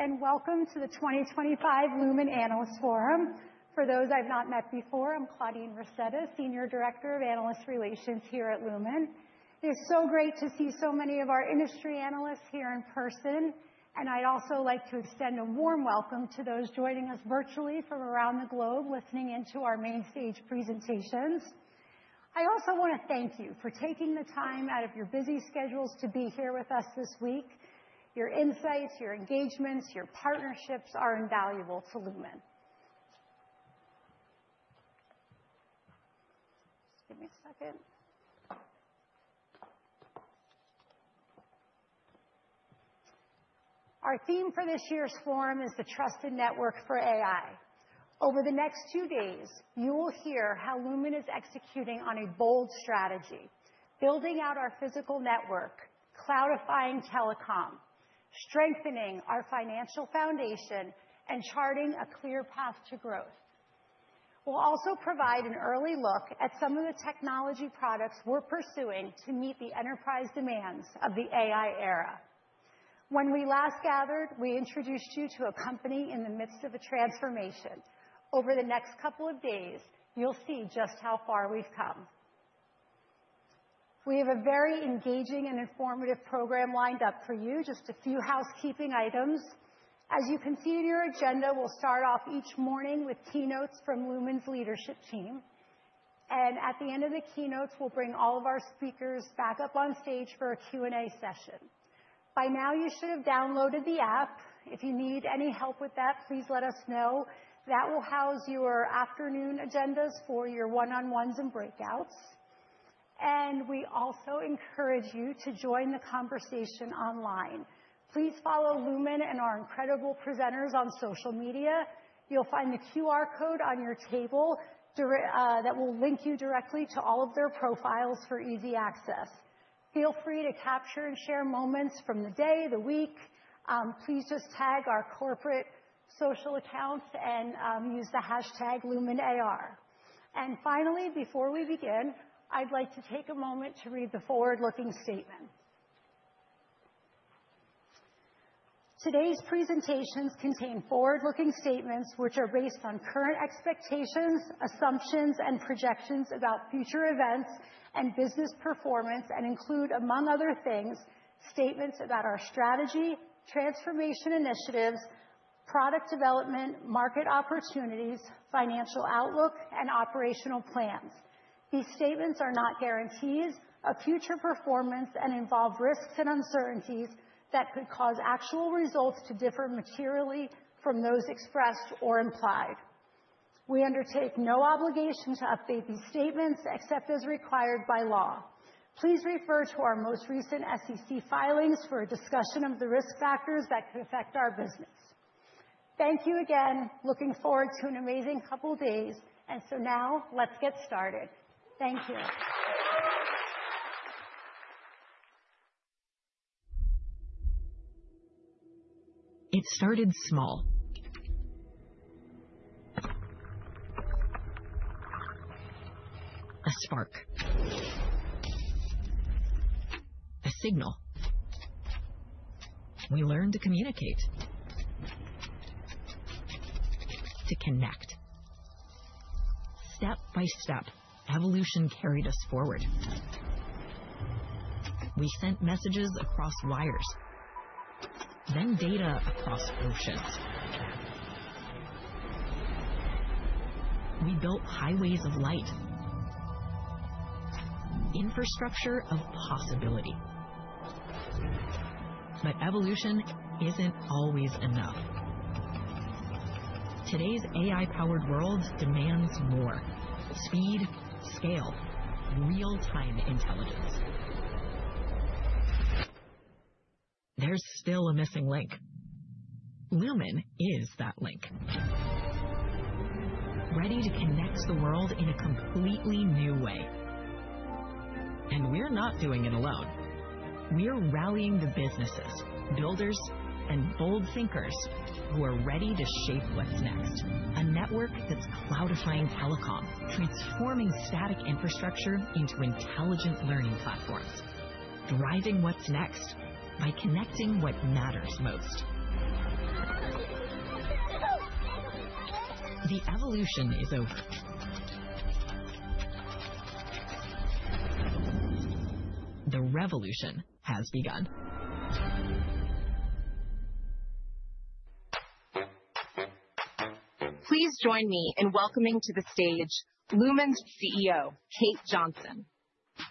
Hello and welcome to the 2025 Lumen Analyst Forum. For those I've not met before, I'm Claudine Ruscetta, Senior Director of Analyst Relations here at Lumen. It is so great to see so many of our industry analysts here in person, and I'd also like to extend a warm welcome to those joining us virtually from around the globe listening in to our main stage presentations. I also want to thank you for taking the time out of your busy schedules to be here with us this week. Your insights, your engagements, your partnerships are invaluable to Lumen. Just give me a second. Our theme for this year's forum is the Trusted Network for AI. Over the next two days, you will hear how Lumen is executing on a bold strategy: building out our physical network, cloudifying telecom, strengthening our financial foundation, and charting a clear path to growth. We'll also provide an early look at some of the technology products we're pursuing to meet the enterprise demands of the AI era. When we last gathered, we introduced you to a company in the midst of a transformation. Over the next couple of days, you'll see just how far we've come. We have a very engaging and informative program lined up for you. Just a few housekeeping items. As you can see in your agenda, we'll start off each morning with keynotes from Lumen's leadership team. And at the end of the keynotes, we'll bring all of our speakers back up on stage for a Q&A session. By now, you should have downloaded the app. If you need any help with that, please let us know. That will house your afternoon agendas for your one-on-ones and breakouts. And we also encourage you to join the conversation online. Please follow Lumen and our incredible presenters on social media. You'll find the QR code on your table that will link you directly to all of their profiles for easy access. Feel free to capture and share moments from the day, the week. Please just tag our corporate social accounts and use the hashtag #LumenAR. And finally, before we begin, I'd like to take a moment to read the forward-looking statement. Today's presentations contain forward-looking statements which are based on current expectations, assumptions, and projections about future events and business performance and include, among other things, statements about our strategy, transformation initiatives, product development, market opportunities, financial outlook, and operational plans. These statements are not guarantees of future performance and involve risks and uncertainties that could cause actual results to differ materially from those expressed or implied. We undertake no obligation to update these statements except as required by law. Please refer to our most recent SEC filings for a discussion of the risk factors that could affect our business. Thank you again. Looking forward to an amazing couple of days. And so now, let's get started. Thank you. It started small. A spark. A signal. We learned to communicate, to connect. Step by step, evolution carried us forward. We sent messages across wires, then data across oceans. We built highways of light, infrastructure of possibility. But evolution isn't always enough. Today's AI-powered world demands more: speed, scale, real-time intelligence. There's still a missing link. Lumen is that link, ready to connect the world in a completely new way. And we're not doing it alone. We're rallying the businesses, builders, and bold thinkers who are ready to shape what's next. A network that's cloudifying telecom, transforming static infrastructure into intelligent learning platforms, driving what's next by connecting what matters most. The evolution is over. The revolution has begun. Please join me in welcoming to the stage Lumen's CEO, Kate Johnson.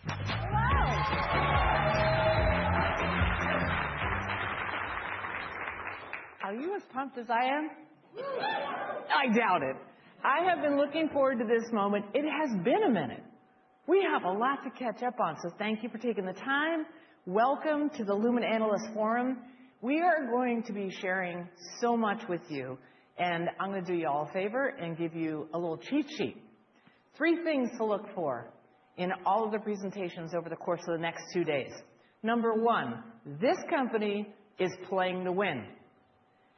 Hello. Are you as pumped as I am? I doubt it. I have been looking forward to this moment. It has been a minute. We have a lot to catch up on, so thank you for taking the time. Welcome to the Lumen Analyst Forum. We are going to be sharing so much with you, and I'm going to do you all a favor and give you a little cheat sheet. Three things to look for in all of the presentations over the course of the next two days. Number one, this company is playing to win,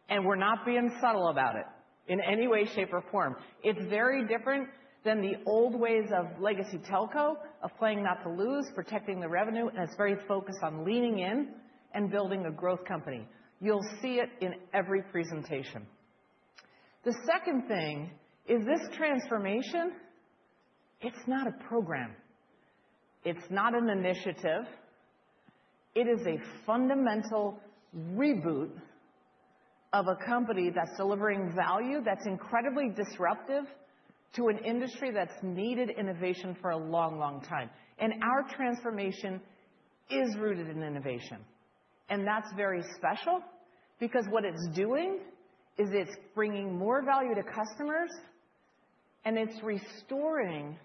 and we're not being subtle about it in any way, shape, or form. It's very different than the old ways of legacy telco, of playing not to lose, protecting the revenue, and it's very focused on leaning in and building a growth company. You'll see it in every presentation. The second thing is this transformation. It's not a program. It's not an initiative. It is a fundamental reboot of a company that's delivering value that's incredibly disruptive to an industry that's needed innovation for a long, long time. And our transformation is rooted in innovation. And that's very special because what it's doing is it's bringing more value to customers, and it's restoring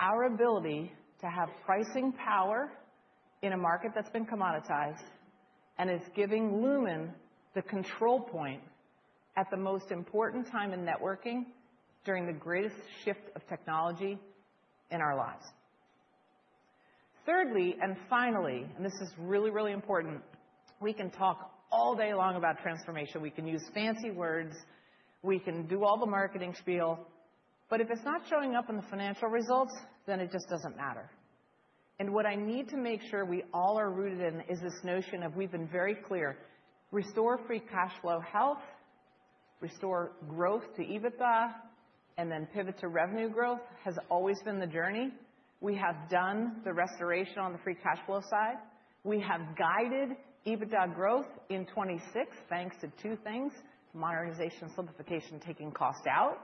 our ability to have pricing power in a market that's been commoditized, and it's giving Lumen the control point at the most important time in networking during the greatest shift of technology in our lives. Thirdly, and finally, and this is really, really important, we can talk all day long about transformation. We can use fancy words. We can do all the marketing spiel. But if it's not showing up in the financial results, then it just doesn't matter. What I need to make sure we all are rooted in is this notion of we've been very clear. Restore free cash flow health, restore growth to EBITDA, and then pivot to revenue growth has always been the journey. We have done the restoration on the free cash flow side. We have guided EBITDA growth in 2026 thanks to two things: modernization and simplification, taking cost out,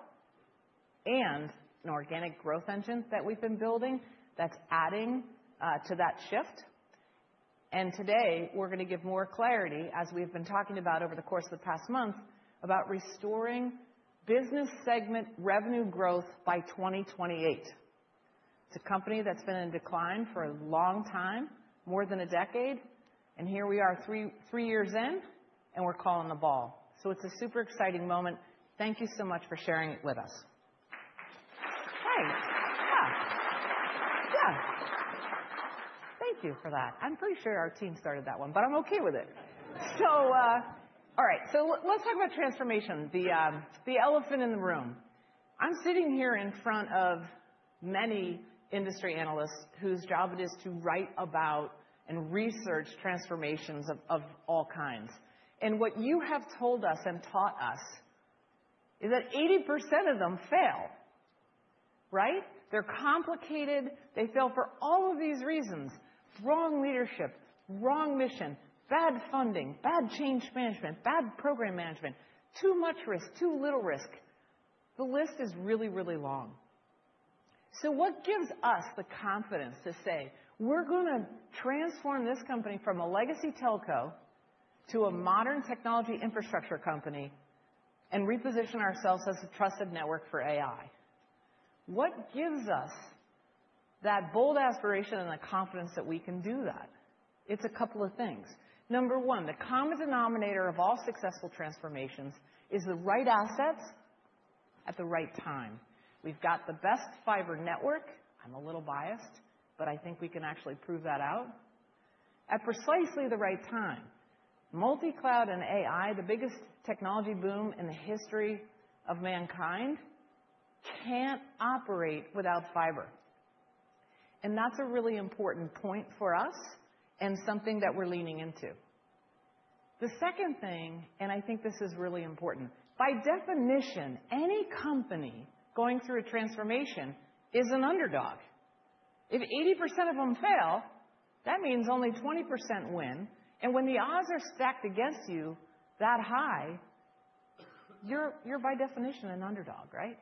and an organic growth engine that we've been building that's adding to that shift. Today, we're going to give more clarity, as we've been talking about over the course of the past month, about restoring business segment revenue growth by 2028. It's a company that's been in decline for a long time, more than a decade. Here we are, three years in, and we're calling the ball. It's a super exciting moment. Thank you so much for sharing it with us. Hey. Yeah. Yeah. Thank you for that. I'm pretty sure our team started that one, but I'm okay with it. So, all right. So let's talk about transformation, the elephant in the room. I'm sitting here in front of many industry analysts whose job it is to write about and research transformations of all kinds. And what you have told us and taught us is that 80% of them fail, right? They're complicated. They fail for all of these reasons: wrong leadership, wrong mission, bad funding, bad change management, bad program management, too much risk, too little risk. The list is really, really long. So what gives us the confidence to say, "We're going to transform this company from a legacy telco to a modern technology infrastructure company and reposition ourselves as a trusted network for AI"? What gives us that bold aspiration and the confidence that we can do that? It's a couple of things. Number one, the common denominator of all successful transformations is the right assets at the right time. We've got the best fiber network. I'm a little biased, but I think we can actually prove that out at precisely the right time. Multi-cloud and AI, the biggest technology boom in the history of mankind, can't operate without fiber. And that's a really important point for us and something that we're leaning into. The second thing, and I think this is really important, by definition, any company going through a transformation is an underdog. If 80% of them fail, that means only 20% win. And when the odds are stacked against you that high, you're by definition an underdog, right?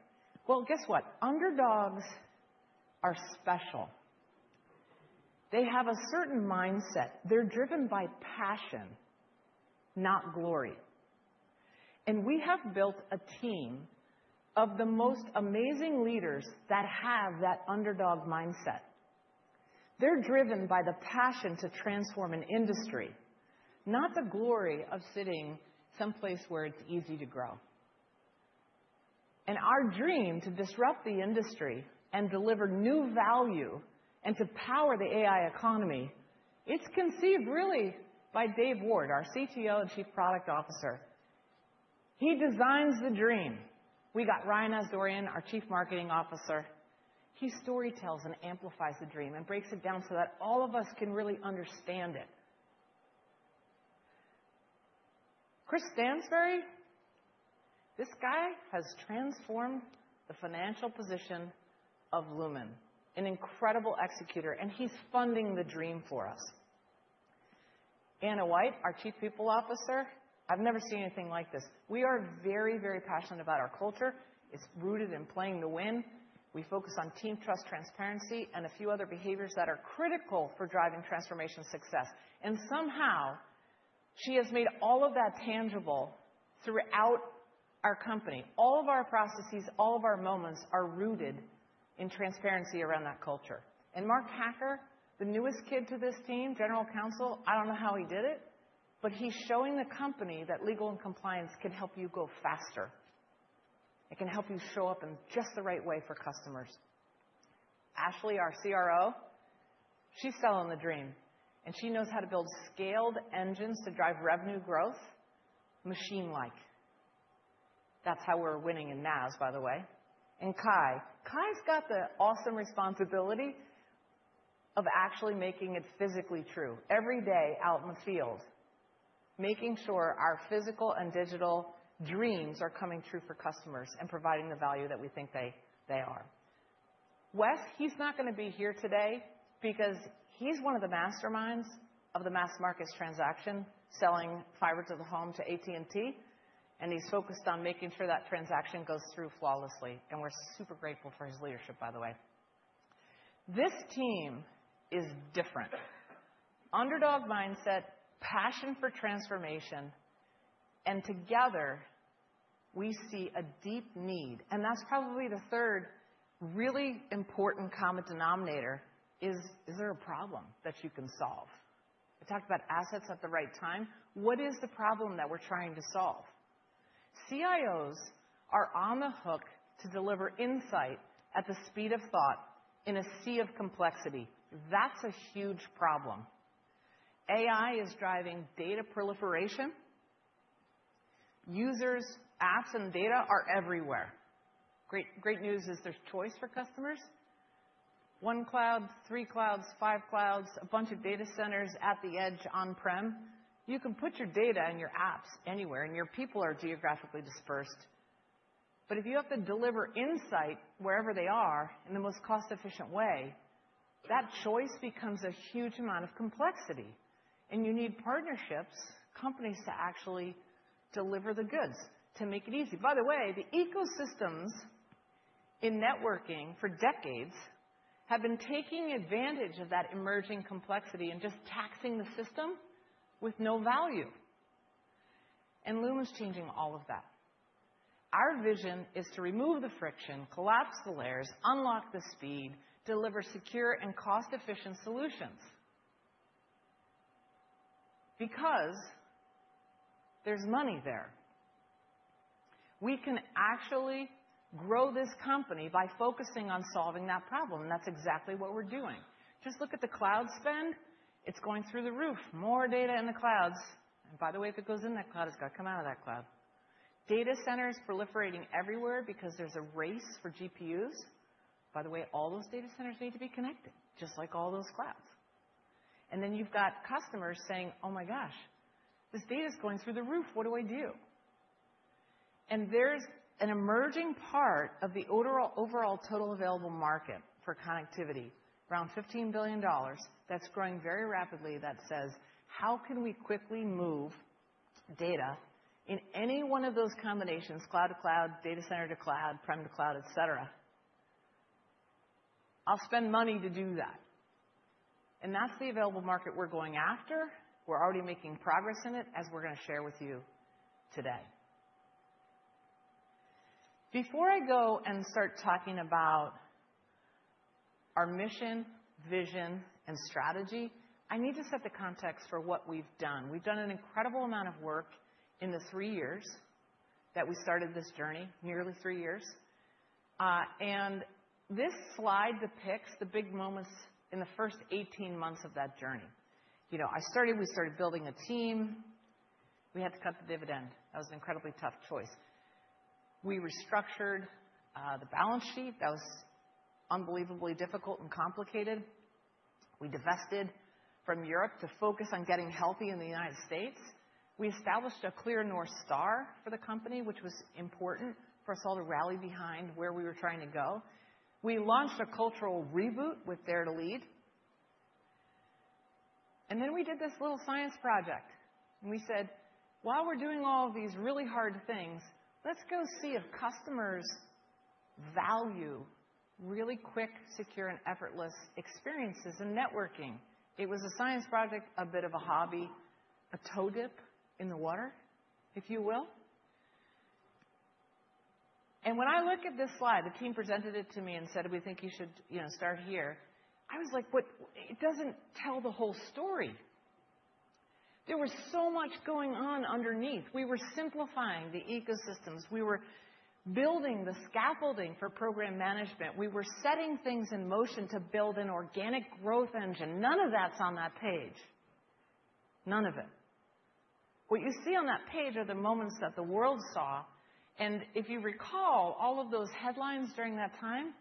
Well, guess what? Underdogs are special. They have a certain mindset. They're driven by passion, not glory. We have built a team of the most amazing leaders that have that underdog mindset. They're driven by the passion to transform an industry, not the glory of sitting someplace where it's easy to grow. Our dream to disrupt the industry and deliver new value and to power the AI economy, it's conceived really by Dave Ward, our CTO and Chief Product Officer. He designs the dream. We got Ryan Asdourian, our Chief Marketing Officer. He storytells and amplifies the dream and breaks it down so that all of us can really understand it. Chris Stansbury, this guy has transformed the financial position of Lumen, an incredible executor, and he's funding the dream for us. Ana White, our Chief People Officer. I've never seen anything like this. We are very, very passionate about our culture. It's rooted in playing to win. We focus on team trust, transparency, and a few other behaviors that are critical for driving transformation success, and somehow, she has made all of that tangible throughout our company. All of our processes, all of our moments are rooted in transparency around that culture, and Mark Hacker, the newest kid to this team, General Counsel, I don't know how he did it, but he's showing the company that legal and compliance can help you go faster. It can help you show up in just the right way for customers. Ashley, our CRO, she's selling the dream, and she knows how to build scaled engines to drive revenue growth machine-like. That's how we're winning in NaaS, by the way. Kye, Kye's got the awesome responsibility of actually making it physically true every day out in the field, making sure our physical and digital dreams are coming true for customers and providing the value that we think they are. Wes, he's not going to be here today because he's one of the masterminds of the mass markets transaction selling fiber to the home to AT&T, and he's focused on making sure that transaction goes through flawlessly. We're super grateful for his leadership, by the way. This team is different: underdog mindset, passion for transformation, and together, we see a deep need. That's probably the third really important common denominator: is there a problem that you can solve? We talked about assets at the right time. What is the problem that we're trying to solve? CIOs are on the hook to deliver insight at the speed of thought in a sea of complexity. That's a huge problem. AI is driving data proliferation. Users, apps, and data are everywhere. Great news is there's choice for customers: one cloud, three clouds, five clouds, a bunch of data centers at the edge on-prem. You can put your data and your apps anywhere, and your people are geographically dispersed. But if you have to deliver insight wherever they are in the most cost-efficient way, that choice becomes a huge amount of complexity. And you need partnerships, companies to actually deliver the goods to make it easy. By the way, the ecosystems in networking for decades have been taking advantage of that emerging complexity and just taxing the system with no value. And Lumen's changing all of that. Our vision is to remove the friction, collapse the layers, unlock the speed, deliver secure and cost-efficient solutions because there's money there. We can actually grow this company by focusing on solving that problem. And that's exactly what we're doing. Just look at the cloud spend. It's going through the roof. More data in the clouds. And by the way, if it goes in that cloud, it's got to come out of that cloud. Data centers proliferating everywhere because there's a race for GPUs. By the way, all those data centers need to be connected, just like all those clouds. And then you've got customers saying, "Oh my gosh, this data's going through the roof. What do I do?" And there's an emerging part of the overall total available market for connectivity, around $15 billion, that's growing very rapidly that says, "How can we quickly move data in any one of those combinations: cloud to cloud, data center to cloud, prem to cloud, et cetera? I'll spend money to do that." And that's the available market we're going after. We're already making progress in it, as we're going to share with you today. Before I go and start talking about our mission, vision, and strategy, I need to set the context for what we've done. We've done an incredible amount of work in the three years that we started this journey, nearly three years. And this slide depicts the big moments in the first 18 months of that journey. I started, we started building a team. We had to cut the dividend. That was an incredibly tough choice. We restructured the balance sheet. That was unbelievably difficult and complicated. We divested from Europe to focus on getting healthy in the United States. We established a clear North Star for the company, which was important for us all to rally behind where we were trying to go. We launched a cultural reboot with Dare to Lead. And then we did this little science project. And we said, "While we're doing all of these really hard things, let's go see if customers value really quick, secure, and effortless experiences in networking." It was a science project, a bit of a hobby, a toe dip in the water, if you will. And when I look at this slide, the team presented it to me and said, "We think you should start here." I was like, "What? It doesn't tell the whole story." There was so much going on underneath. We were simplifying the ecosystems. We were building the scaffolding for program management. We were setting things in motion to build an organic growth engine. None of that's on that page. None of it. What you see on that page are the moments that the world saw, and if you recall, all of those headlines during that time,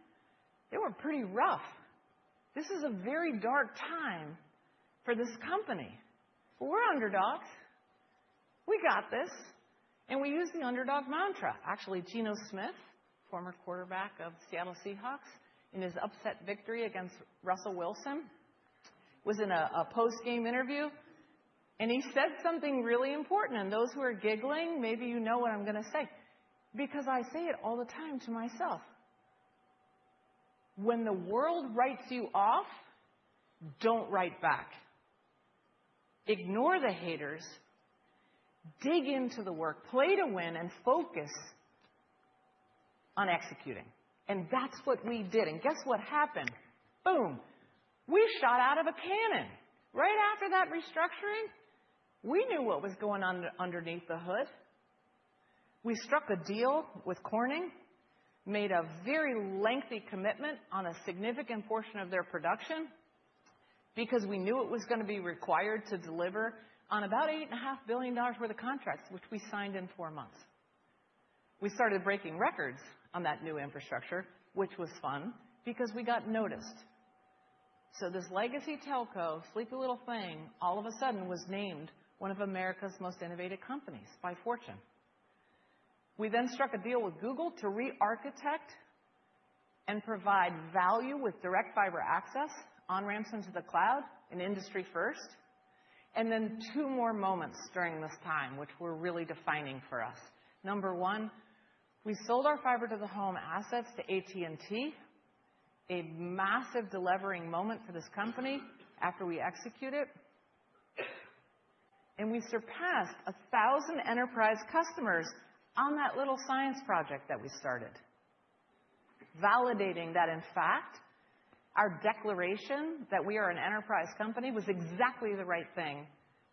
they were pretty rough. This is a very dark time for this company. We're underdogs. We got this, and we used the underdog mantra. Actually, Geno Smith, former quarterback of Seattle Seahawks, in his upset victory against Russell Wilson, was in a post-game interview, and he said something really important, and those who are Gbpsgling, maybe you know what I'm going to say because I say it all the time to myself. When the world writes you off, don't write back. Ignore the haters. Dig into the work. Play to win and focus on executing. And that's what we did. And guess what happened? Boom. We shot out of a cannon. Right after that restructuring, we knew what was going on underneath the hood. We struck a deal with Corning, made a very lengthy commitment on a significant portion of their production because we knew it was going to be required to deliver on about $8.5 billion worth of contracts, which we signed in four months. We started breaking records on that new infrastructure, which was fun because we got noticed. So this legacy telco, sleepy little thing, all of a sudden was named one of America's most innovative companies by Fortune. We then struck a deal with Google to re-architect and provide value with direct fiber access, on-ramps into the cloud, and industry first. And then two more moments during this time, which were really defining for us. Number one, we sold our fiber-to-the-home assets to AT&T, a massive delivering moment for this company after we executed. And we surpassed 1,000 enterprise customers on that little science project that we started, validating that, in fact, our declaration that we are an enterprise company was exactly the right thing.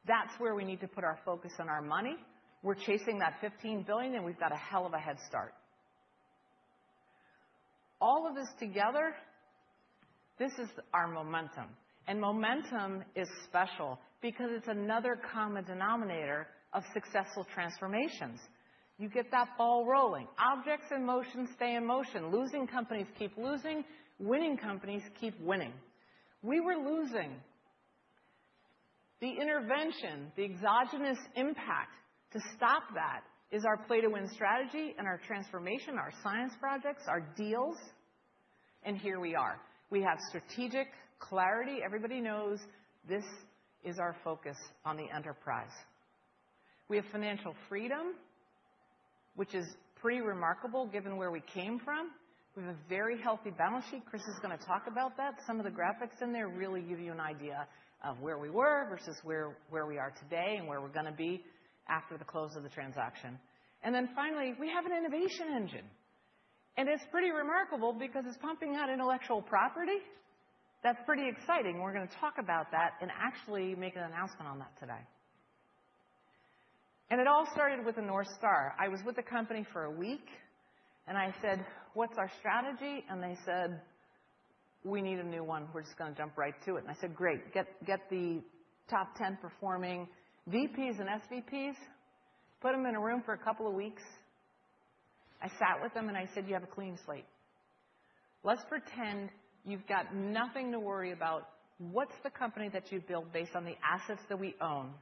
That's where we need to put our focus on our money. We're chasing that $15 billion, and we've got a hell of a head start. All of this together, this is our momentum. And momentum is special because it's another common denominator of successful transformations. You get that ball rolling. Objects in motion stay in motion. Losing companies keep losing. Winning companies keep winning. We were losing. The intervention, the exogenous impact to stop that is our play-to-win strategy and our transformation, our science projects, our deals. And here we are. We have strategic clarity. Everybody knows this is our focus on the enterprise. We have financial freedom, which is pretty remarkable given where we came from. We have a very healthy balance sheet. Chris is going to talk about that. Some of the graphics in there really give you an idea of where we were versus where we are today and where we're going to be after the close of the transaction. And then finally, we have an innovation engine. And it's pretty remarkable because it's pumping out intellectual property. That's pretty exciting. We're going to talk about that and actually make an announcement on that today. And it all started with a North Star. I was with the company for a week, and I said, "What's our strategy?" And they said, "We need a new one. We're just going to jump right to it." And I said, "Great. Get the top 10 performing VPs and SVPs. Put them in a room for a couple of weeks." I sat with them and I said, "You have a clean slate. Let's pretend you've got nothing to worry about. What's the company that you build based on the assets that we own?"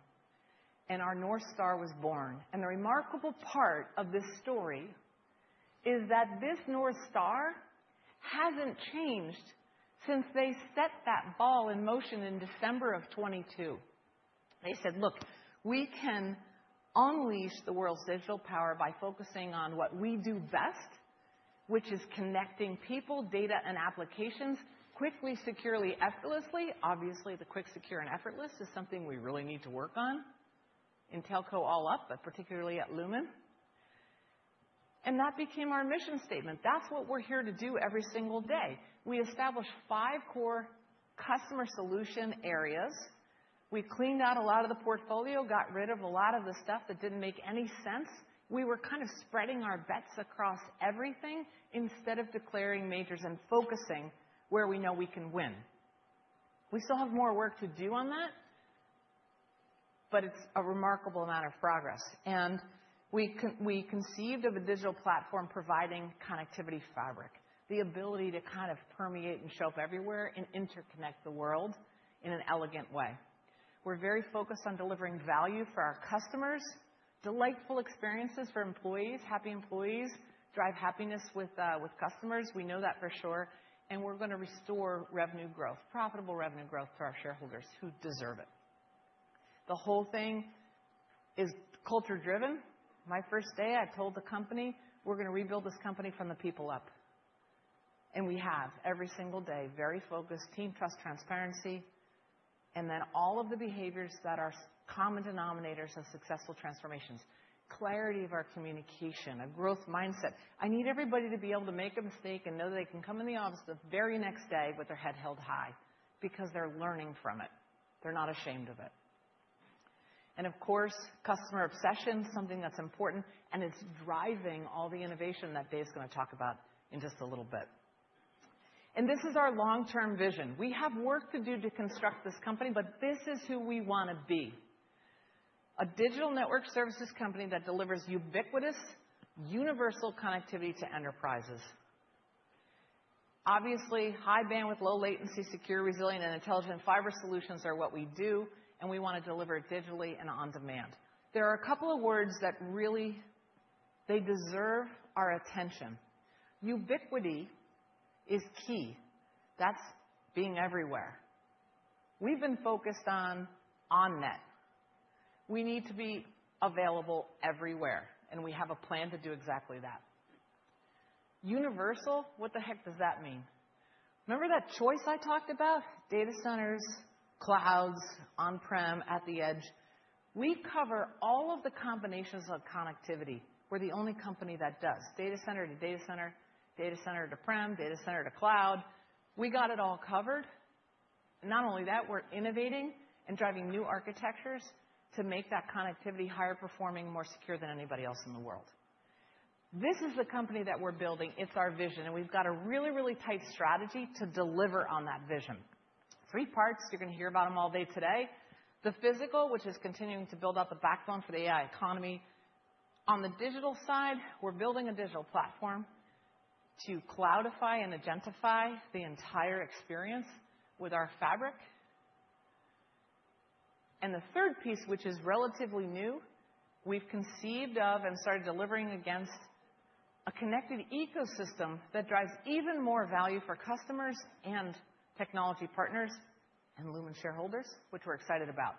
And our North Star was born. And the remarkable part of this story is that this North Star hasn't changed since they set that ball in motion in December of 2022. They said, "Look, we can unleash the world's digital power by focusing on what we do best, which is connecting people, data, and applications quickly, securely, effortlessly." Obviously, the quick, secure, and effortless is something we really need to work on in telco all up, but particularly at Lumen, and that became our mission statement. That's what we're here to do every single day. We established five core customer solution areas. We cleaned out a lot of the portfolio, got rid of a lot of the stuff that didn't make any sense. We were kind of spreading our bets across everything instead of declaring majors and focusing where we know we can win. We still have more work to do on that, but it's a remarkable amount of progress. We conceived of a digital platform providing connectivity fabric, the ability to kind of permeate and show up everywhere and interconnect the world in an elegant way. We're very focused on delivering value for our customers, delightful experiences for employees, happy employees, drive happiness with customers. We know that for sure. We're going to restore revenue growth, profitable revenue growth to our shareholders who deserve it. The whole thing is culture-driven. My first day, I told the company, "We're going to rebuild this company from the people up." We have every single day very focused team, trust, transparency, and then all of the behaviors that are common denominators of successful transformations: clarity of our communication, a growth mindset. I need everybody to be able to make a mistake and know they can come in the office the very next day with their head held high because they're learning from it. They're not ashamed of it, and of course, customer obsession, something that's important, and it's driving all the innovation that Dave's going to talk about in just a little bit, and this is our long-term vision. We have work to do to construct this company, but this is who we want to be: a digital network services company that delivers ubiquitous, universal connectivity to enterprises. Obviously, high bandwidth, low latency, secure, resilient, and intelligent fiber solutions are what we do, and we want to deliver digitally and on demand. There are a couple of words that really deserve our attention. Ubiquity is key. That's being everywhere. We've been focused on on-net. We need to be available everywhere, and we have a plan to do exactly that. Universal, what the heck does that mean? Remember that choice I talked about? Data centers, clouds, on-prem, at the edge. We cover all of the combinations of connectivity. We're the only company that does data center to data center, data center to prem, data center to cloud. We got it all covered. And not only that, we're innovating and driving new architectures to make that connectivity higher performing, more secure than anybody else in the world. This is the company that we're building. It's our vision. And we've got a really, really tight strategy to deliver on that vision. Three parts you're going to hear about them all day today: the physical, which is continuing to build out the backbone for the AI economy. On the digital side, we're building a digital platform to cloudify and agentify the entire experience with our fabric, and the third piece, which is relatively new, we've conceived of and started delivering against a connected ecosystem that drives even more value for customers and technology partners and Lumen shareholders, which we're excited about.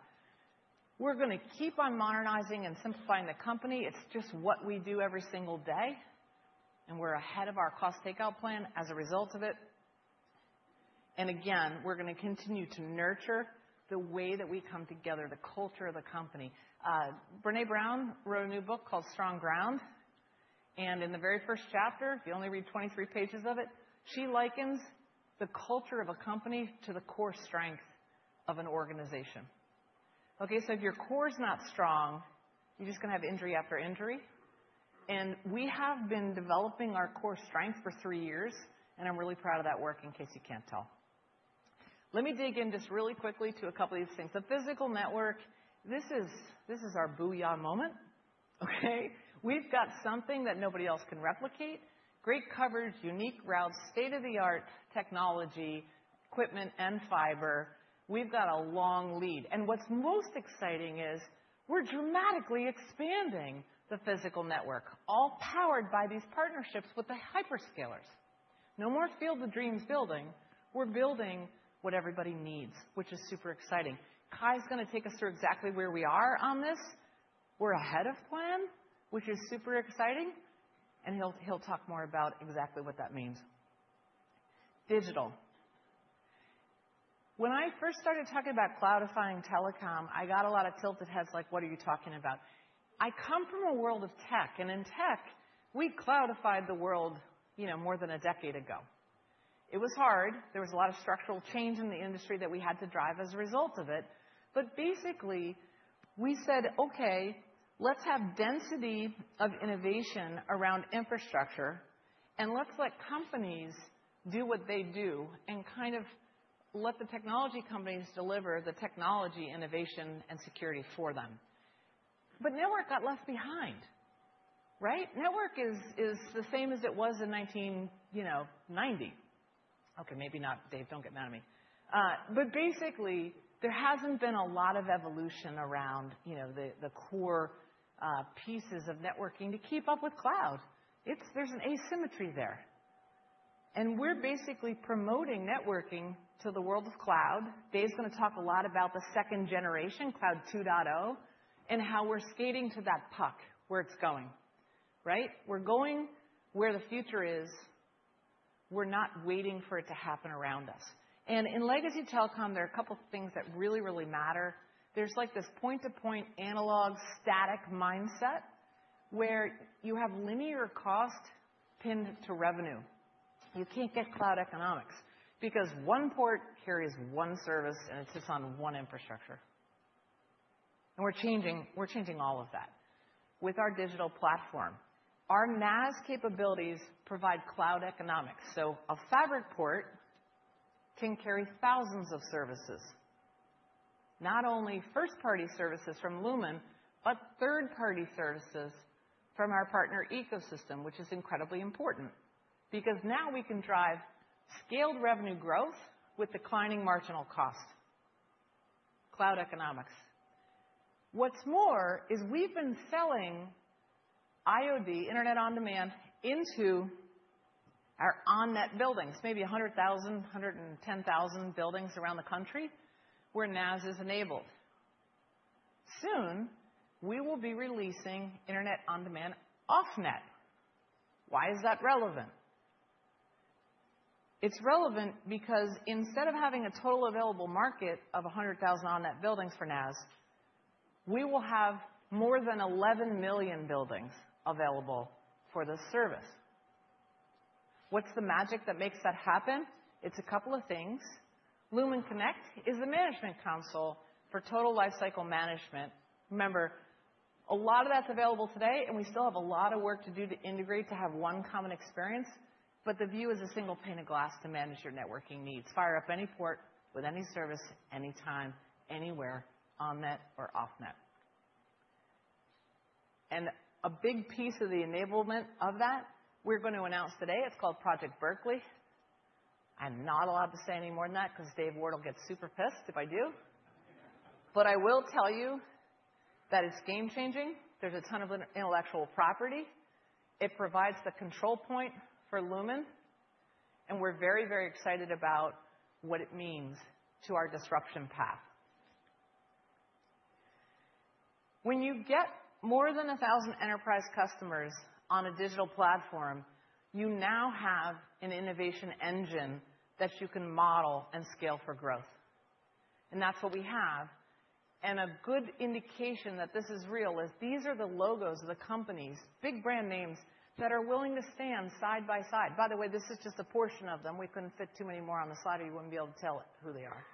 We're going to keep on modernizing and simplifying the company. It's just what we do every single day, and we're ahead of our cost takeout plan as a result of it. And again, we're going to continue to nurture the way that we come together, the culture of the company. Brené Brown wrote a new book called Rising Strong. And in the very first chapter, if you only read 23 pages of it, she likens the culture of a company to the core strength of an organization. Okay, so if your core is not strong, you're just going to have injury after injury. And we have been developing our core strength for three years, and I'm really proud of that work in case you can't tell. Let me dig in just really quickly to a couple of these things. The physical network, this is our booyah moment. Okay? We've got something that nobody else can replicate: great coverage, unique routes, state-of-the-art technology, equipment, and fiber. We've got a long lead. And what's most exciting is we're dramatically expanding the physical network, all powered by these partnerships with the hyperscalers. No more field of dreams building. We're building what everybody needs, which is super exciting. Kye's going to take us through exactly where we are on this. We're ahead of plan, which is super exciting. And he'll talk more about exactly what that means. Digital. When I first started talking about cloudifying telecom, I got a lot of tilted heads like, "What are you talking about?" I come from a world of tech, and in tech, we cloudified the world more than a decade ago. It was hard. There was a lot of structural change in the industry that we had to drive as a result of it, but basically, we said, "Okay, let's have density of innovation around infrastructure, and let's let companies do what they do and kind of let the technology companies deliver the technology, innovation, and security for them," but network got left behind, right? Network is the same as it was in 1990. Okay, maybe not, Dave. Don't get mad at me, but basically, there hasn't been a lot of evolution around the core pieces of networking to keep up with cloud. There's an asymmetry there. We're basically promoting networking to the world of cloud. Dave's going to talk a lot about the second generation, Cloud 2.0, and how we're skating to that puck where it's going, right? We're going where the future is. We're not waiting for it to happen around us. In legacy telecom, there are a couple of things that really, really matter. There's this point-to-point analog static mindset where you have linear cost pinned to revenue. You can't get cloud economics because one port carries one service, and it sits on one infrastructure. We're changing all of that with our digital platform. Our NaaS capabilities provide cloud economics. So a fabric port can carry thousands of services, not only first-party services from Lumen, but third-party services from our partner ecosystem, which is incredibly important because now we can drive scaled revenue growth with declining marginal cost, cloud economics. What's more is we've been selling IoD, Internet on-Demand, into our on-net buildings, maybe 100,000, 110,000 buildings around the country where NaaS is enabled. Soon, we will be releasing Internet on Demand off-net. Why is that relevant? It's relevant because instead of having a total available market of 100,000 on-net buildings for NaaS, we will have more than 11 million buildings available for the service. What's the magic that makes that happen? It's a couple of things. Lumen Connect is the management console for total lifecycle management. Remember, a lot of that's available today, and we still have a lot of work to do to integrate to have one common experience, but the view is a single pane of glass to manage your networking needs, fire up any port with any service, anytime, anywhere, on-net or off-net. And a big piece of the enablement of that we're going to announce today. It's called Project Berkeley. I'm not allowed to say any more than that because Dave Ward will get super pissed if I do. But I will tell you that it's game-changing. There's a ton of intellectual property. It provides the control point for Lumen. And we're very, very excited about what it means to our disruption path. When you get more than 1,000 enterprise customers on a digital platform, you now have an innovation engine that you can model and scale for growth. And that's what we have. And a good indication that this is real is these are the logos of the companies, big brand names that are willing to stand side by side. By the way, this is just a portion of them. We couldn't fit too many more on the slide, or you wouldn't be able to tell who they are.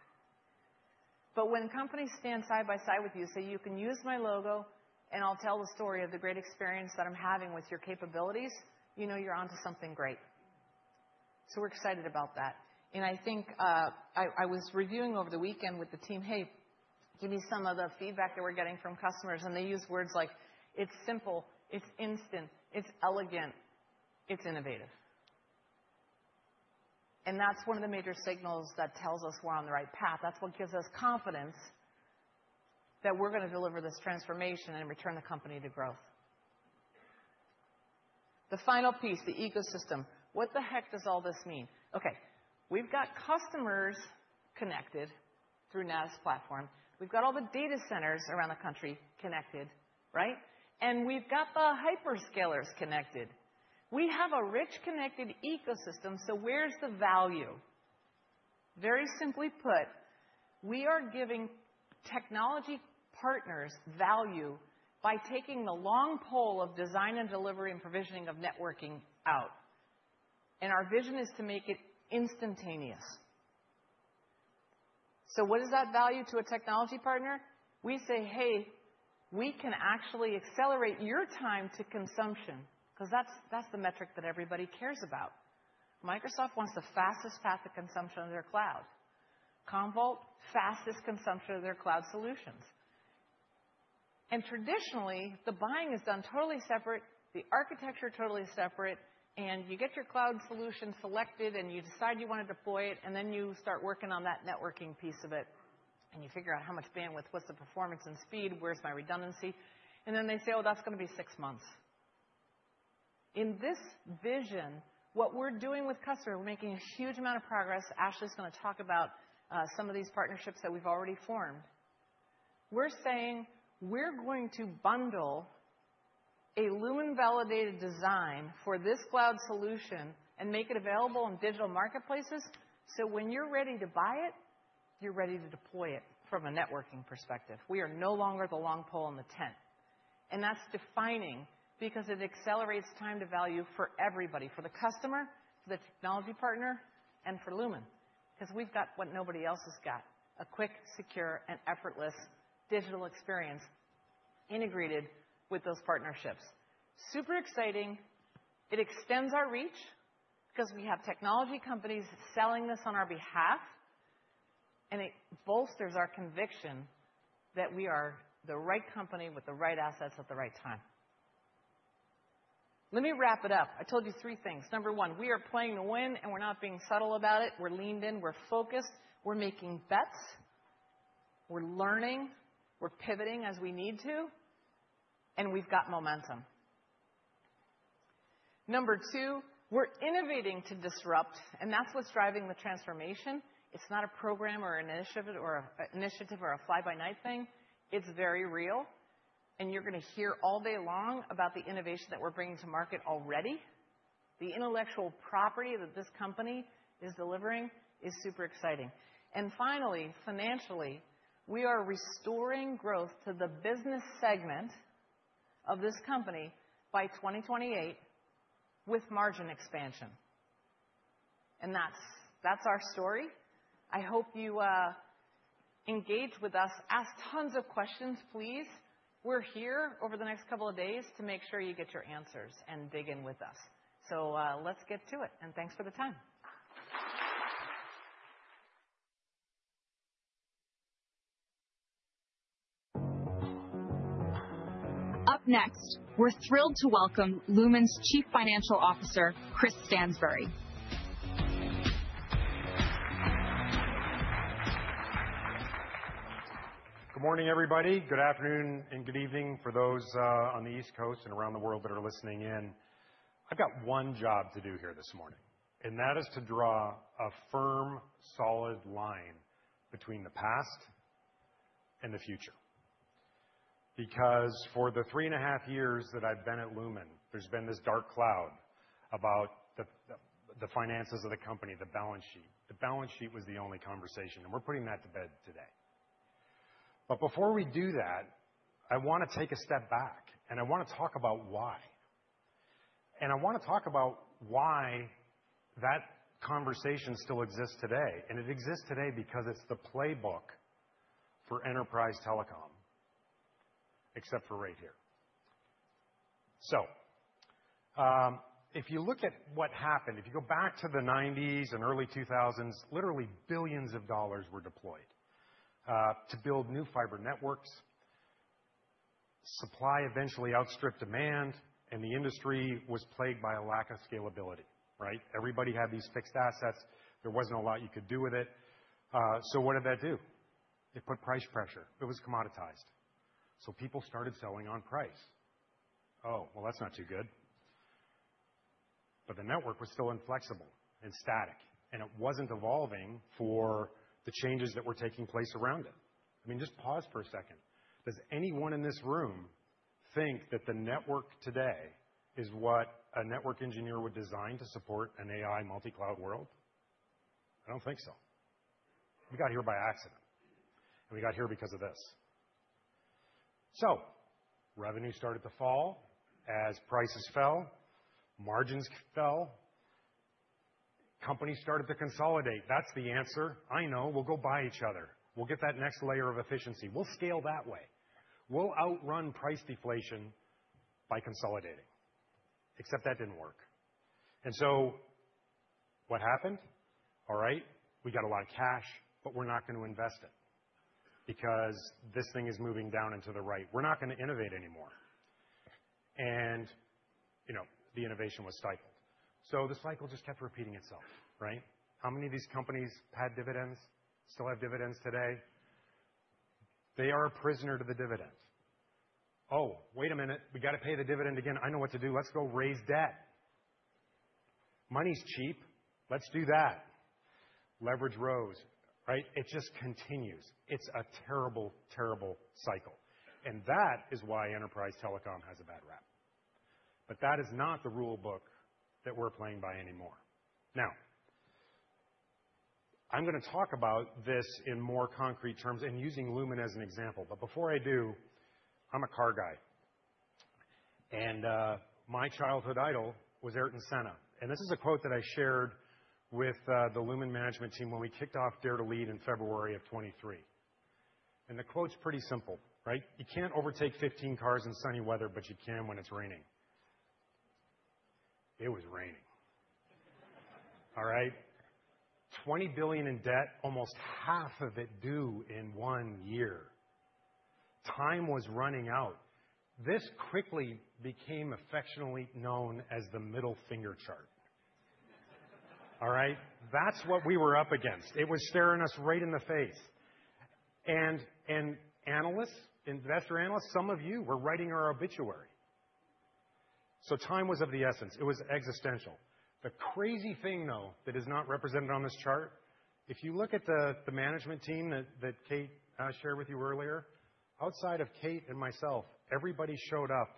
But when companies stand side by side with you, say, "You can use my logo, and I'll tell the story of the great experience that I'm having with your capabilities," you know you're onto something great. So we're excited about that. And I think I was reviewing over the weekend with the team, "Hey, give me some of the feedback that we're getting from customers." And they use words like, "It's simple. It's instant. It's elegant. It's innovative." And that's one of the major signals that tells us we're on the right path. That's what gives us confidence that we're going to deliver this transformation and return the company to growth. The final piece, the ecosystem. What the heck does all this mean? Okay. We've got customers connected through NaaS platform. We've got all the data centers around the country connected, right? And we've got the hyperscalers connected. We have a rich connected ecosystem, so where's the value? Very simply put, we are giving technology partners value by taking the long pole of design and delivery and provisioning of networking out. And our vision is to make it instantaneous. So what does that value to a technology partner? We say, "Hey, we can actually accelerate your time to consumption because that's the metric that everybody cares about." Microsoft wants the fastest path to consumption of their cloud. Commvault, fastest consumption of their cloud solutions. And traditionally, the buying is done totally separate, the architecture totally separate, and you get your cloud solution selected, and you decide you want to deploy it, and then you start working on that networking piece of it, and you figure out how much bandwidth, what's the performance and speed, where's my redundancy. And then they say, "Oh, that's going to be six months." In this vision, what we're doing with customers, we're making a huge amount of progress. Ashley's going to talk about some of these partnerships that we've already formed. We're saying we're going to bundle a Lumen Validated Design for this cloud solution and make it available in digital marketplaces so when you're ready to buy it, you're ready to deploy it from a networking perspective. We are no longer the long pole in the tent. And that's defining because it accelerates time to value for everybody, for the customer, for the technology partner, and for Lumen because we've got what nobody else has got: a quick, secure, and effortless digital experience integrated with those partnerships. Super exciting. It extends our reach because we have technology companies selling this on our behalf, and it bolsters our conviction that we are the right company with the right assets at the right time. Let me wrap it up. I told you three things. Number one, we are playing to win, and we're not being subtle about it. We're leaned in. We're focused. We're making bets. We're learning. We're pivoting as we need to. And we've got momentum. Number two, we're innovating to disrupt, and that's what's driving the transformation. It's not a program or an initiative or a fly-by-night thing. It's very real. And you're going to hear all day long about the innovation that we're bringing to market already. The intellectual property that this company is delivering is super exciting. And finally, financially, we are restoring growth to the business segment of this company by 2028 with margin expansion. And that's our story. I hope you engage with us. Ask tons of questions, please. We're here over the next couple of days to make sure you get your answers and dig in with us. So let's get to it. And thanks for the time. Up next, we're thrilled to welcome Lumen's Chief Financial Officer, Chris Stansbury. Good morning, everybody. Good afternoon and good evening for those on the East Coast and around the world that are listening in. I've got one job to do here this morning, and that is to draw a firm, solid line between the past and the future. Because for the three and a half years that I've been at Lumen, there's been this dark cloud about the finances of the company, the balance sheet. The balance sheet was the only conversation, and we're putting that to bed today. But before we do that, I want to take a step back, and I want to talk about why. And I want to talk about why that conversation still exists today. And it exists today because it's the playbook for enterprise telecom, except for right here. So if you look at what happened, if you go back to the 1990s and early 2000s, literally billions of dollars were deployed to build new fiber networks. Supply eventually outstripped demand, and the industry was plagued by a lack of scalability, right? Everybody had these fixed assets. There wasn't a lot you could do with it. So what did that do? It put price pressure. It was commoditized. So people started selling on price. Oh, well, that's not too good. But the network was still inflexible and static, and it wasn't evolving for the changes that were taking place around it. I mean, just pause for a second. Does anyone in this room think that the network today is what a network engineer would design to support an AI multi-cloud world? I don't think so. We got here by accident, and we got here because of this. So revenue started to fall as prices fell, margins fell, companies started to consolidate. That's the answer. I know we'll go buy each other. We'll get that next layer of efficiency. We'll scale that way. We'll outrun price deflation by consolidating, except that didn't work. And so what happened? All right, we got a lot of cash, but we're not going to invest it because this thing is moving down into the right. We're not going to innovate anymore, and the innovation was stifled, so the cycle just kept repeating itself, right? How many of these companies had dividends, still have dividends today? They are a prisoner to the dividend. Oh, wait a minute. We got to pay the dividend again. I know what to do. Let's go raise debt. Money's cheap. Let's do that. Leverage rose, right? It just continues. It's a terrible, terrible cycle, and that is why enterprise telecom has a bad rap, but that is not the rule book that we're playing by anymore. Now, I'm going to talk about this in more concrete terms and using Lumen as an example, but before I do, I'm a car guy. My childhood idol was Ayrton Senna. This is a quote that I shared with the Lumen management team when we kicked off Dare to Lead in February of 2023. The quote's pretty simple, right? You can't overtake 15 cars in sunny weather, but you can when it's raining. It was raining. All right? $20 billion in debt, almost half of it due in one year. Time was running out. This quickly became affectionately known as the middle finger chart. All right? That's what we were up against. It was staring us right in the face. Analysts, investor analysts, some of you were writing our obituary. Time was of the essence. It was existential. The crazy thing, though, that is not represented on this chart, if you look at the management team that Kate shared with you earlier, outside of Kate and myself, everybody showed up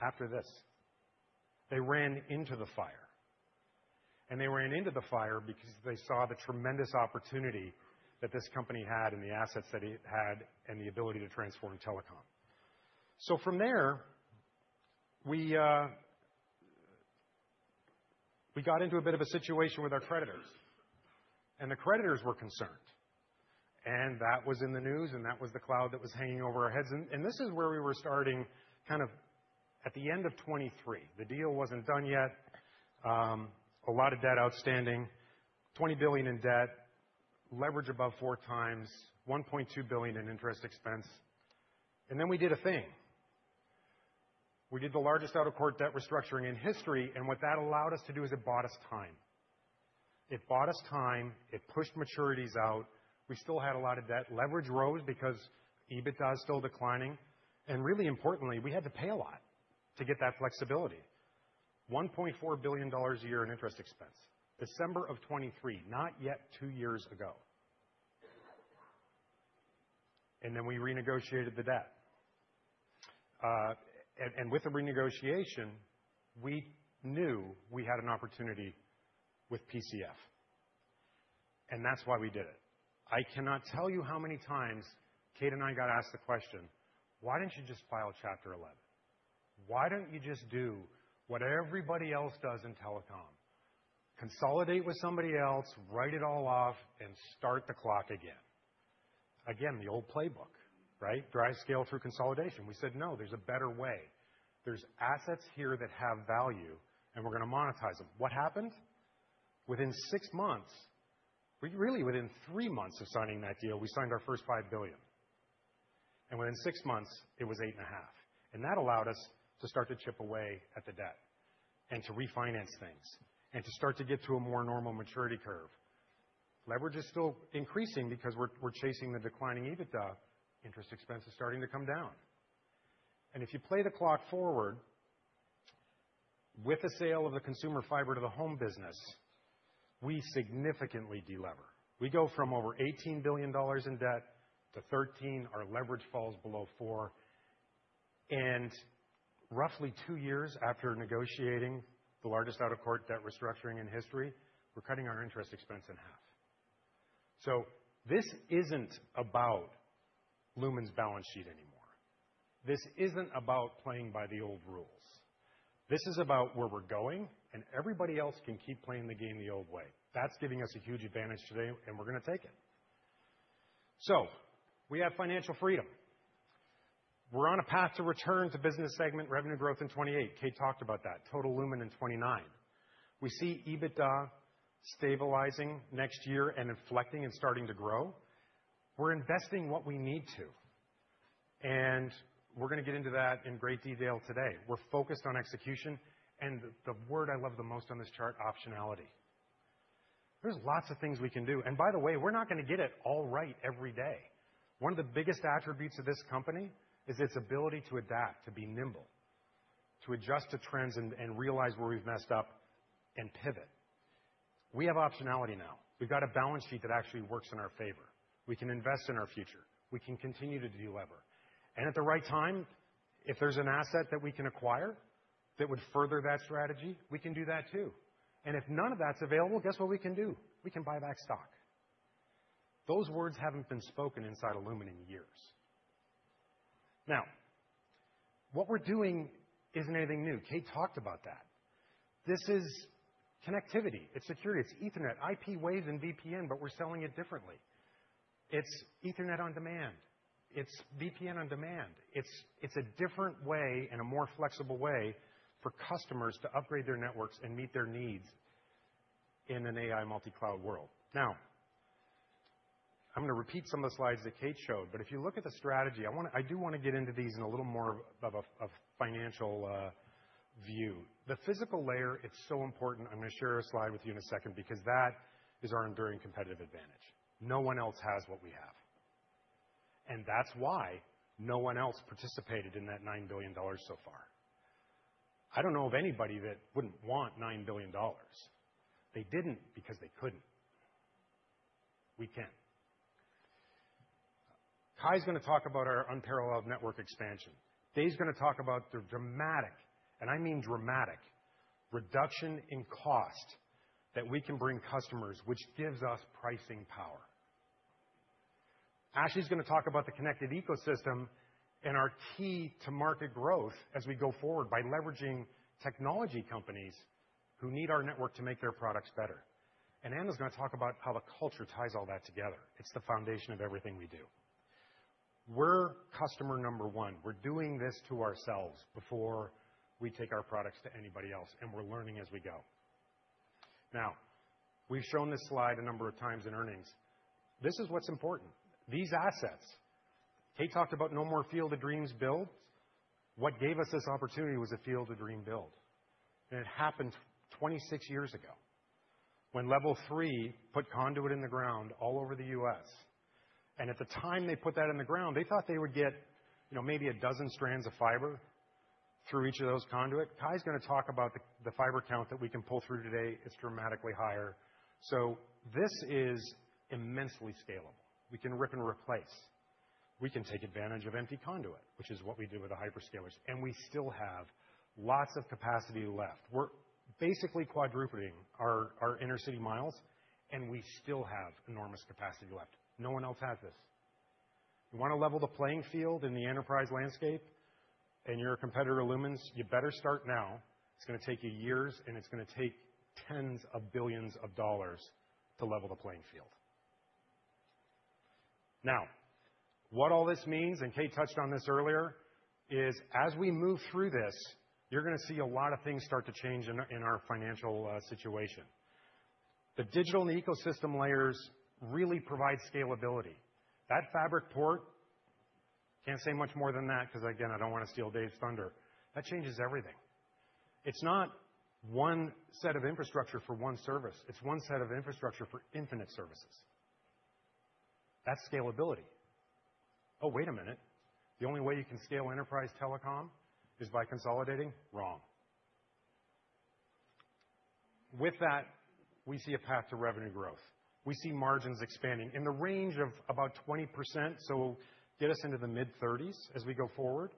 after this. They ran into the fire. And they ran into the fire because they saw the tremendous opportunity that this company had and the assets that it had and the ability to transform telecom. So from there, we got into a bit of a situation with our creditors. And the creditors were concerned. And that was in the news, and that was the cloud that was hanging over our heads. And this is where we were starting kind of at the end of 2023. The deal wasn't done yet. A lot of debt outstanding, $20 billion in debt, leverage above four times, $1.2 billion in interest expense. And then we did a thing. We did the largest out-of-court debt restructuring in history, and what that allowed us to do is it bought us time. It bought us time. It pushed maturities out. We still had a lot of debt. Leverage rose because EBITDA is still declining, and really importantly, we had to pay a lot to get that flexibility. $1.4 billion a year in interest expense. December of 2023, not yet two years ago. And then we renegotiated the debt, and with the renegotiation, we knew we had an opportunity with PCF. And that's why we did it. I cannot tell you how many times Kate and I got asked the question, "Why didn't you just file Chapter 11? Why don't you just do what everybody else does in telecom? Consolidate with somebody else, write it all off, and start the clock again." Again, the old playbook, right? Drive scale through consolidation. We said, "No, there's a better way. There's assets here that have value, and we're going to monetize them." What happened? Within six months, really within three months of signing that deal, we signed our first $5 billion. And within six months, it was $8.5 billion. And that allowed us to start to chip away at the debt and to refinance things and to start to get to a more normal maturity curve. Leverage is still increasing because we're chasing the declining EBITDA. Interest expense is starting to come down. And if you play the clock forward, with the sale of the consumer fiber to the home business, we significantly delever. We go from over $18 billion in debt to 13. Our leverage falls below 4. And roughly two years after negotiating the largest out-of-court debt restructuring in history, we're cutting our interest expense in half. So this isn't about Lumen's balance sheet anymore. This isn't about playing by the old rules. This is about where we're going, and everybody else can keep playing the game the old way. That's giving us a huge advantage today, and we're going to take it. So we have financial freedom. We're on a path to return to business segment revenue growth in 2028. Kate talked about that. Total Lumen in 2029. We see EBITDA stabilizing next year and inflecting and starting to grow. We're investing what we need to. And we're going to get into that in great detail today. We're focused on execution. And the word I love the most on this chart, optionality. There's lots of things we can do. And by the way, we're not going to get it all right every day. One of the biggest attributes of this company is its ability to adapt, to be nimble, to adjust to trends and realize where we've messed up and pivot. We have optionality now. We've got a balance sheet that actually works in our favor. We can invest in our future. We can continue to delever, and at the right time, if there's an asset that we can acquire that would further that strategy, we can do that too, and if none of that's available, guess what we can do? We can buy back stock. Those words haven't been spoken inside of Lumen in years. Now, what we're doing isn't anything new. Kate talked about that. This is connectivity. It's security. It's Ethernet, IP, wave, and VPN, but we're selling it differently. It's Ethernet on Demand. It's VPN on Demand. It's a different way and a more flexible way for customers to upgrade their networks and meet their needs in an AI multi-cloud world. Now, I'm going to repeat some of the slides that Kate showed, but if you look at the strategy, I do want to get into these in a little more of a financial view. The physical layer, it's so important. I'm going to share a slide with you in a second because that is our enduring competitive advantage. No one else has what we have, and that's why no one else participated in that $9 billion so far. I don't know of anybody that wouldn't want $9 billion. They didn't because they couldn't. We can. Kye's going to talk about our unparalleled network expansion. Dave's going to talk about the dramatic, and I mean dramatic, reduction in cost that we can bring customers, which gives us pricing power. Ashley's going to talk about the connected ecosystem and our key to market growth as we go forward by leveraging technology companies who need our network to make their products better. And Ana's going to talk about how the culture ties all that together. It's the foundation of everything we do. We're customer number one. We're doing this to ourselves before we take our products to anybody else, and we're learning as we go. Now, we've shown this slide a number of times in earnings. This is what's important. These assets, Kate talked about no more field of dreams built. What gave us this opportunity was a field of dreams built. It happened 26 years ago when Level 3 put conduit in the ground all over the U.S. At the time they put that in the ground, they thought they would get maybe a dozen strands of fiber through each of those conduit. Kye's going to talk about the fiber count that we can pull through today. It's dramatically higher. This is immensely scalable. We can rip and replace. We can take advantage of empty conduit, which is what we do with the hyperscalers. We still have lots of capacity left. We're basically quadrupling our intercity mi, and we still have enormous capacity left. No one else has this. You want to level the playing field in the enterprise landscape, and you're a competitor to Lumen's, you better start now. It's going to take you years, and it's going to take tens of billions of dollars to level the playing field. Now, what all this means, and Kate touched on this earlier, is as we move through this, you're going to see a lot of things start to change in our financial situation. The digital and ecosystem layers really provide scalability. That Fabric Port, can't say much more than that because, again, I don't want to steal Dave's thunder. That changes everything. It's not one set of infrastructure for one service. It's one set of infrastructure for infinite services. That's scalability. Oh, wait a minute. The only way you can scale enterprise telecom is by consolidating? Wrong. With that, we see a path to revenue growth. We see margins expanding in the range of about 20%, so get us into the mid-30s% as we go forward.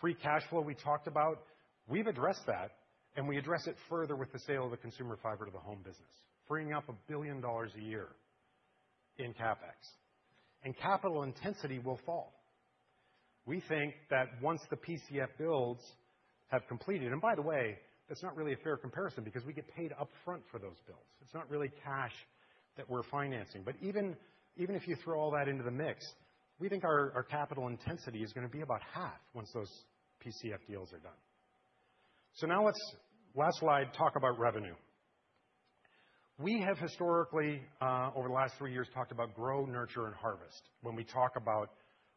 Free cash flow, we talked about. We've addressed that, and we address it further with the sale of the consumer fiber-to-the-home business, freeing up $1 billion a year in CapEx, and capital intensity will fall. We think that once the PCF builds have completed, and by the way, that's not really a fair comparison because we get paid upfront for those builds. It's not really cash that we're financing, but even if you throw all that into the mix, we think our capital intensity is going to be about half once those PCF deals are done, so now let's last slide talk about revenue. We have historically, over the last three years, talked about grow, nurture, and harvest when we talk about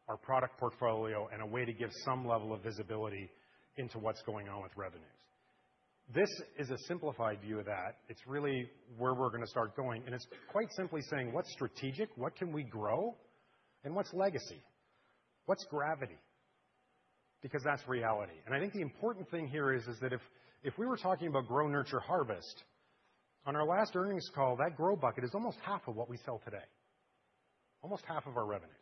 our product portfolio and a way to give some level of visibility into what's going on with revenues. This is a simplified view of that. It's really where we're going to start going, and it's quite simply saying, what's strategic? What can we grow? And what's legacy? What's gravity? Because that's reality, and I think the important thing here is that if we were talking about grow, nurture, harvest, on our last earnings call, that grow bucket is almost half of what we sell today, almost half of our revenues.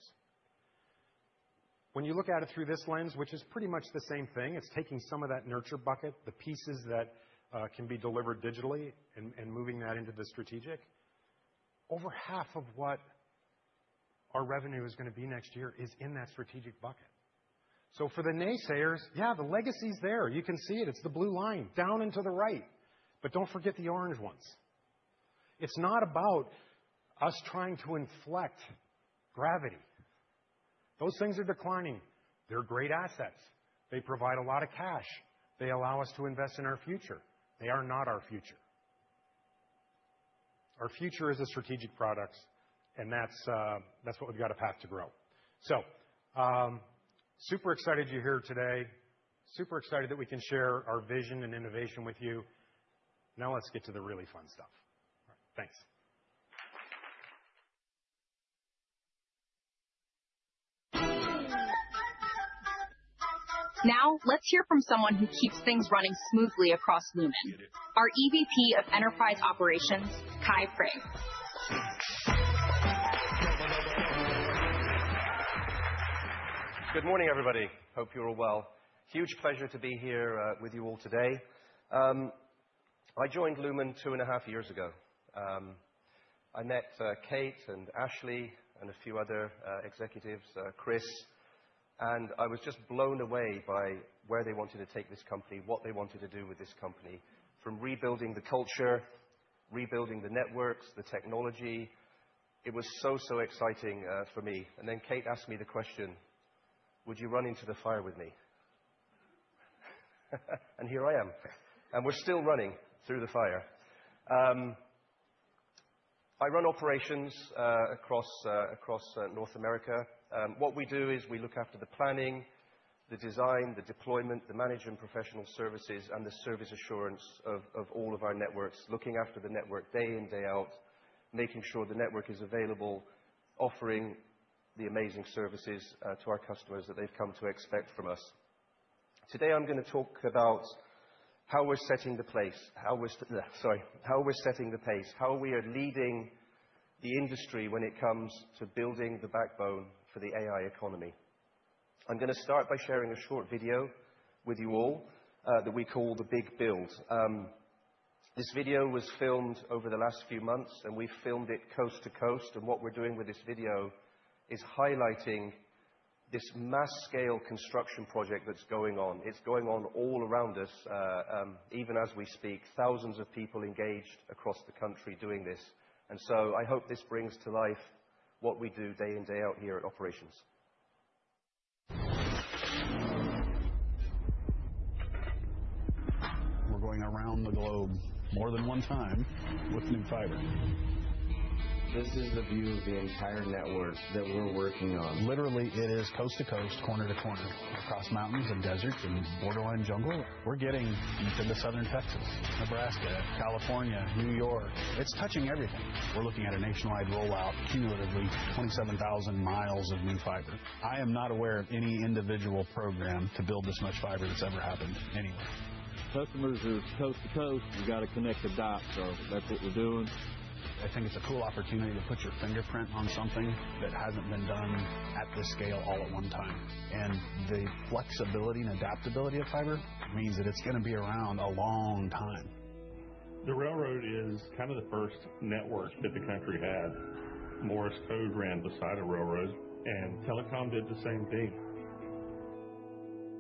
When you look at it through this lens, which is pretty much the same thing, it's taking some of that nurture bucket, the pieces that can be delivered digitally, and moving that into the strategic. Over half of what our revenue is going to be next year is in that strategic bucket, so for the naysayers, yeah, the legacy's there. You can see it. It's the blue line down and to the right. But don't forget the orange ones. It's not about us trying to inflect gravity. Those things are declining. They're great assets. They provide a lot of cash. They allow us to invest in our future. They are not our future. Our future is a strategic product, and that's what we've got a path to grow. So super excited you're here today. Super excited that we can share our vision and innovation with you. Now let's get to the really fun stuff. All right. Thanks. Now, let's hear from someone who keeps things running smoothly across Lumen, our EVP of Enterprise Operations, Kye Prigg. Good morning, everybody. Hope you're all well. Huge pleasure to be here with you all today. I joined Lumen two and a half years ago. I met Kate and Ashley and a few other executives, Chris, and I was just blown away by where they wanted to take this company, what they wanted to do with this company from rebuilding the culture, rebuilding the networks, the technology. It was so, so exciting for me. And then Kate asked me the question, "Would you run into the fire with me?" And here I am. And we're still running through the fire. I run operations across North America. What we do is we look after the planning, the design, the deployment, the management, professional services, and the service assurance of all of our networks, looking after the network day in, day out, making sure the network is available, offering the amazing services to our customers that they've come to expect from us. Today, I'm going to talk about how we're setting the pace, how we're setting the pace, how we are leading the industry when it comes to building the backbone for the AI economy. I'm going to start by sharing a short video with you all that we call the big build. This video was filmed over the last few months, and we've filmed it coast to coast, and what we're doing with this video is highlighting this mass-scale construction project that's going on. It's going on all around us, even as we speak. Thousands of people engaged across the country doing this, and so I hope this brings to life what we do day in, day out here at Operations. We're going around the globe more than one time with new fiber. This is the view of the entire network that we're working on. Literally, it is coast to coast, corner to corner, across mountains and deserts and borderline jungle. We're getting into the southern Texas, Nebraska, California, New York. It's touching everything. We're looking at a nationwide rollout, cumulatively 27,000 mi of new fiber. I am not aware of any individual program to build this much fiber that's ever happened anywhere. Customers are coast to coast. We've got to connect the dots, so that's what we're doing. I think it's a cool opportunity to put your fingerprint on something that hasn't been done at this scale all at one time, and the flexibility and adaptability of fiber means that it's going to be around a long time. The railroad is kind of the first network that the country had. Morse Code ran beside a railroad, and telecom did the same thing.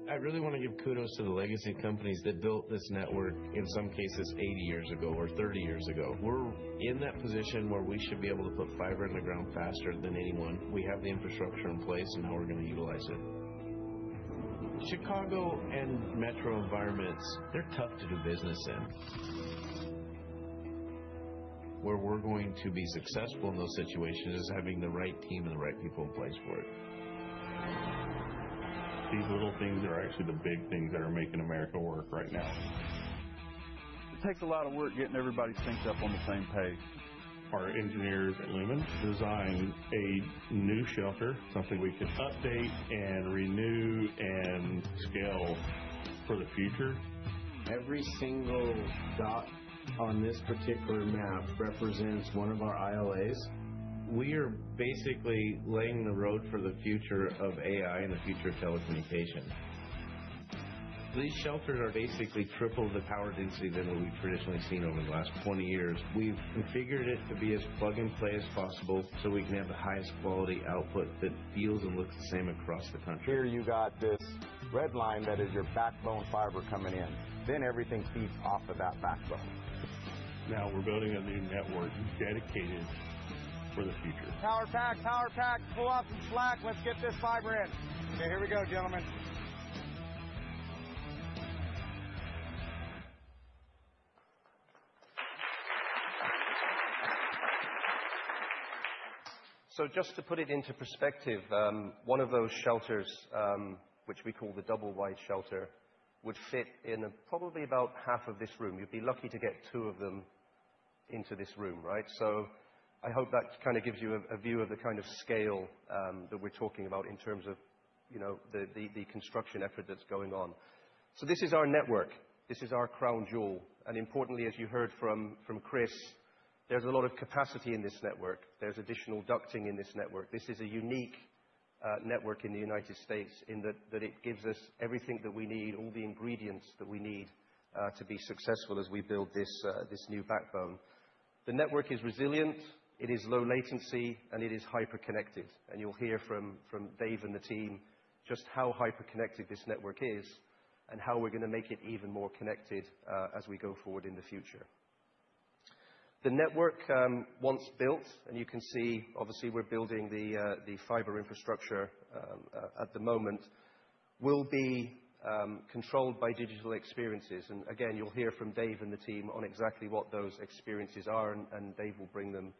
I really want to give kudos to the legacy companies that built this network, in some cases, 80 years ago or 30 years ago. We're in that position where we should be able to put fiber in the ground faster than anyone. We have the infrastructure in place, and now we're going to utilize it. Chicago and metro environments, they're tough to do business in. Where we're going to be successful in those situations is having the right team and the right people in place for it. These little things are actually the big things that are making America work right now. It takes a lot of work getting everybody synced up on the same page. Our engineers at Lumen designed a new shelter, something we could update and renew and scale for the future. Every single dot on this particular map represents one of our ILAs. We are basically laying the road for the future of AI and the future of telecommunication. These shelters are basically triple the power density than what we've traditionally seen over the last 20 years. We've configured it to be as plug-and-play as possible so we can have the highest quality output that feels and looks the same across the country. Here, you've got this red line that is your backbone fiber coming in. Then everything feeds off of that backbone. Now we're building a new network dedicated for the future. Power pack, power pack, pull up and slack. Let's get this fiber in. Okay, here we go, gentlemen. So just to put it into perspective, one of those shelters, which we call the double-wide shelter, would fit in probably about half of this room. You'd be lucky to get two of them into this room, right? So I hope that kind of gives you a view of the kind of scale that we're talking about in terms of the construction effort that's going on. So this is our network. This is our crown jewel. And importantly, as you heard from Chris, there's a lot of capacity in this network. There's additional ducting in this network. This is a unique network in the United States in that it gives us everything that we need, all the ingredients that we need to be successful as we build this new backbone. The network is resilient. It is low latency, and it is hyperconnected. And you'll hear from Dave and the team just how hyperconnected this network is and how we're going to make it even more connected as we go forward in the future. The network, once built, and you can see, obviously, we're building the fiber infrastructure at the moment, will be controlled by digital experiences. Again, you'll hear from Dave and the team on exactly what those experiences are, and Dave will bring them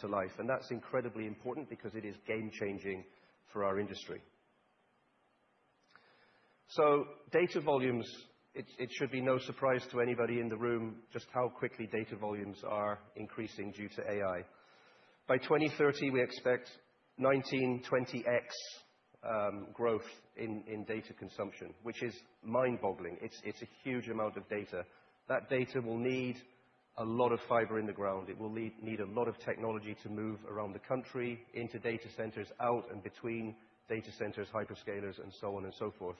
to life. That's incredibly important because it is game-changing for our industry. Data volumes. It should be no surprise to anybody in the room just how quickly data volumes are increasing due to AI. By 2030, we expect 19x-20x growth in data consumption, which is mind-boggling. It's a huge amount of data. That data will need a lot of fiber in the ground. It will need a lot of technology to move around the country into data centers, out and between data centers, hyperscalers, and so on and so forth.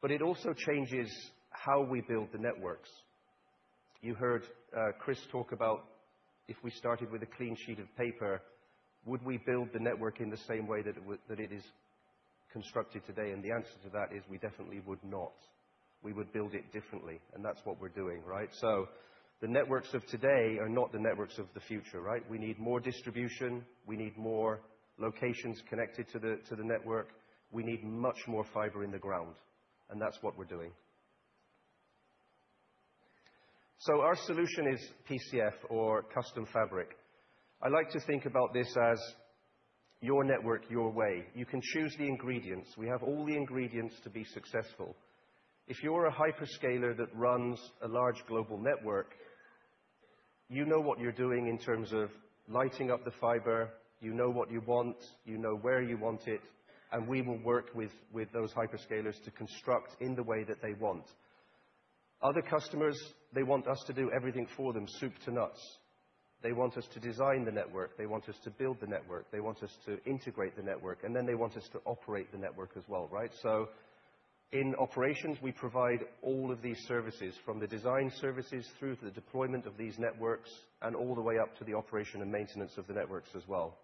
But it also changes how we build the networks. You heard Chris talk about if we started with a clean sheet of paper, would we build the network in the same way that it is constructed today? The answer to that is we definitely would not. We would build it differently, and that's what we're doing, right? The networks of today are not the networks of the future, right? We need more distribution. We need more locations connected to the network. We need much more fiber in the ground, and that's what we're doing. Our solution is PCF or custom fabric. I like to think about this as your network, your way. You can choose the ingredients. We have all the ingredients to be successful. If you're a hyperscaler that runs a large global network, you know what you're doing in terms of lighting up the fiber. You know what you want. You know where you want it. And we will work with those hyperscalers to construct in the way that they want. Other customers, they want us to do everything for them, soup to nuts. They want us to design the network. They want us to build the network. They want us to integrate the network. And then they want us to operate the network as well, right? So in operations, we provide all of these services from the design services through to the deployment of these networks and all the way up to the operation and maintenance of the networks as well.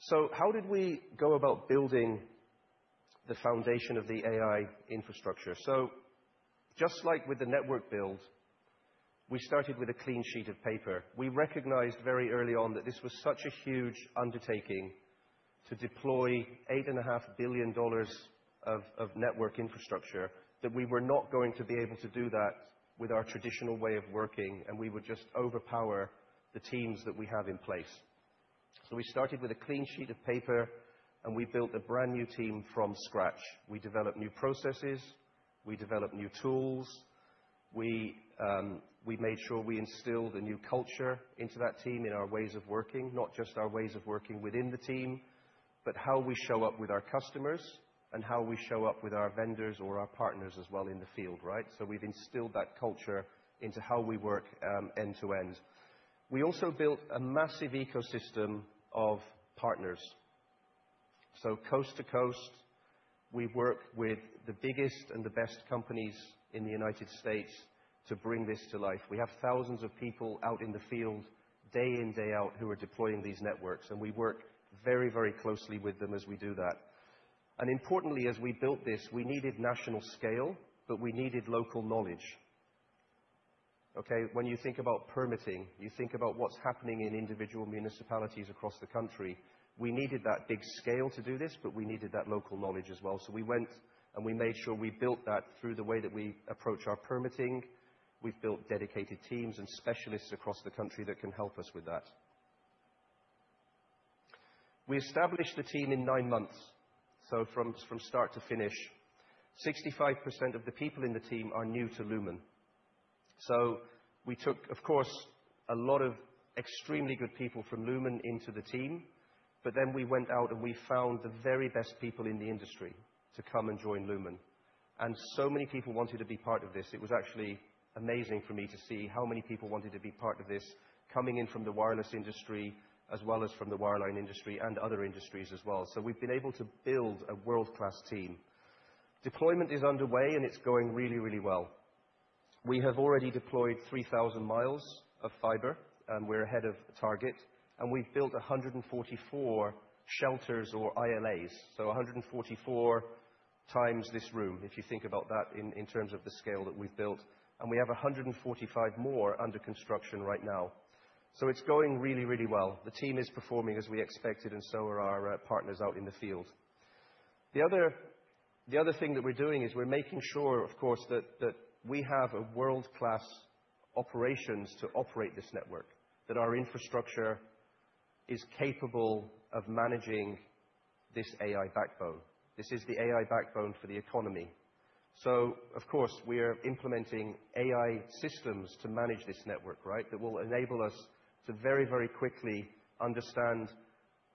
So how did we go about building the foundation of the AI infrastructure? So just like with the network build, we started with a clean sheet of paper. We recognized very early on that this was such a huge undertaking to deploy $8.5 billion of network infrastructure that we were not going to be able to do that with our traditional way of working, and we would just overpower the teams that we have in place. So we started with a clean sheet of paper, and we built a brand new team from scratch. We developed new processes. We developed new tools. We made sure we instilled a new culture into that team in our ways of working, not just our ways of working within the team, but how we show up with our customers and how we show up with our vendors or our partners as well in the field, right? So we've instilled that culture into how we work end-to-end. We also built a massive ecosystem of partners. So coast to coast, we work with the biggest and the best companies in the United States to bring this to life. We have thousands of people out in the field day in, day out who are deploying these networks, and we work very, very closely with them as we do that. And importantly, as we built this, we needed national scale, but we needed local knowledge. Okay? When you think about permitting, you think about what's happening in individual municipalities across the country. We needed that big scale to do this, but we needed that local knowledge as well. So we went and we made sure we built that through the way that we approach our permitting. We've built dedicated teams and specialists across the country that can help us with that. We established the team in nine months, so from start to finish. 65% of the people in the team are new to Lumen. So we took, of course, a lot of extremely good people from Lumen into the team, but then we went out and we found the very best people in the industry to come and join Lumen. And so many people wanted to be part of this. It was actually amazing for me to see how many people wanted to be part of this coming in from the wireless industry as well as from the wireline industry and other industries as well. So we've been able to build a world-class team. Deployment is underway, and it's going really, really well. We have already deployed 3,000 mi of fiber, and we're ahead of target. And we've built 144 shelters or ILAs, so 144x this room, if you think about that in terms of the scale that we've built. We have 145 more under construction right now. So it's going really, really well. The team is performing as we expected, and so are our partners out in the field. The other thing that we're doing is we're making sure, of course, that we have world-class operations to operate this network, that our infrastructure is capable of managing this AI backbone. This is the AI backbone for the economy. So, of course, we are implementing AI systems to manage this network, right, that will enable us to very, very quickly understand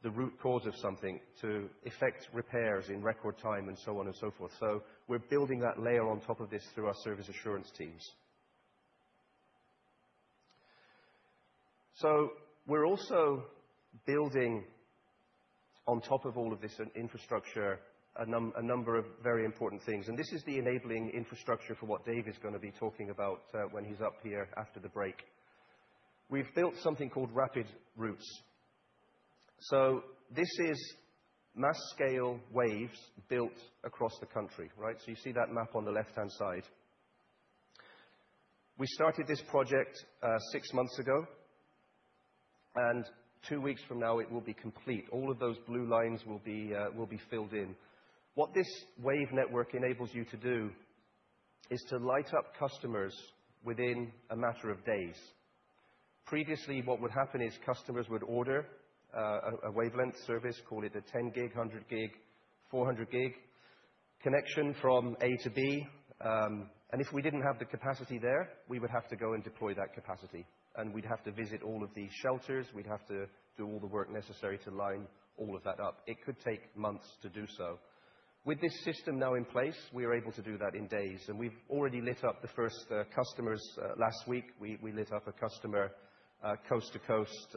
the root cause of something to effect repairs in record time and so on and so forth. So we're building that layer on top of this through our service assurance teams. So we're also building on top of all of this infrastructure a number of very important things. And this is the enabling infrastructure for what Dave is going to be talking about when he's up here after the break. We've built something called Rapid Routes. So this is mass-scale waves built across the country, right? So you see that map on the left-hand side. We started this project six months ago, and two weeks from now, it will be complete. All of those blue lines will be filled in. What this wave network enables you to do is to light up customers within a matter of days. Previously, what would happen is customers would order a wavelength service, call it a 10 Gbps, 100 Gbps, 400 Gbps connection from A to B. And if we didn't have the capacity there, we would have to go and deploy that capacity. And we'd have to visit all of these shelters. We'd have to do all the work necessary to line all of that up. It could take months to do so. With this system now in place, we are able to do that in days. We've already lit up the first customers last week. We lit up a customer coast to coast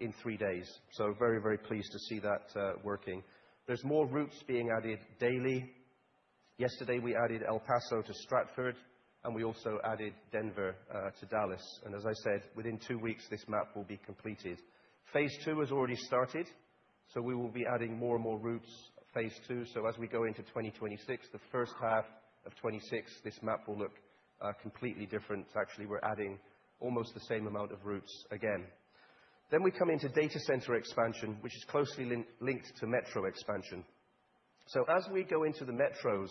in three days. We're very, very pleased to see that working. There's more routes being added daily. Yesterday, we added El Paso to Stratford, and we also added Denver to Dallas. As I said, within two weeks, this map will be completed. Phase II has already started, so we will be adding more and more routes, phase II. As we go into 2026, the first half of 2026, this map will look completely different. Actually, we're adding almost the same amount of routes again. Then we come into data center expansion, which is closely linked to metro expansion. So as we go into the metros,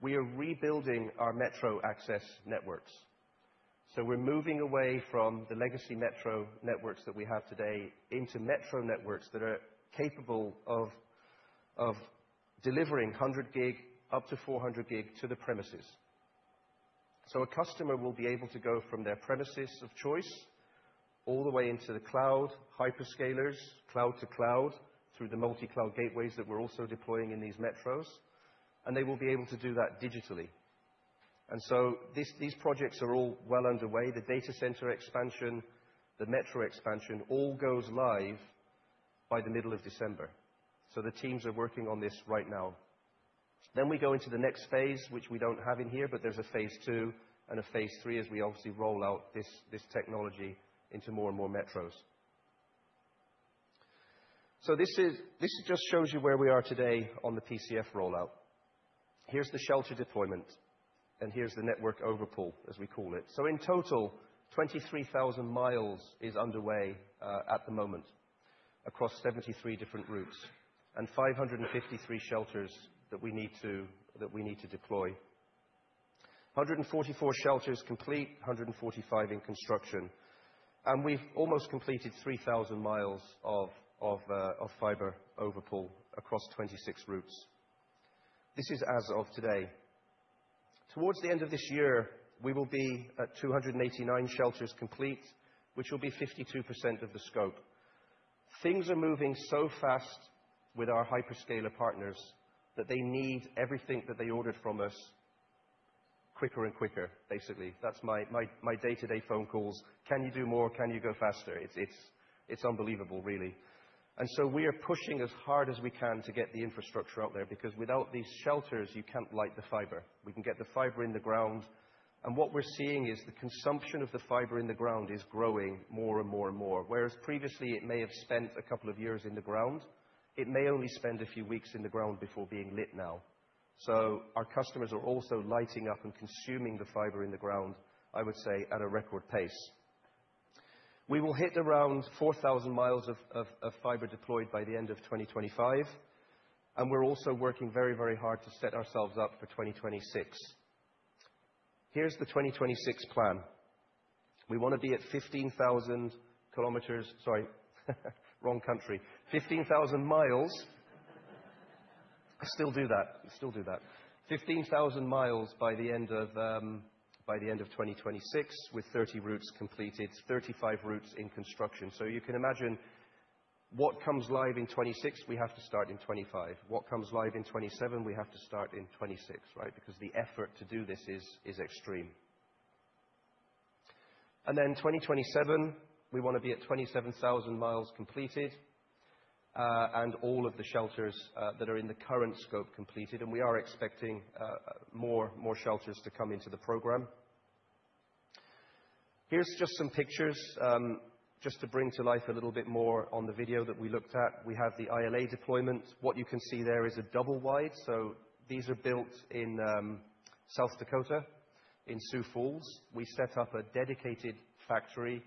we are rebuilding our metro access networks. So we're moving away from the legacy metro networks that we have today into metro networks that are capable of delivering 100 Gbps, up to 400 Gbps to the premises. So a customer will be able to go from their premises of choice all the way into the cloud, hyperscalers, cloud to cloud through the multi-cloud gateways that we're also deploying in these metros. And they will be able to do that digitally. And so these projects are all well underway. The data center expansion, the metro expansion all goes live by the middle of December. So the teams are working on this right now. Then we go into the next phase, which we don't have in here, but there's a phase two and a phase three as we obviously roll out this technology into more and more metros. So this just shows you where we are today on the PCF rollout. Here's the shelter deployment, and here's the network overpull, as we call it. So in total, 23,000 mi is underway at the moment across 73 different routes and 553 shelters that we need to deploy. 144 shelters complete, 145 in construction. And we've almost completed 3,000 mi of fiber overpull across 26 routes. This is as of today. Toward the end of this year, we will be at 289 shelters complete, which will be 52% of the scope. Things are moving so fast with our hyperscaler partners that they need everything that they ordered from us quicker and quicker, basically. That's my day-to-day phone calls. Can you do more? Can you go faster? It's unbelievable, really. And so we are pushing as hard as we can to get the infrastructure out there because without these shelters, you can't light the fiber. We can get the fiber in the ground. And what we're seeing is the consumption of the fiber in the ground is growing more and more and more. Whereas previously, it may have spent a couple of years in the ground, it may only spend a few weeks in the ground before being lit now. So our customers are also lighting up and consuming the fiber in the ground, I would say, at a record pace. We will hit around 4,000 mi of fiber deployed by the end of 2025. And we're also working very, very hard to set ourselves up for 2026. Here's the 2026 plan. We want to be at 15,000 km (sorry, wrong country) 15,000 mi. I still do that. I still do that. 15,000 mi by the end of 2026 with 30 routes completed, 35 routes in construction. You can imagine what comes live in 2026; we have to start in 2025. What comes live in 2027, we have to start in 2026, right? Because the effort to do this is extreme. Then 2027, we want to be at 27,000 mi completed and all of the shelters that are in the current scope completed. We are expecting more shelters to come into the program. Here are just some pictures just to bring to life a little bit more on the video that we looked at. We have the ILA deployment. What you can see there is a double wide. These are built in Sioux Falls, South Dakota. We set up a dedicated factory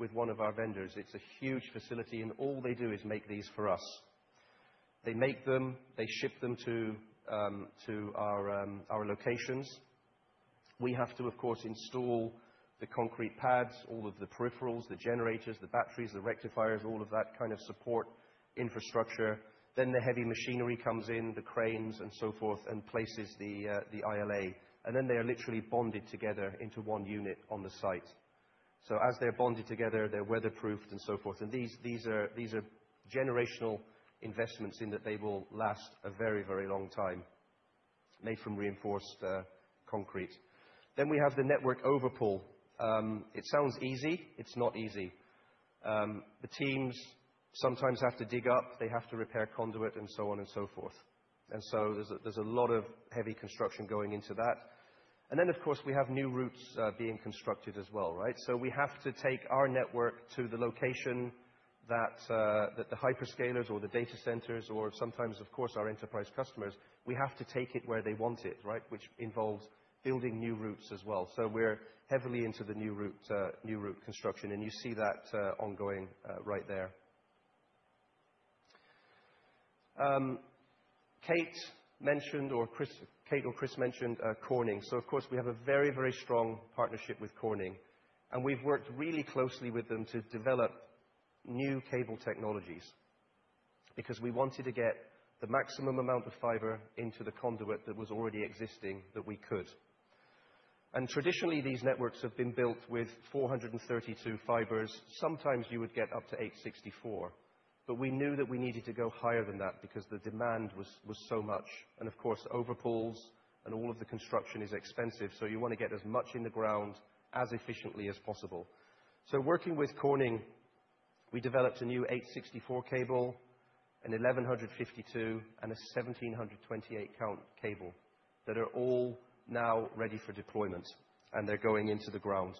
with one of our vendors. It's a huge facility, and all they do is make these for us. They make them. They ship them to our locations. We have to, of course, install the concrete pads, all of the peripherals, the generators, the batteries, the rectifiers, all of that kind of support infrastructure, then the heavy machinery comes in, the cranes and so forth, and places the ILA, and then they are literally bonded together into one unit on the site, so as they're bonded together, they're weatherproofed and so forth, and these are generational investments in that they will last a very, very long time, made from reinforced concrete, then we have the network overpull. It sounds easy. It's not easy. The teams sometimes have to dig up, they have to repair conduit and so on and so forth. And so there's a lot of heavy construction going into that. And then, of course, we have new routes being constructed as well, right? So we have to take our network to the location that the hyperscalers or the data centers or sometimes, of course, our enterprise customers, we have to take it where they want it, right, which involves building new routes as well. So we're heavily into the new route construction, and you see that ongoing right there. Kate mentioned or Chris mentioned Corning. So, of course, we have a very, very strong partnership with Corning. And we've worked really closely with them to develop new cable technologies because we wanted to get the maximum amount of fiber into the conduit that was already existing that we could. And traditionally, these networks have been built with 432 fibers. Sometimes you would get up to 864. But we knew that we needed to go higher than that because the demand was so much. And, of course, overpulls and all of the construction is expensive. So you want to get as much in the ground as efficiently as possible. So working with Corning, we developed a new 864 cable, an 1152, and a 1728 count cable that are all now ready for deployment, and they're going into the ground.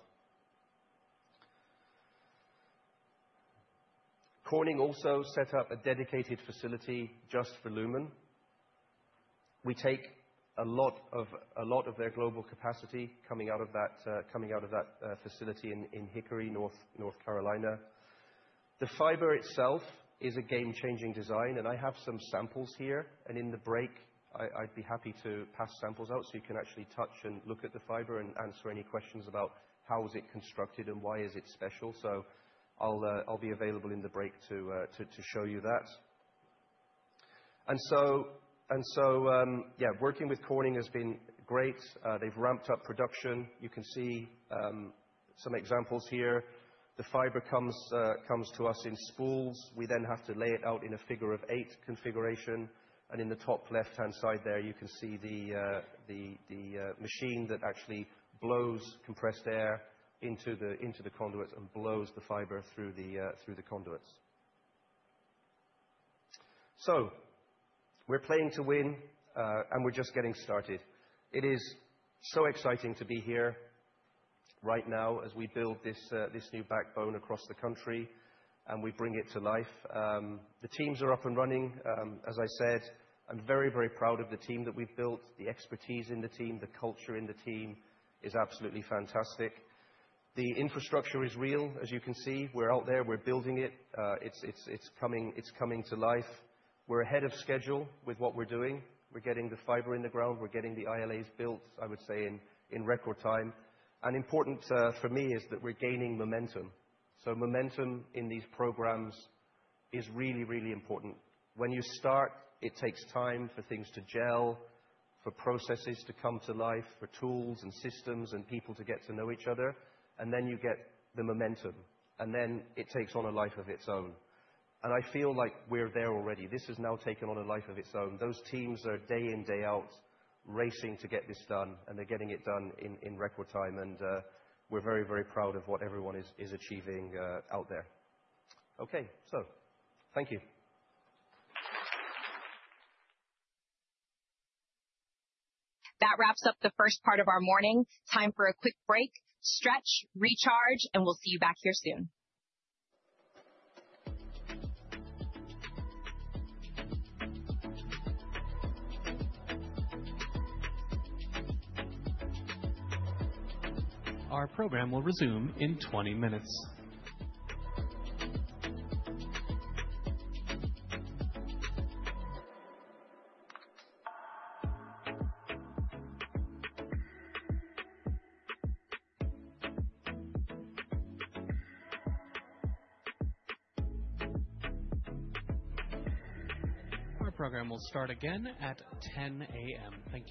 Corning also set up a dedicated facility just for Lumen. We take a lot of their global capacity coming out of that facility in Hickory, North Carolina. The fiber itself is a game-changing design, and I have some samples here. And in the break, I'd be happy to pass samples out so you can actually touch and look at the fiber and answer any questions about how is it constructed and why is it special. So I'll be available in the break to show you that. And so, yeah, working with Corning has been great. They've ramped up production. You can see some examples here. The fiber comes to us in spools. We then have to lay it out in a figure-of-eight configuration. And in the top left-hand side there, you can see the machine that actually blows compressed air into the conduits and blows the fiber through the conduits. So we're playing to win, and we're just getting started. It is so exciting to be here right now as we build this new backbone across the country and we bring it to life. The teams are up and running. As I said, I'm very, very proud of the team that we've built, the expertise in the team, the culture in the team is absolutely fantastic. The infrastructure is real, as you can see. We're out there. We're building it. It's coming to life. We're ahead of schedule with what we're doing. We're getting the fiber in the ground. We're getting the ILAs built, I would say, in record time. And important for me is that we're gaining momentum. So momentum in these programs is really, really important. When you start, it takes time for things to gel, for processes to come to life, for tools and systems and people to get to know each other. And then you get the momentum, and then it takes on a life of its own. And I feel like we're there already. This has now taken on a life of its own. Those teams are day in, day out racing to get this done, and they're getting it done in record time. And we're very, very proud of what everyone is achieving out there. Okay. So thank you. That wraps up the first part of our morning. Time for a quick break, stretch, recharge, and we'll see you back here soon. Our program will resume in 20 minutes. Our program will start again at 10:00 A.M.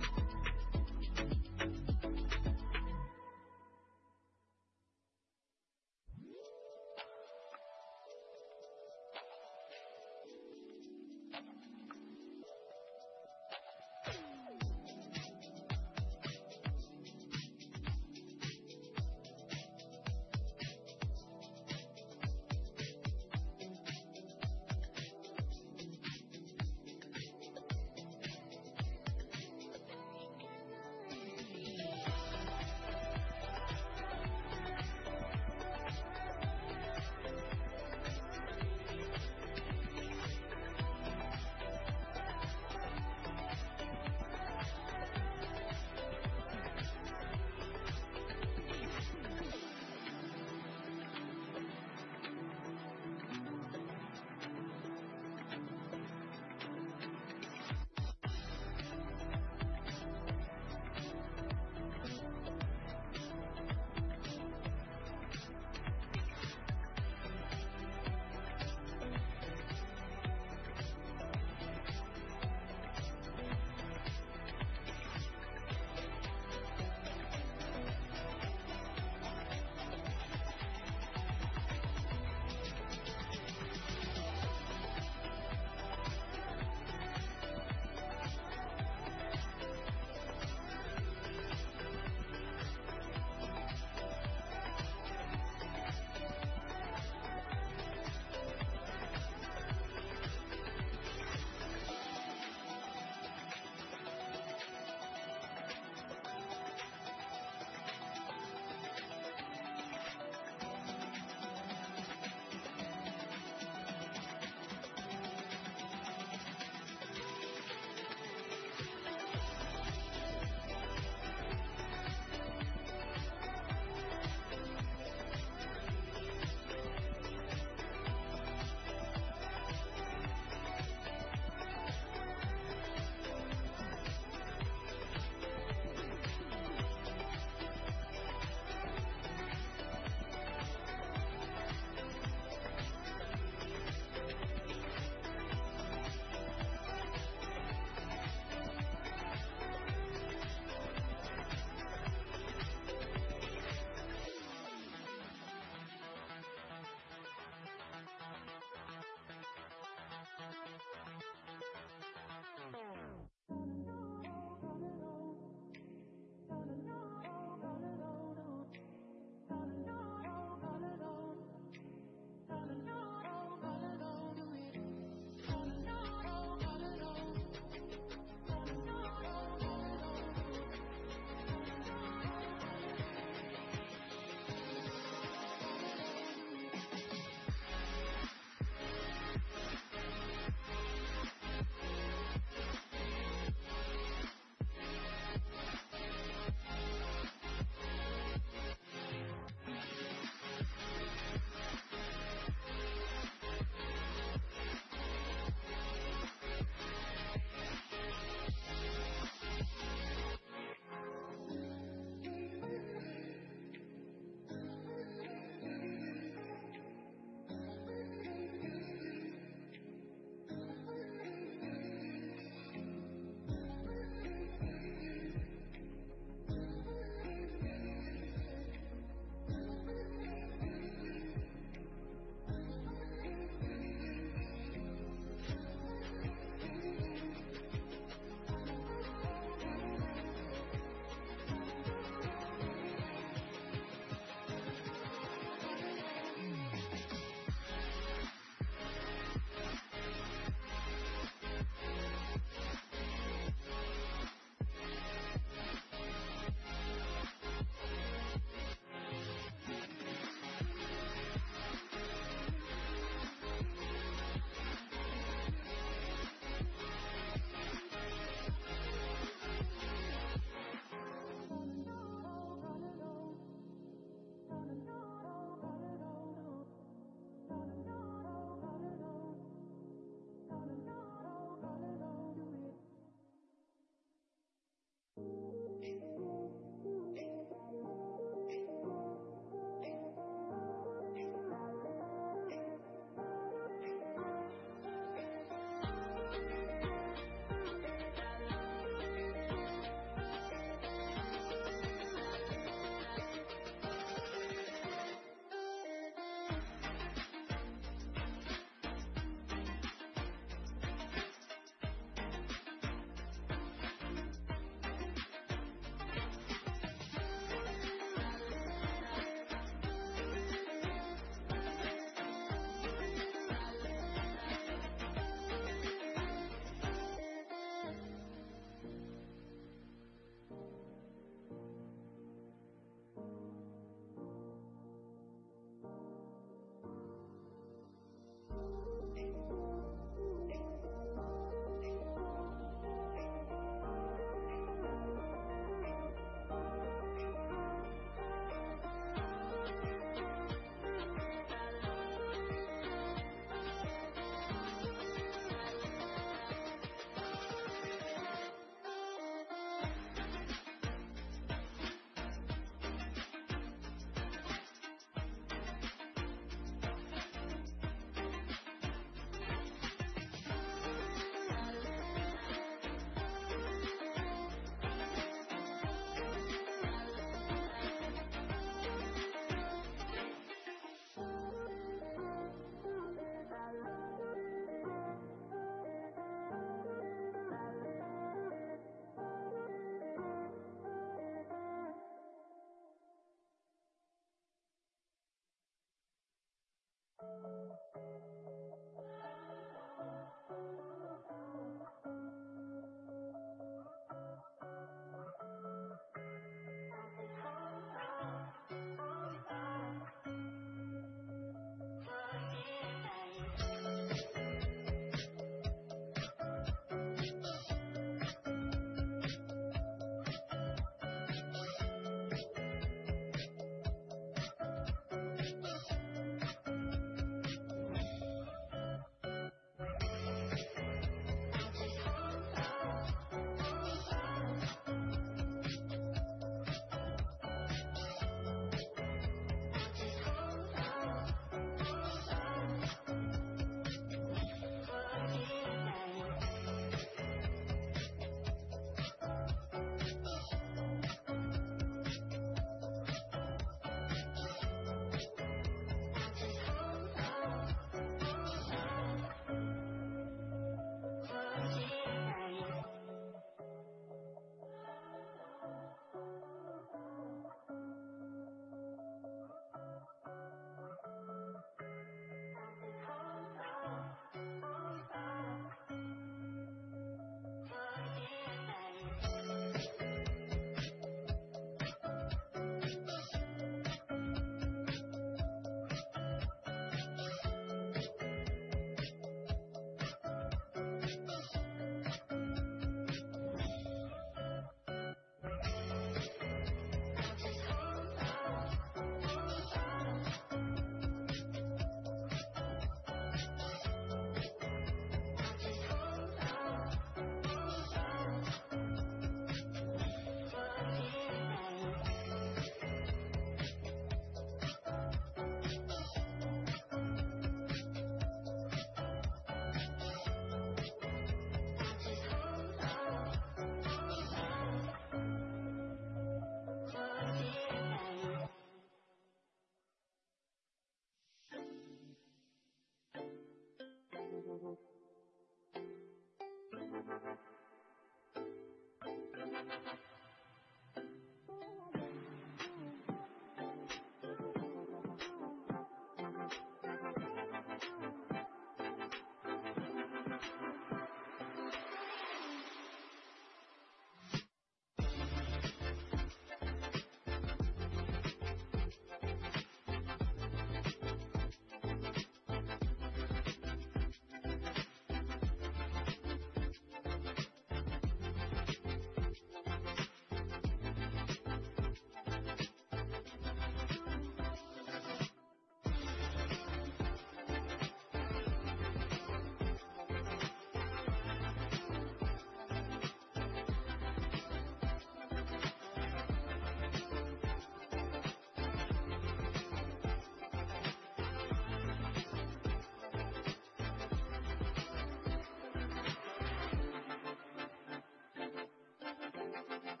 Thank you.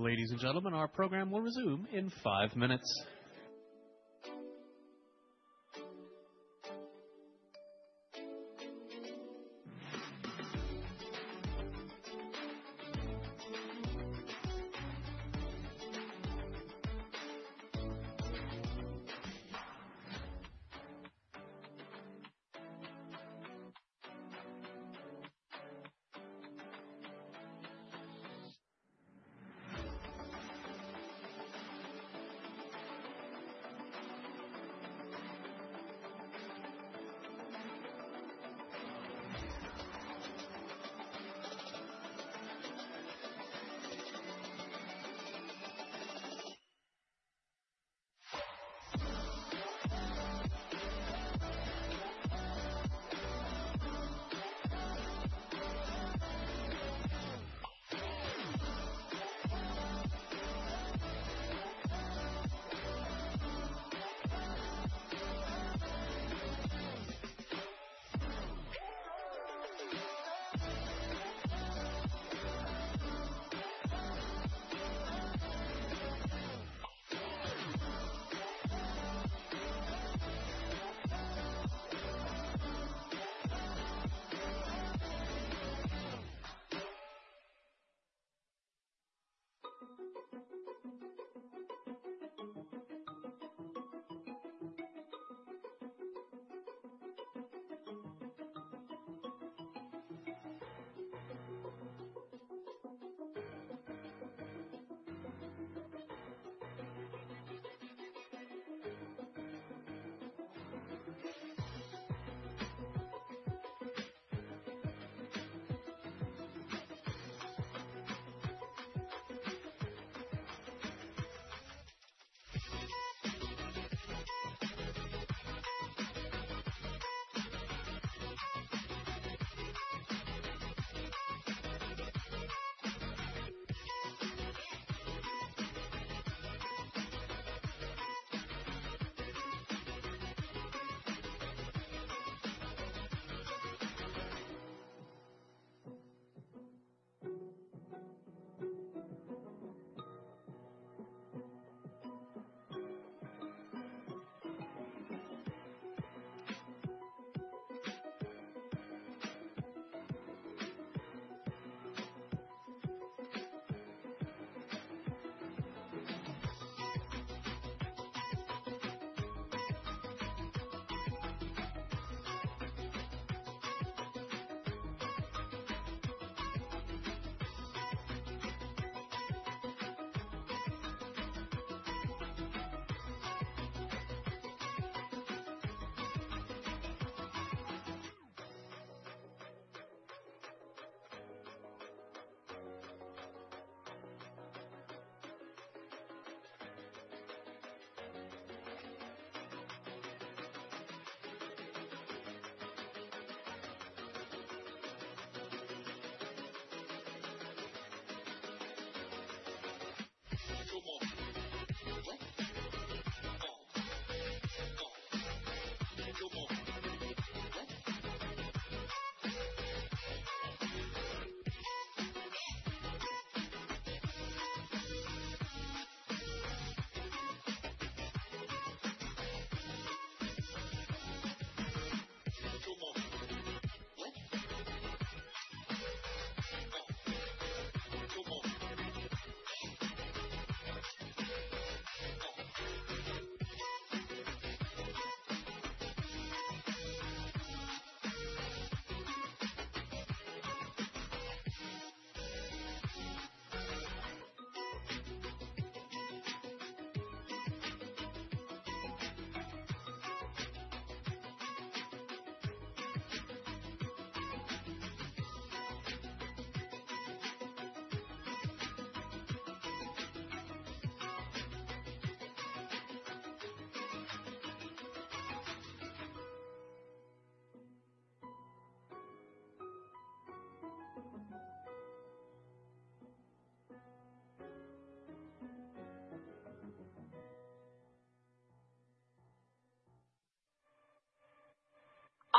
Ladies and gentlemen, our program will resume in five minutes.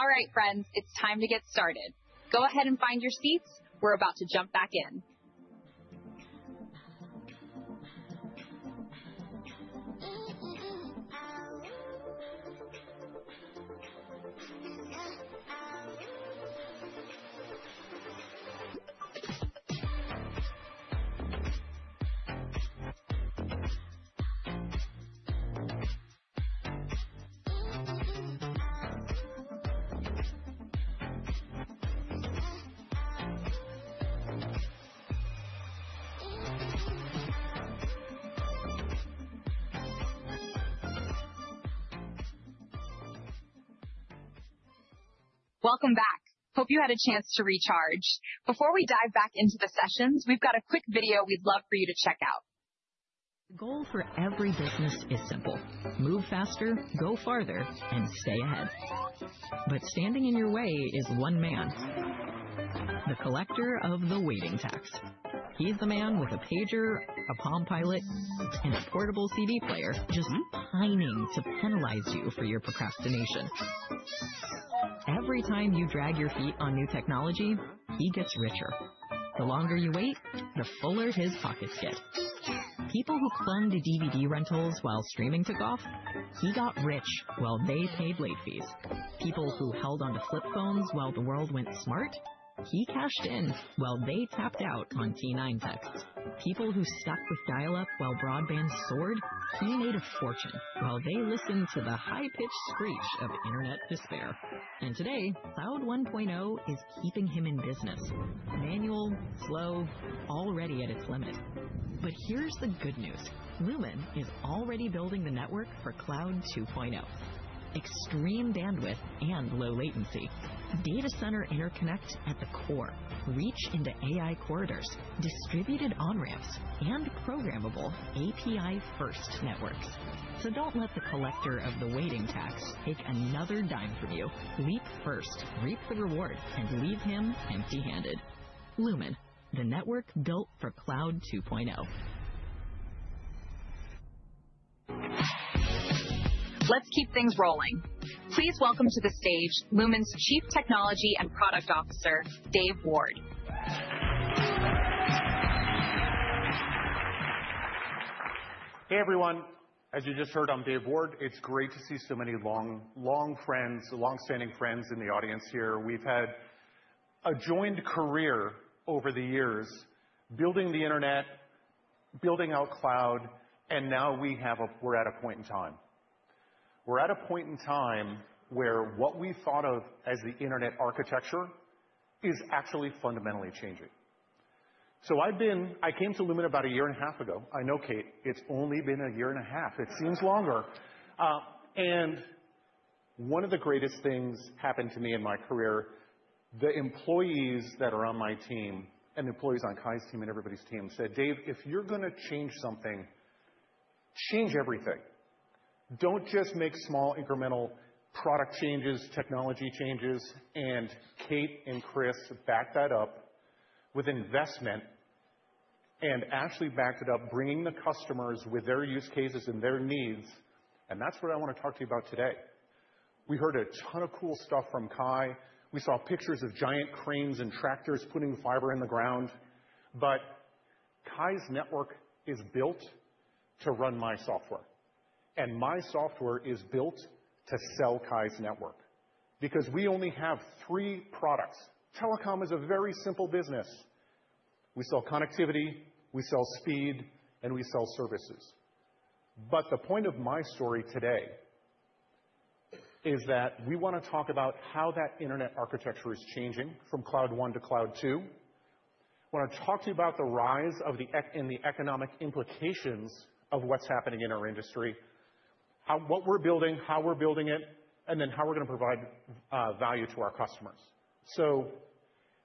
All right, friends, it's time to get started. Go ahead and find your seats. We're about to jump back in. Welcome back! Hope you had a chance to recharge. Before we dive back into the sessions, we've got a quick video we'd love for you to check out. The goal for every business is simple: move faster, go farther, and stay ahead. But standing in your way is one man: the collector of the waiting tax. He's the man with a pager, a Palm Pilot, and a portable CD player just pining to penalize you for your procrastination. Every time you drag your feet on new technology, he gets richer. The longer you wait, the fuller his pockets get. People who clung to DVD rentals while streaming took off, he got rich while they paid late fees. People who held onto flip phones while the world went smart, he cashed in while they tapped out on T9 texts. People who stuck with dial-up while broadband soared, he made a fortune while they listened to the high-pitched screech of internet despair. And today, Cloud 1.0 is keeping him in business, manual, slow, already at its limit. But here's the good news: Lumen is already building the network for Cloud 2.0. Extreme bandwidth and low latency, data center interconnect at the core, reach into AI corridors, distributed on-ramps, and programmable API-first networks. So don't let the collector of the waiting tax take another dime from you. Leap first, reap the reward, and leave him empty-handed. Lumen, the network built for Cloud 2.0. Let's keep things rolling. Please welcome to the stage Lumen's Chief Technology and Product Officer, Dave Ward. Hey, everyone. As you just heard, I'm Dave Ward. It's great to see so many long, long friends, long-standing friends in the audience here. We've had a joint career over the years building the internet, building out cloud, and now we're at a point in time. We're at a point in time where what we thought of as the internet architecture is actually fundamentally changing. So I came to Lumen about a year and a half ago. I know, Kate, it's only been a year and a half. It seems longer. And one of the greatest things that happened to me in my career, the employees that are on my team and the employees on Kye's team and everybody's team said, "Dave, if you're going to change something, change everything. Don't just make small incremental product changes, technology changes." And Kate and Chris backed that up with investment, and Ashley backed it up, bringing the customers with their use cases and their needs. And that's what I want to talk to you about today. We heard a ton of cool stuff from Kye. We saw pictures of giant cranes and tractors putting fiber in the ground. But Kye's network is built to run my software, and my software is built to sell Kye's network because we only have three products. Telecom is a very simple business. We sell connectivity, we sell speed, and we sell services. But the point of my story today is that we want to talk about how that internet architecture is changing from Cloud 1 to Cloud 2. I want to talk to you about the rise in the economic implications of what's happening in our industry, what we're building, how we're building it, and then how we're going to provide value to our customers.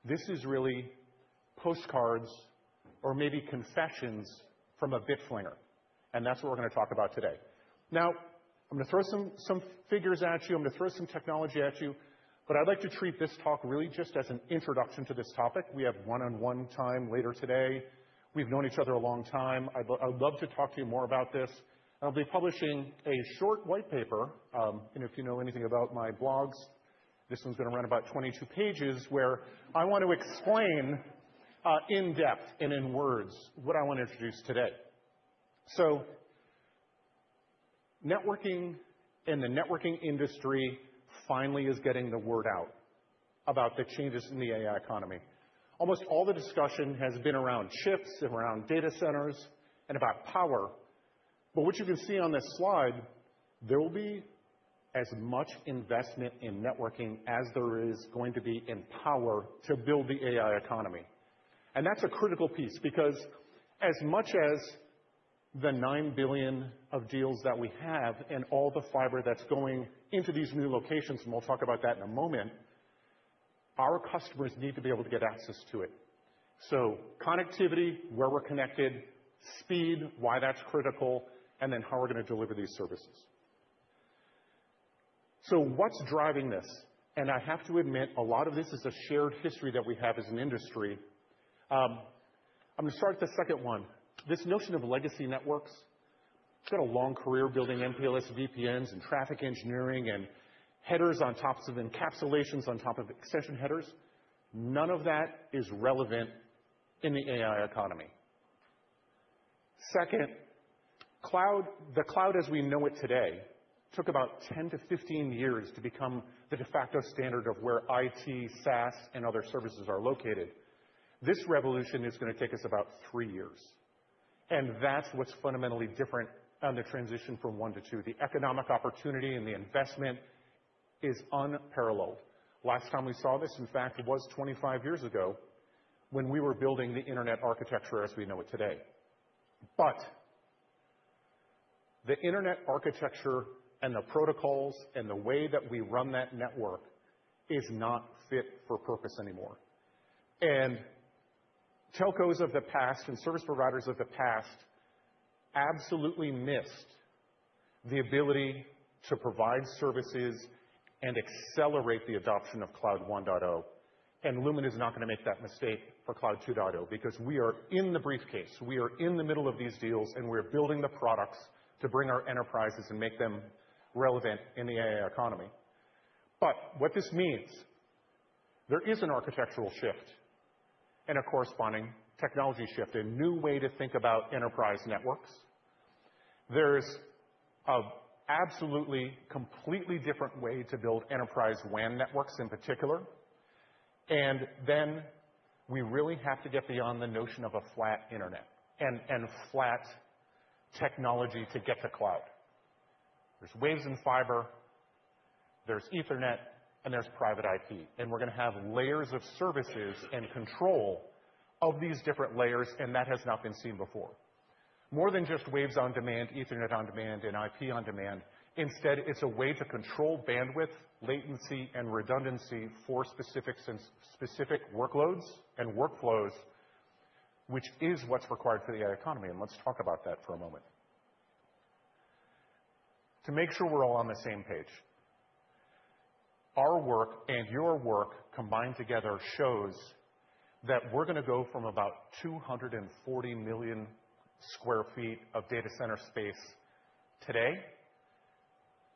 This is really postcards or maybe confessions from a bit flinger, and that's what we're going to talk about today. Now, I'm going to throw some figures at you. I'm going to throw some technology at you, but I'd like to treat this talk really just as an introduction to this topic. We have one-on-one time later today. We've known each other a long time. I'd love to talk to you more about this. I'll be publishing a short white paper. If you know anything about my blogs, this one's going to run about 22 pages where I want to explain in depth and in words what I want to introduce today. So networking and the networking industry finally is getting the word out about the changes in the AI economy. Almost all the discussion has been around chips and around data centers and about power. But what you can see on this slide, there will be as much investment in networking as there is going to be in power to build the AI economy. And that's a critical piece because as much as the $9 billion of deals that we have and all the fiber that's going into these new locations, and we'll talk about that in a moment, our customers need to be able to get access to it. So connectivity, where we're connected, speed, why that's critical, and then how we're going to deliver these services. So what's driving this? And I have to admit, a lot of this is a shared history that we have as an industry. I'm going to start with the second one. This notion of legacy networks, it's got a long career building MPLS, VPNs, and traffic engineering and headers on top of encapsulations on top of extension headers. None of that is relevant in the AI economy. Second, the cloud as we know it today took about 10 years-15 years to become the de facto standard of where IT, SaaS, and other services are located. This revolution is going to take us about three years. And that's what's fundamentally different on the transition from one to two. The economic opportunity and the investment is unparalleled. Last time we saw this, in fact, was 25 years ago when we were building the internet architecture as we know it today. But the internet architecture and the protocols and the way that we run that network is not fit for purpose anymore. Telcos of the past and service providers of the past absolutely missed the ability to provide services and accelerate the adoption of Cloud 1.0. Lumen is not going to make that mistake for Cloud 2.0 because we are in the briefcase. We are in the middle of these deals, and we're building the products to bring our enterprises and make them relevant in the AI economy. But what this means, there is an architectural shift and a corresponding technology shift, a new way to think about enterprise networks. There is an absolutely completely different way to build enterprise WAN networks in particular. Then we really have to get beyond the notion of a flat internet and flat technology to get to cloud. There are waves and fiber, there is Ethernet, and there is private IP. And we're going to have layers of services and control of these different layers, and that has not been seen before. More than just waves on demand, Ethernet on Demand, and IP on demand, instead, it's a way to control bandwidth, latency, and redundancy for specific workloads and workflows, which is what's required for the AI economy. And let's talk about that for a moment. To make sure we're all on the same page, our work and your work combined together shows that we're going to go from about 240 million sq ft of data center space today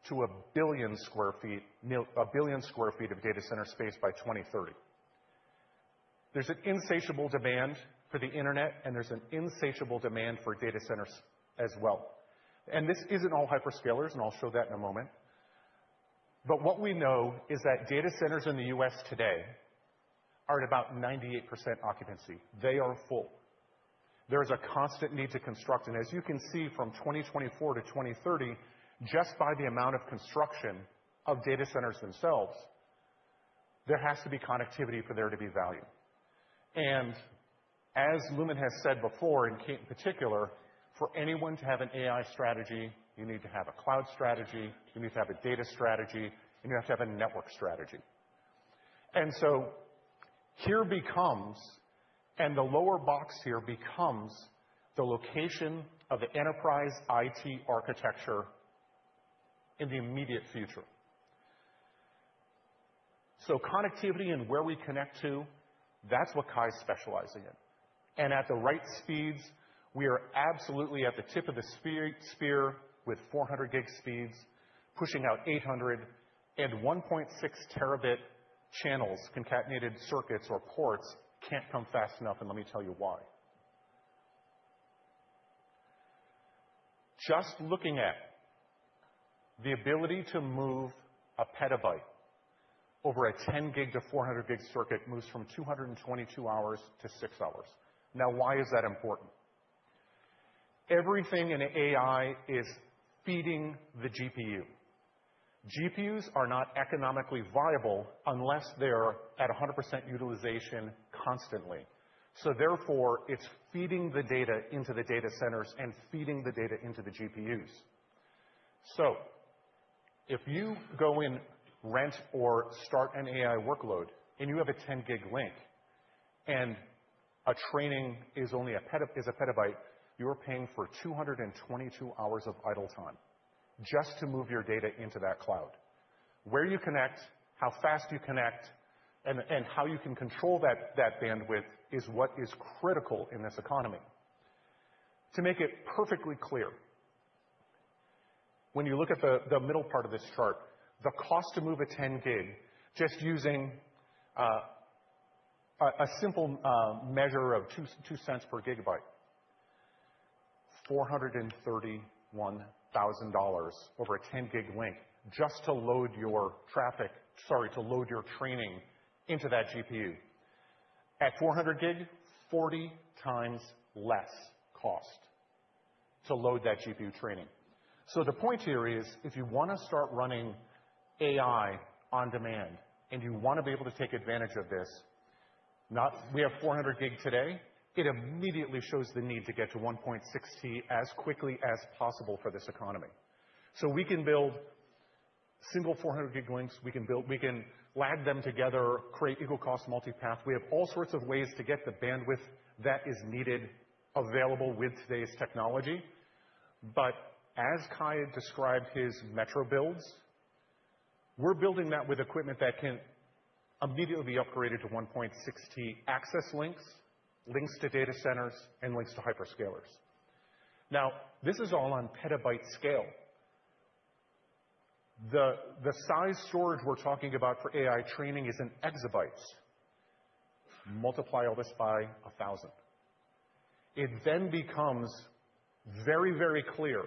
to 1 billion sq ft of data center space by 2030. There's an insatiable demand for the internet, and there's an insatiable demand for data centers as well. And this isn't all hyperscalers, and I'll show that in a moment. But what we know is that data centers in the U.S. today are at about 98% occupancy. They are full. There is a constant need to construct. And as you can see from 2024 to 2030, just by the amount of construction of data centers themselves, there has to be connectivity for there to be value. And as Lumen has said before, and Kate in particular, for anyone to have an AI strategy, you need to have a cloud strategy, you need to have a data strategy, and you have to have a network strategy. And so here becomes, and the lower box here becomes the location of the enterprise IT architecture in the immediate future. So connectivity and where we connect to, that's what Kye's specializing in. At the right speeds, we are absolutely at the tip of the spear with 400 Gbps speeds, pushing out 800 Gbps, and 1.6 Tb channels. Concatenated circuits or ports can't come fast enough, and let me tell you why. Just looking at the ability to move a petabyte over a 10 Gbps to 400 Gbps circuit moves from 222 hours to six hours. Now, why is that important? Everything in AI is feeding the GPU. GPUs are not economically viable unless they're at 100% utilization constantly. So therefore, it's feeding the data into the data centers and feeding the data into the GPUs. So if you go and rent or start an AI workload and you have a 10 Gbps link and a training is only a petabyte, you're paying for 222 hours of idle time just to move your data into that cloud. Where you connect, how fast you connect, and how you can control that bandwidth is what is critical in this economy. To make it perfectly clear, when you look at the middle part of this chart, the cost to move a 10 Gbps just using a simple measure of$0.2 per GB, $431,000 over a 10 Gbps link just to load your traffic, sorry, to load your training into that GPU. At 400 Gbps, 40x less cost to load that GPU training. So the point here is if you want to start running AI on demand and you want to be able to take advantage of this, we have 400 Gbps today. It immediately shows the need to get to 1.6 T as quickly as possible for this economy. So we can build single 400 Gbps links. We can LAG them together, create equal cost multi-path. We have all sorts of ways to get the bandwidth that is needed available with today's technology. But as Kye described his metro builds, we're building that with equipment that can immediately be upgraded to 1.6 T access links, links to data centers, and links to hyperscalers. Now, this is all on petabyte scale. The size storage we're talking about for AI training is in exabytes. Multiply all this by 1,000. It then becomes very, very clear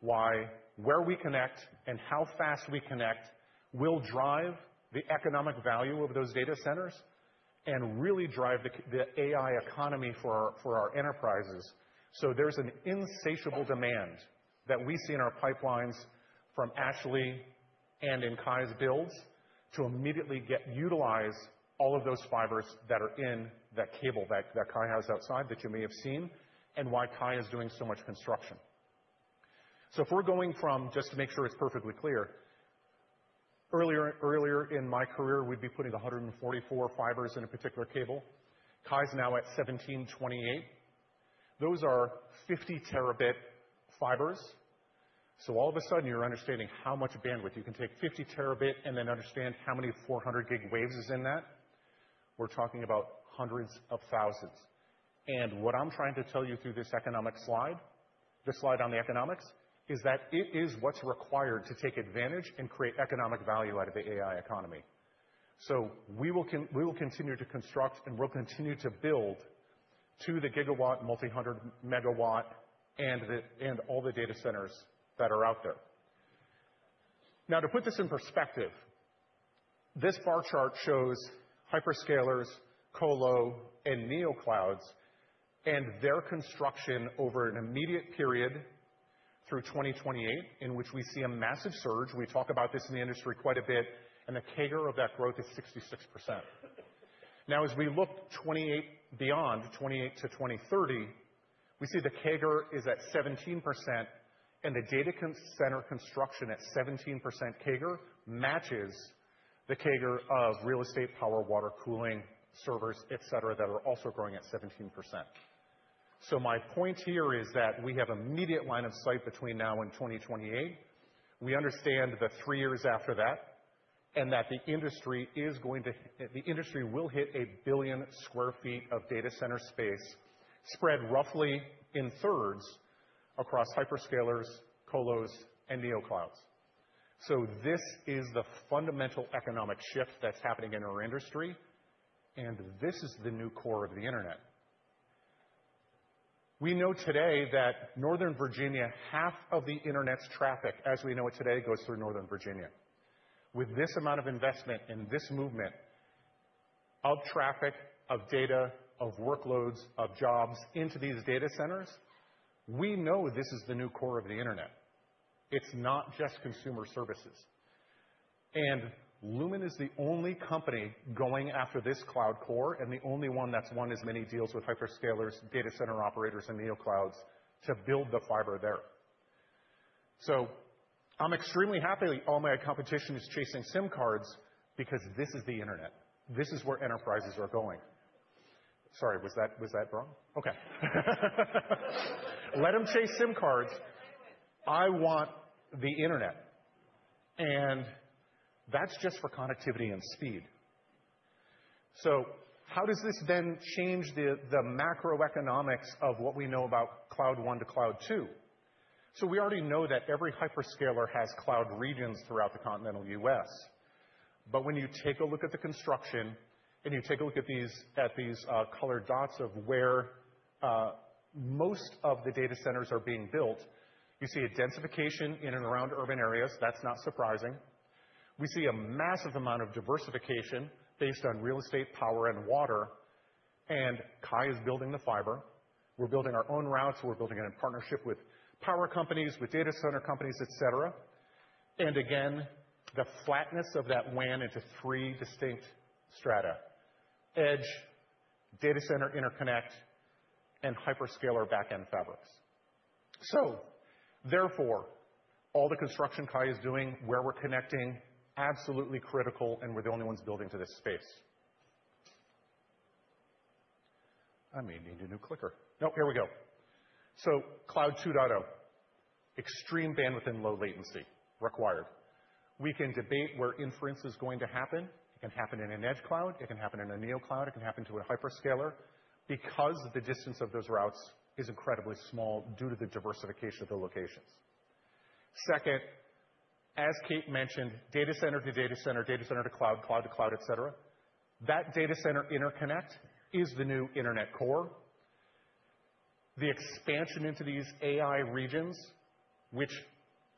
why where we connect and how fast we connect will drive the economic value of those data centers and really drive the AI economy for our enterprises. So there's an insatiable demand that we see in our pipelines from Ashley and in Kye's builds to immediately utilize all of those fibers that are in that cable that Kye has outside that you may have seen and why Kye is doing so much construction. So if we're going from, just to make sure it's perfectly clear, earlier in my career, we'd be putting 144 fibers in a particular cable. Kye's now at 1728. Those are 50 Tb fibers. So all of a sudden, you're understanding how much bandwidth you can take 50 Tb and then understand how many 400 Gbps waves is in that. We're talking about hundreds of thousands. And what I'm trying to tell you through this economic slide, this slide on the economics, is that it is what's required to take advantage and create economic value out of the AI economy. So we will continue to construct and we'll continue to build to the GW, multi-hundred megawatt, and all the data centers that are out there. Now, to put this in perspective, this bar chart shows hyperscalers, colo, and neoclouds and their construction over an immediate period through 2028, in which we see a massive surge. We talk about this in the industry quite a bit, and the CAGR of that growth is 66%. Now, as we look beyond 2028 to 2030, we see the CAGR is at 17%, and the data center construction at 17% CAGR matches the CAGR of real estate, power, water, cooling, servers, etc., that are also growing at 17%. So my point here is that we have immediate line of sight between now and 2028. We understand the three years after that and that the industry will hit a billion sq ft of data center space spread roughly in thirds across hyperscalers, colos, and neoclouds. This is the fundamental economic shift that's happening in our industry, and this is the new core of the internet. We know today that Northern Virginia, half of the internet's traffic, as we know it today, goes through Northern Virginia. With this amount of investment and this movement of traffic, of data, of workloads, of jobs into these data centers, we know this is the new core of the internet. It's not just consumer services. And Lumen is the only company going after this cloud core and the only one that's won as many deals with hyperscalers, data center operators, and NeoClouds to build the fiber there. So I'm extremely happy all my competition is chasing SIM cards because this is the internet. This is where enterprises are going. Sorry, was that wrong? Okay. Let them chase SIM cards. I want the internet. And that's just for connectivity and speed. So how does this then change the macroeconomics of what we know about cloud one to cloud two? So we already know that every hyperscaler has cloud regions throughout the continental U.S. But when you take a look at the construction and you take a look at these colored dots of where most of the data centers are being built, you see a densification in and around urban areas. That's not surprising. We see a massive amount of diversification based on real estate, power, and water. And Kye is building the fiber. We're building our own routes. We're building it in partnership with power companies, with data center companies, etc. And again, the flatness of that WAN into three distinct strata: edge, data center interconnect, and hyperscaler backend fabrics. So therefore, all the construction Kye is doing where we're connecting is absolutely critical, and we're the only ones building to this space. I may need a new clicker. No, here we go. Cloud 2.0 requires extreme bandwidth and low latency. We can debate where inference is going to happen. It can happen in an edge cloud. It can happen in a NeoCloud. It can happen to a hyperscaler because the distance of those routes is incredibly small due to the diversification of the locations. Second, as Kate mentioned, data center to data center, data center to cloud, cloud to cloud, etc., that data center interconnect is the new internet core. The expansion into these AI regions, which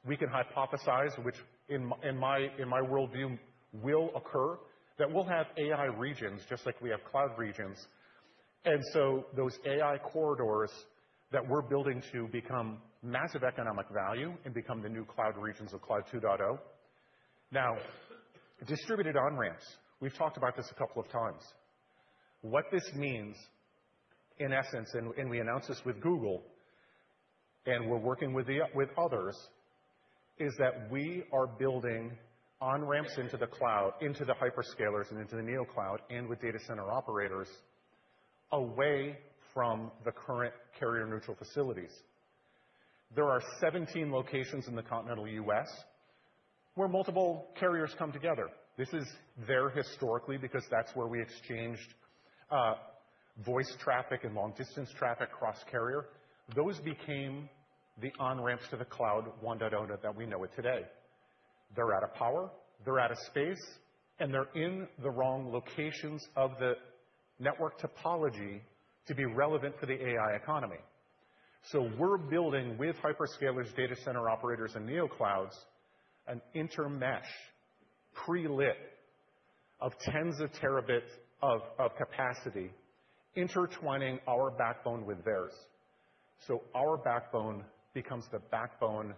we can hypothesize, which in my worldview will occur, that will have AI regions just like we have cloud regions. And so those AI corridors that we're building to become massive economic value and become the new cloud regions of Cloud 2.0. Now, distributed on-ramps. We've talked about this a couple of times. What this means, in essence, and we announced this with Google and we're working with others, is that we are building on-ramps into the cloud, into the hyperscalers and into the NeoCloud and with data center operators away from the current carrier-neutral facilities. There are 17 locations in the continental U.S. where multiple carriers come together. This is there, historically, because that's where we exchanged voice traffic and long-distance traffic cross-carrier. Those became the on-ramps to the Cloud 1.0 that we know today. They're out of power. They're out of space, and they're in the wrong locations of the network topology to be relevant for the AI economy. So we're building with hyperscalers, data center operators, and NeoClouds an intermesh prelit of tens of Tbs of capacity intertwining our backbone with theirs. So our backbone becomes the backbone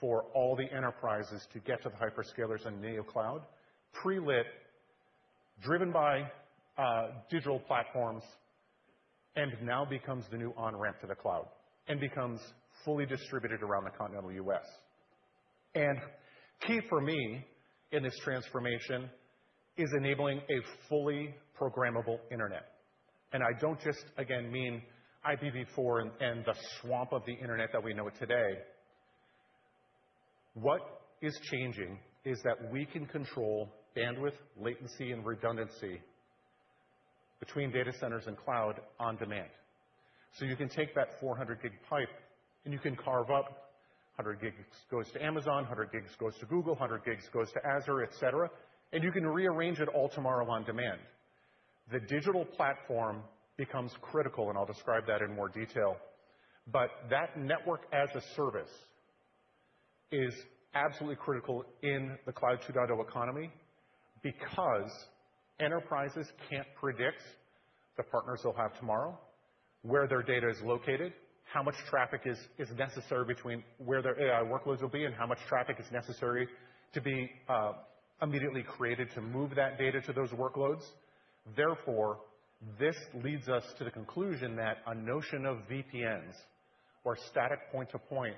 for all the enterprises to get to the hyperscalers and NeoCloud prelit driven by digital platforms and now becomes the new on-ramp to the cloud and becomes fully distributed around the continental U.S. And key for me in this transformation is enabling a fully programmable internet. And I don't just, again, mean IPv4 and the swamp of the internet that we know it today. What is changing is that we can control bandwidth, latency, and redundancy between data centers and cloud on demand. So you can take that 400 Gbps pipe and you can carve up 100 Gbps goes to Amazon, 100 Gbps goes to Google, 100 Gbps goes to Azure, etc., and you can rearrange it all tomorrow on demand. The digital platform becomes critical, and I'll describe that in more detail, but that network as a service is absolutely critical in the cloud 2.0 economy because enterprises can't predict the partners they'll have tomorrow, where their data is located, how much traffic is necessary between where their AI workloads will be and how much traffic is necessary to be immediately created to move that data to those workloads. Therefore, this leads us to the conclusion that a notion of VPNs or static point-to-point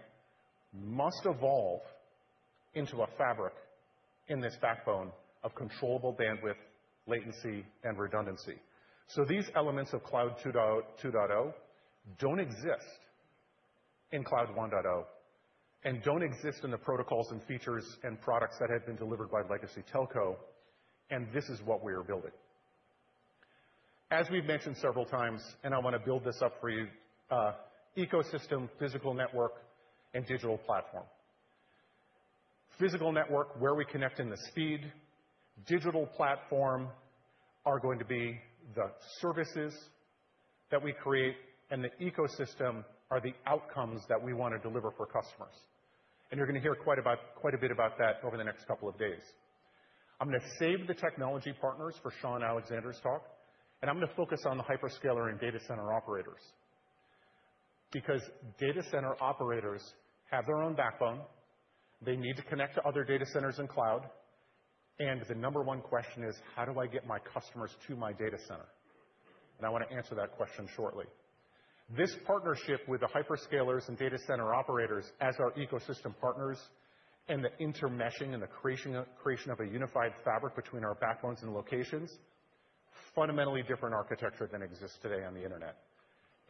must evolve into a fabric in this backbone of controllable bandwidth, latency, and redundancy. So these elements of Cloud 2.0 don't exist in Cloud 1.0 and don't exist in the protocols and features and products that have been delivered by legacy telco, and this is what we are building. As we've mentioned several times, and I want to build this up for you, ecosystem, physical network, and digital platform. Physical network, where we connect in the speed. Digital platform are going to be the services that we create, and the ecosystem are the outcomes that we want to deliver for customers. And you're going to hear quite a bit about that over the next couple of days. I'm going to save the technology partners for Sean Alexander's talk, and I'm going to focus on the hyperscaler and data center operators because data center operators have their own backbone. They need to connect to other data centers and cloud, and the number one question is, how do I get my customers to my data center? And I want to answer that question shortly. This partnership with the hyperscalers and data center operators as our ecosystem partners and the intermeshing and the creation of a unified fabric between our backbones and locations, fundamentally different architecture than exists today on the internet.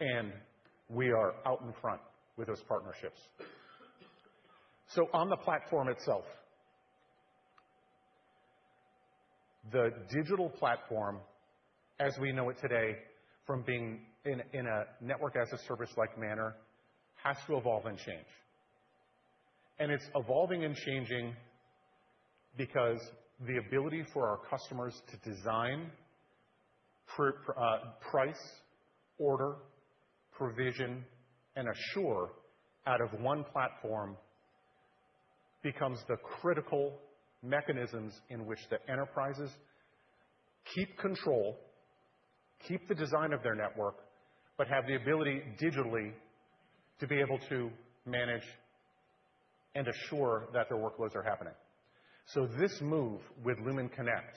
And we are out in front with those partnerships. So on the platform itself, the digital platform, as we know it today, from being in a network as a service-like manner, has to evolve and change. And it's evolving and changing because the ability for our customers to design, price, order, provision, and assure out of one platform becomes the critical mechanisms in which the enterprises keep control, keep the design of their network, but have the ability digitally to be able to manage and assure that their workloads are happening. So this move with Lumen Connect,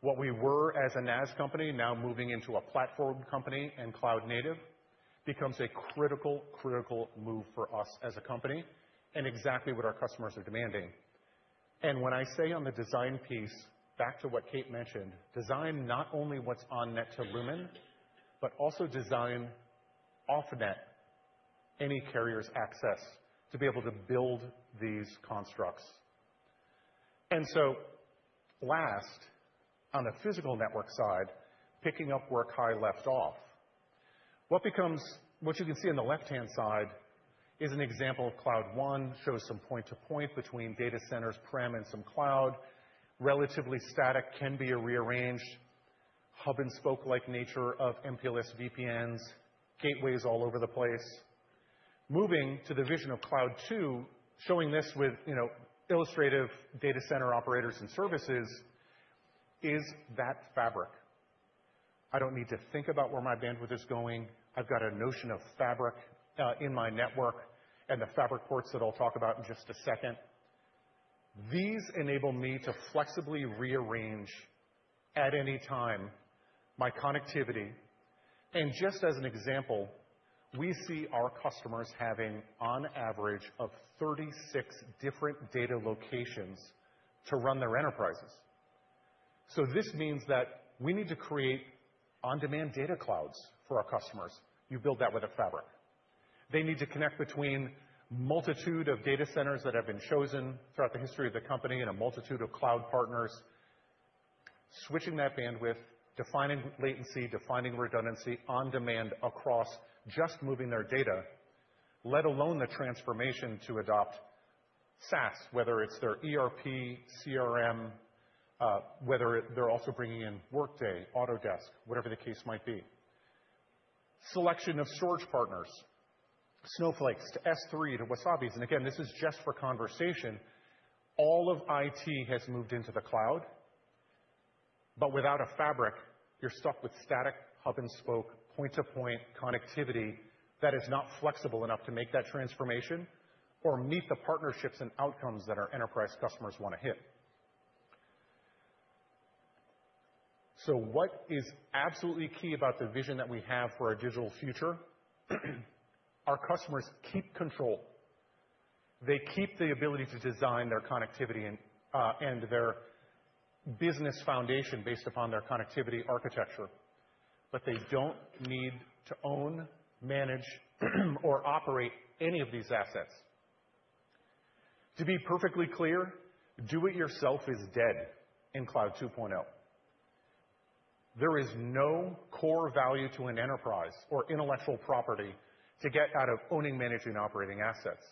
what we were as a NaaS company, now moving into a platform company and cloud native, becomes a critical, critical move for us as a company and exactly what our customers are demanding. And when I say on the design piece, back to what Kate mentioned, design not only what's on net to Lumen, but also design off net any carrier's access to be able to build these constructs. And so, last, on the physical network side, picking up where Kye left off, what you can see on the left-hand side is an example of cloud one, shows some point-to-point between data centers, premises, and some cloud. Relatively static can be a rearranged hub-and-spoke-like nature of MPLS VPNs, gateways all over the place. Moving to the vision of cloud two, showing this with illustrative data center operators and services is that fabric. I don't need to think about where my bandwidth is going. I've got a notion of fabric in my network and the fabric ports that I'll talk about in just a second. These enable me to flexibly rearrange at any time my connectivity. And just as an example, we see our customers having on average of 36 different data locations to run their enterprises. So this means that we need to create on-demand data clouds for our customers. You build that with a fabric. They need to connect between a multitude of data centers that have been chosen throughout the history of the company and a multitude of cloud partners, switching that bandwidth, defining latency, defining redundancy on demand across just moving their data, let alone the transformation to adopt SaaS, whether it's their ERP, CRM, whether they're also bringing in Workday, Autodesk, whatever the case might be. Selection of storage partners, Snowflake to S3 to Wasabi., and again, this is just for conversation. All of IT has moved into the cloud, but without a fabric, you're stuck with static hub-and-spoke, point-to-point connectivity that is not flexible enough to make that transformation or meet the partnerships and outcomes that our enterprise customers want to hit. So what is absolutely key about the vision that we have for our digital future? Our customers keep control. They keep the ability to design their connectivity and their business foundation based upon their connectivity architecture, but they don't need to own, manage, or operate any of these assets. To be perfectly clear, do-it-yourself is dead in Cloud 2.0. There is no core value to an enterprise or intellectual property to get out of owning, managing, and operating assets.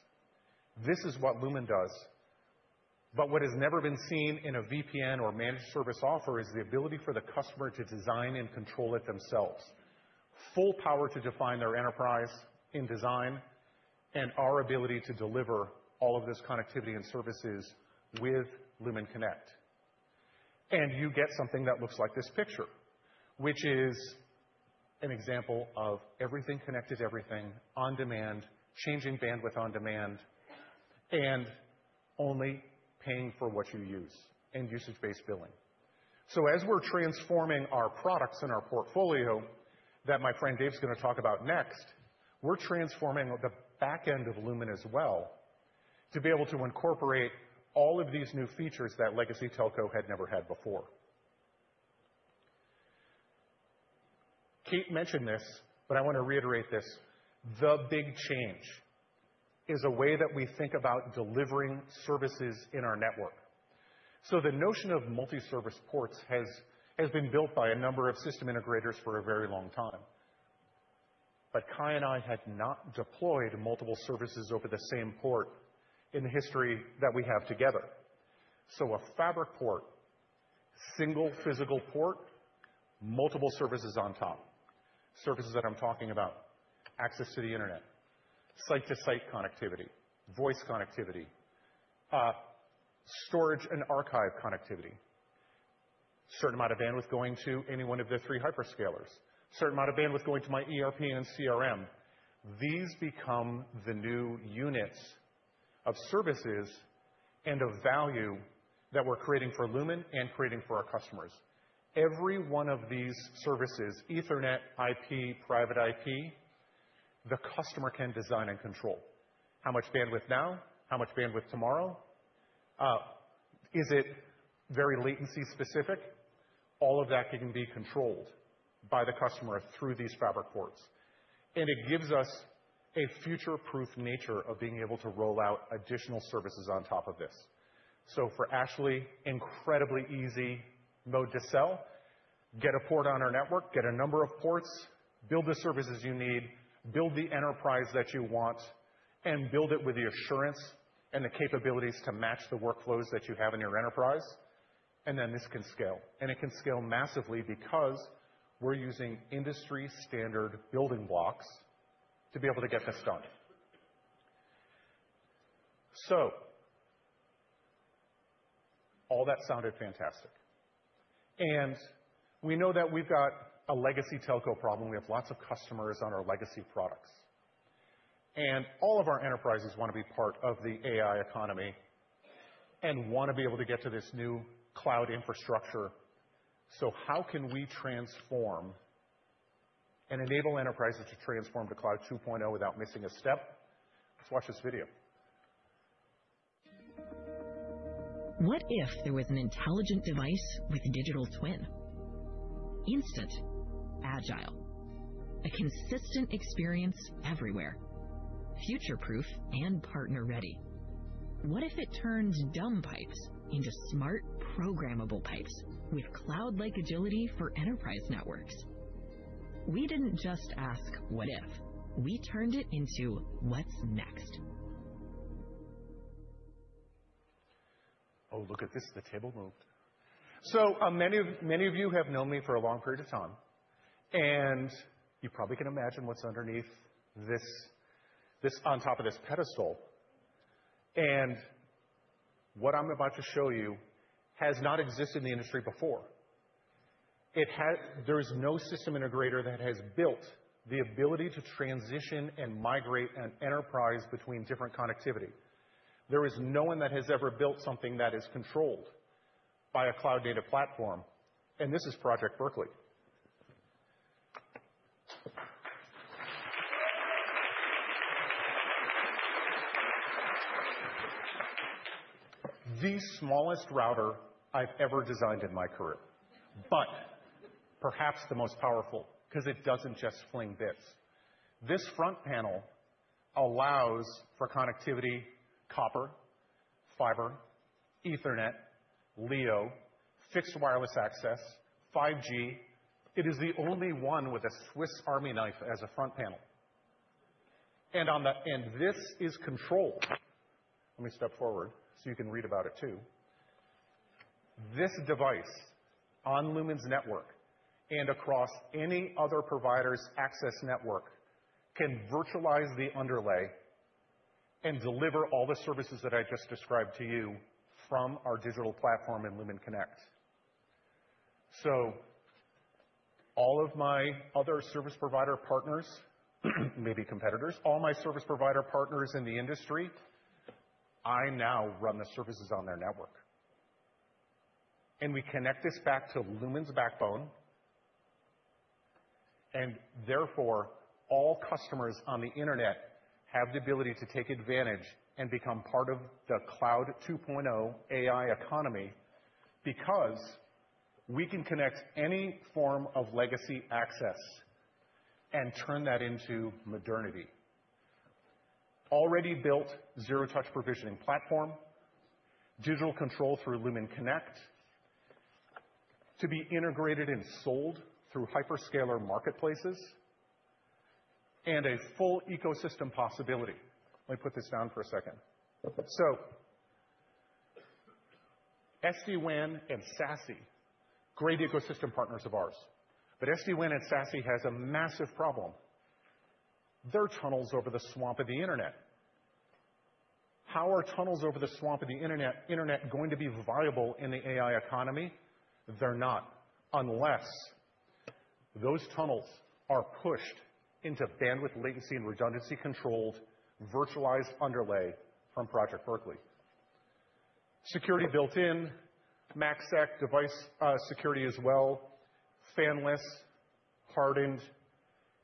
This is what Lumen does. But what has never been seen in a VPN or managed service offer is the ability for the customer to design and control it themselves. Full power to define their enterprise in design and our ability to deliver all of this connectivity and services with Lumen Connect. And you get something that looks like this picture, which is an example of everything connected, everything on demand, changing bandwidth on demand, and only paying for what you use and usage-based billing. So as we're transforming our products and our portfolio that my friend Dave's going to talk about next, we're transforming the backend of Lumen as well to be able to incorporate all of these new features that legacy telco had never had before. Kate mentioned this, but I want to reiterate this. The big change is a way that we think about delivering services in our network. So the notion of multi-service ports has been built by a number of system integrators for a very long time. But Kye and I had not deployed multiple services over the same port in the history that we have together. So a fabric port, single physical port, multiple services on top. Services that I'm talking about: access to the internet, site-to-site connectivity, voice connectivity, storage and archive connectivity, a certain amount of bandwidth going to any one of the three hyperscalers, a certain amount of bandwidth going to my ERP and CRM. These become the new units of services and of value that we're creating for Lumen and creating for our customers. Every one of these services, Ethernet, IP, private IP, the customer can design and control. How much bandwidth now? How much bandwidth tomorrow? Is it very latency specific? All of that can be controlled by the customer through these fabric ports. And it gives us a future-proof nature of being able to roll out additional services on top of this. So for Ashley, incredibly easy mode to sell. Get a port on our network, get a number of ports, build the services you need, build the enterprise that you want, and build it with the assurance and the capabilities to match the workflows that you have in your enterprise. And then this can scale. And it can scale massively because we're using industry-standard building blocks to be able to get this done. So all that sounded fantastic. And we know that we've got a legacy telco problem. We have lots of customers on our legacy products. And all of our enterprises want to be part of the AI economy and want to be able to get to this new cloud infrastructure. So how can we transform and enable enterprises to transform to Cloud 2.0 without missing a step? Let's watch this video. What if there was an intelligent device with a Digital Twin? Instant, agile, a consistent experience everywhere, future-proof and partner-ready. What if it turned dumb pipes into smart programmable pipes with cloud-like agility for enterprise networks? We didn't just ask what if. We turned it into what's next. Oh, look at this. The table moved. So many of you have known me for a long period of time, and you probably can imagine what's underneath this on top of this pedestal. And what I'm about to show you has not existed in the industry before. There is no system integrator that has built the ability to transition and migrate an enterprise between different connectivity. There is no one that has ever built something that is controlled by a cloud-native platform. And this is Project Berkeley. The smallest router I've ever designed in my career, but perhaps the most powerful because it doesn't just fling bits. This front panel allows for connectivity, copper, fiber, Ethernet, LEO, fixed wireless access, 5G. It is the only one with a Swiss Army knife as a front panel, and this is controlled. Let me step forward so you can read about it too. This device on Lumen's network and across any other provider's access network can virtualize the underlay and deliver all the services that I just described to you from our digital platform in Lumen Connect. So all of my other service provider partners, maybe competitors, all my service provider partners in the industry, I now run the services on their network, and we connect this back to Lumen's backbone. Therefore, all customers on the internet have the ability to take advantage and become part of the Cloud 2.0 AI economy because we can connect any form of legacy access and turn that into modernity. Already built zero-touch provisioning platform, digital control through Lumen Connect to be integrated and sold through hyperscaler marketplaces, and a full ecosystem possibility. Let me put this down for a second. So SD-WAN and SASE, great ecosystem partners of ours. But SD-WAN and SASE has a massive problem. Their tunnels over the swamp of the internet. How are tunnels over the swamp of the internet going to be viable in the AI economy? They're not unless those tunnels are pushed into bandwidth, latency, and redundancy-controlled virtualized underlay from Project Berkeley. Security built-in, MACSEC device security as well, fanless, hardened,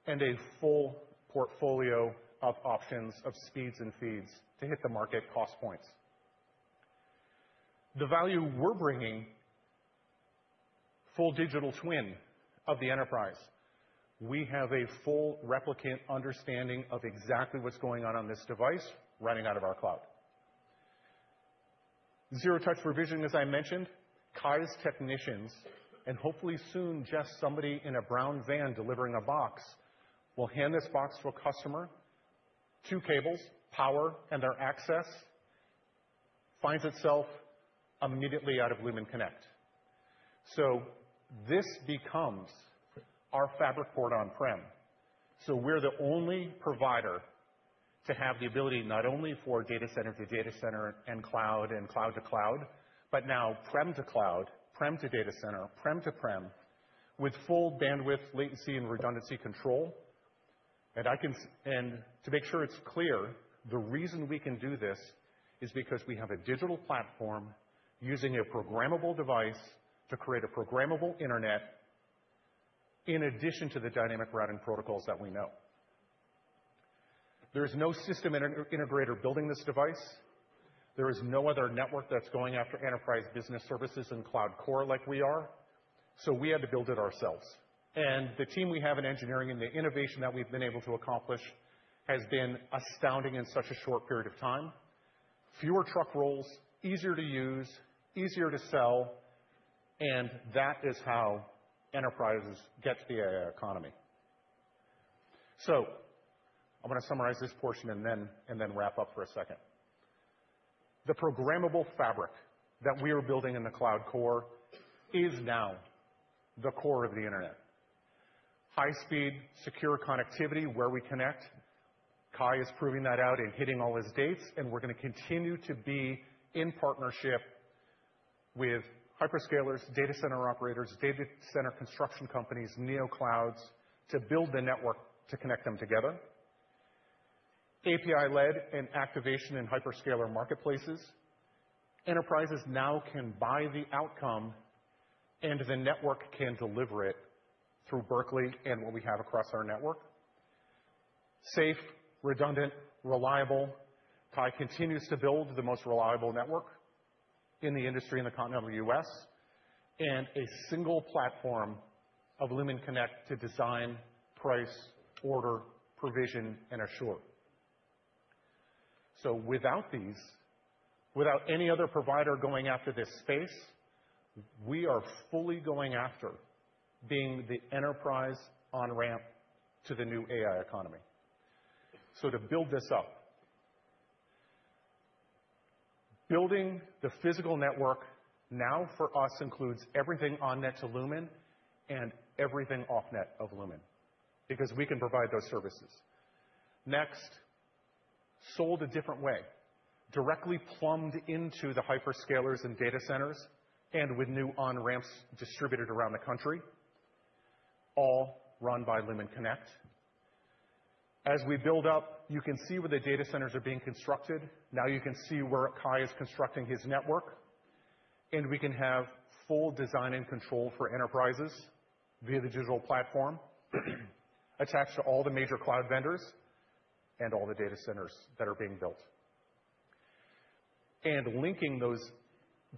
and a full portfolio of options of speeds and feeds to hit the market cost points. The value we're bringing, full digital twin of the enterprise. We have a full replicant understanding of exactly what's going on on this device running out of our cloud. Zero-touch provision, as I mentioned, Kye's technicians, and hopefully soon just somebody in a brown van delivering a box will hand this box to a customer, two cables, power, and their access finds itself immediately out of Lumen Connect. So this becomes our fabric port on-prem. So we're the only provider to have the ability not only for data center to data center and cloud and cloud to cloud, but now on-prem to cloud, on-prem to data center, on-prem to on-prem with full bandwidth, latency, and redundancy control. And to make sure it's clear, the reason we can do this is because we have a digital platform using a programmable device to create a programmable internet in addition to the dynamic routing protocols that we know. There is no system integrator building this device. There is no other network that's going after enterprise business services and cloud core like we are. So we had to build it ourselves. And the team we have in engineering and the innovation that we've been able to accomplish has been astounding in such a short period of time. Fewer truck rolls, easier to use, easier to sell. And that is how enterprises get to the AI economy. So I'm going to summarize this portion and then wrap up for a second. The programmable fabric that we are building in the cloud core is now the core of the internet. High-speed, secure connectivity where we connect. Kye is proving that out and hitting all his dates. And we're going to continue to be in partnership with hyperscalers, data center operators, data center construction companies, NeoClouds to build the network to connect them together. API-led and activation in hyperscaler marketplaces. Enterprises now can buy the outcome and the network can deliver it through Berkeley and what we have across our network. Safe, redundant, reliable. Kye continues to build the most reliable network in the industry in the continental U.S. and a single platform of Lumen Connect to design, price, order, provision, and assure. So without these, without any other provider going after this space, we are fully going after being the enterprise on-ramp to the new AI economy. So to build this up, building the physical network now for us includes everything on-net to Lumen and everything off-net of Lumen because we can provide those services. Next, sold a different way, directly plumbed into the hyperscalers and data centers and with new on-ramps distributed around the country, all run by Lumen Connect. As we build up, you can see where the data centers are being constructed. Now you can see where Kye is constructing his network. And we can have full design and control for enterprises via the digital platform attached to all the major cloud vendors and all the data centers that are being built. And linking those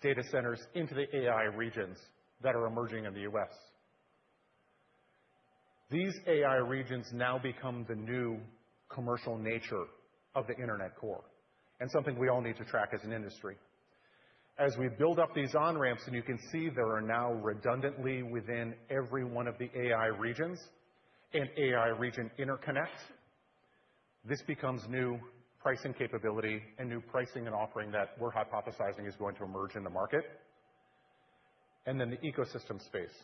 data centers into the AI regions that are emerging in the U.S. These AI regions now become the new commercial nature of the internet core and something we all need to track as an industry. As we build up these on-ramps, and you can see there are now redundantly within every one of the AI regions and AI region interconnects, this becomes new pricing capability and new pricing and offering that we're hypothesizing is going to emerge in the market. And then the ecosystem space.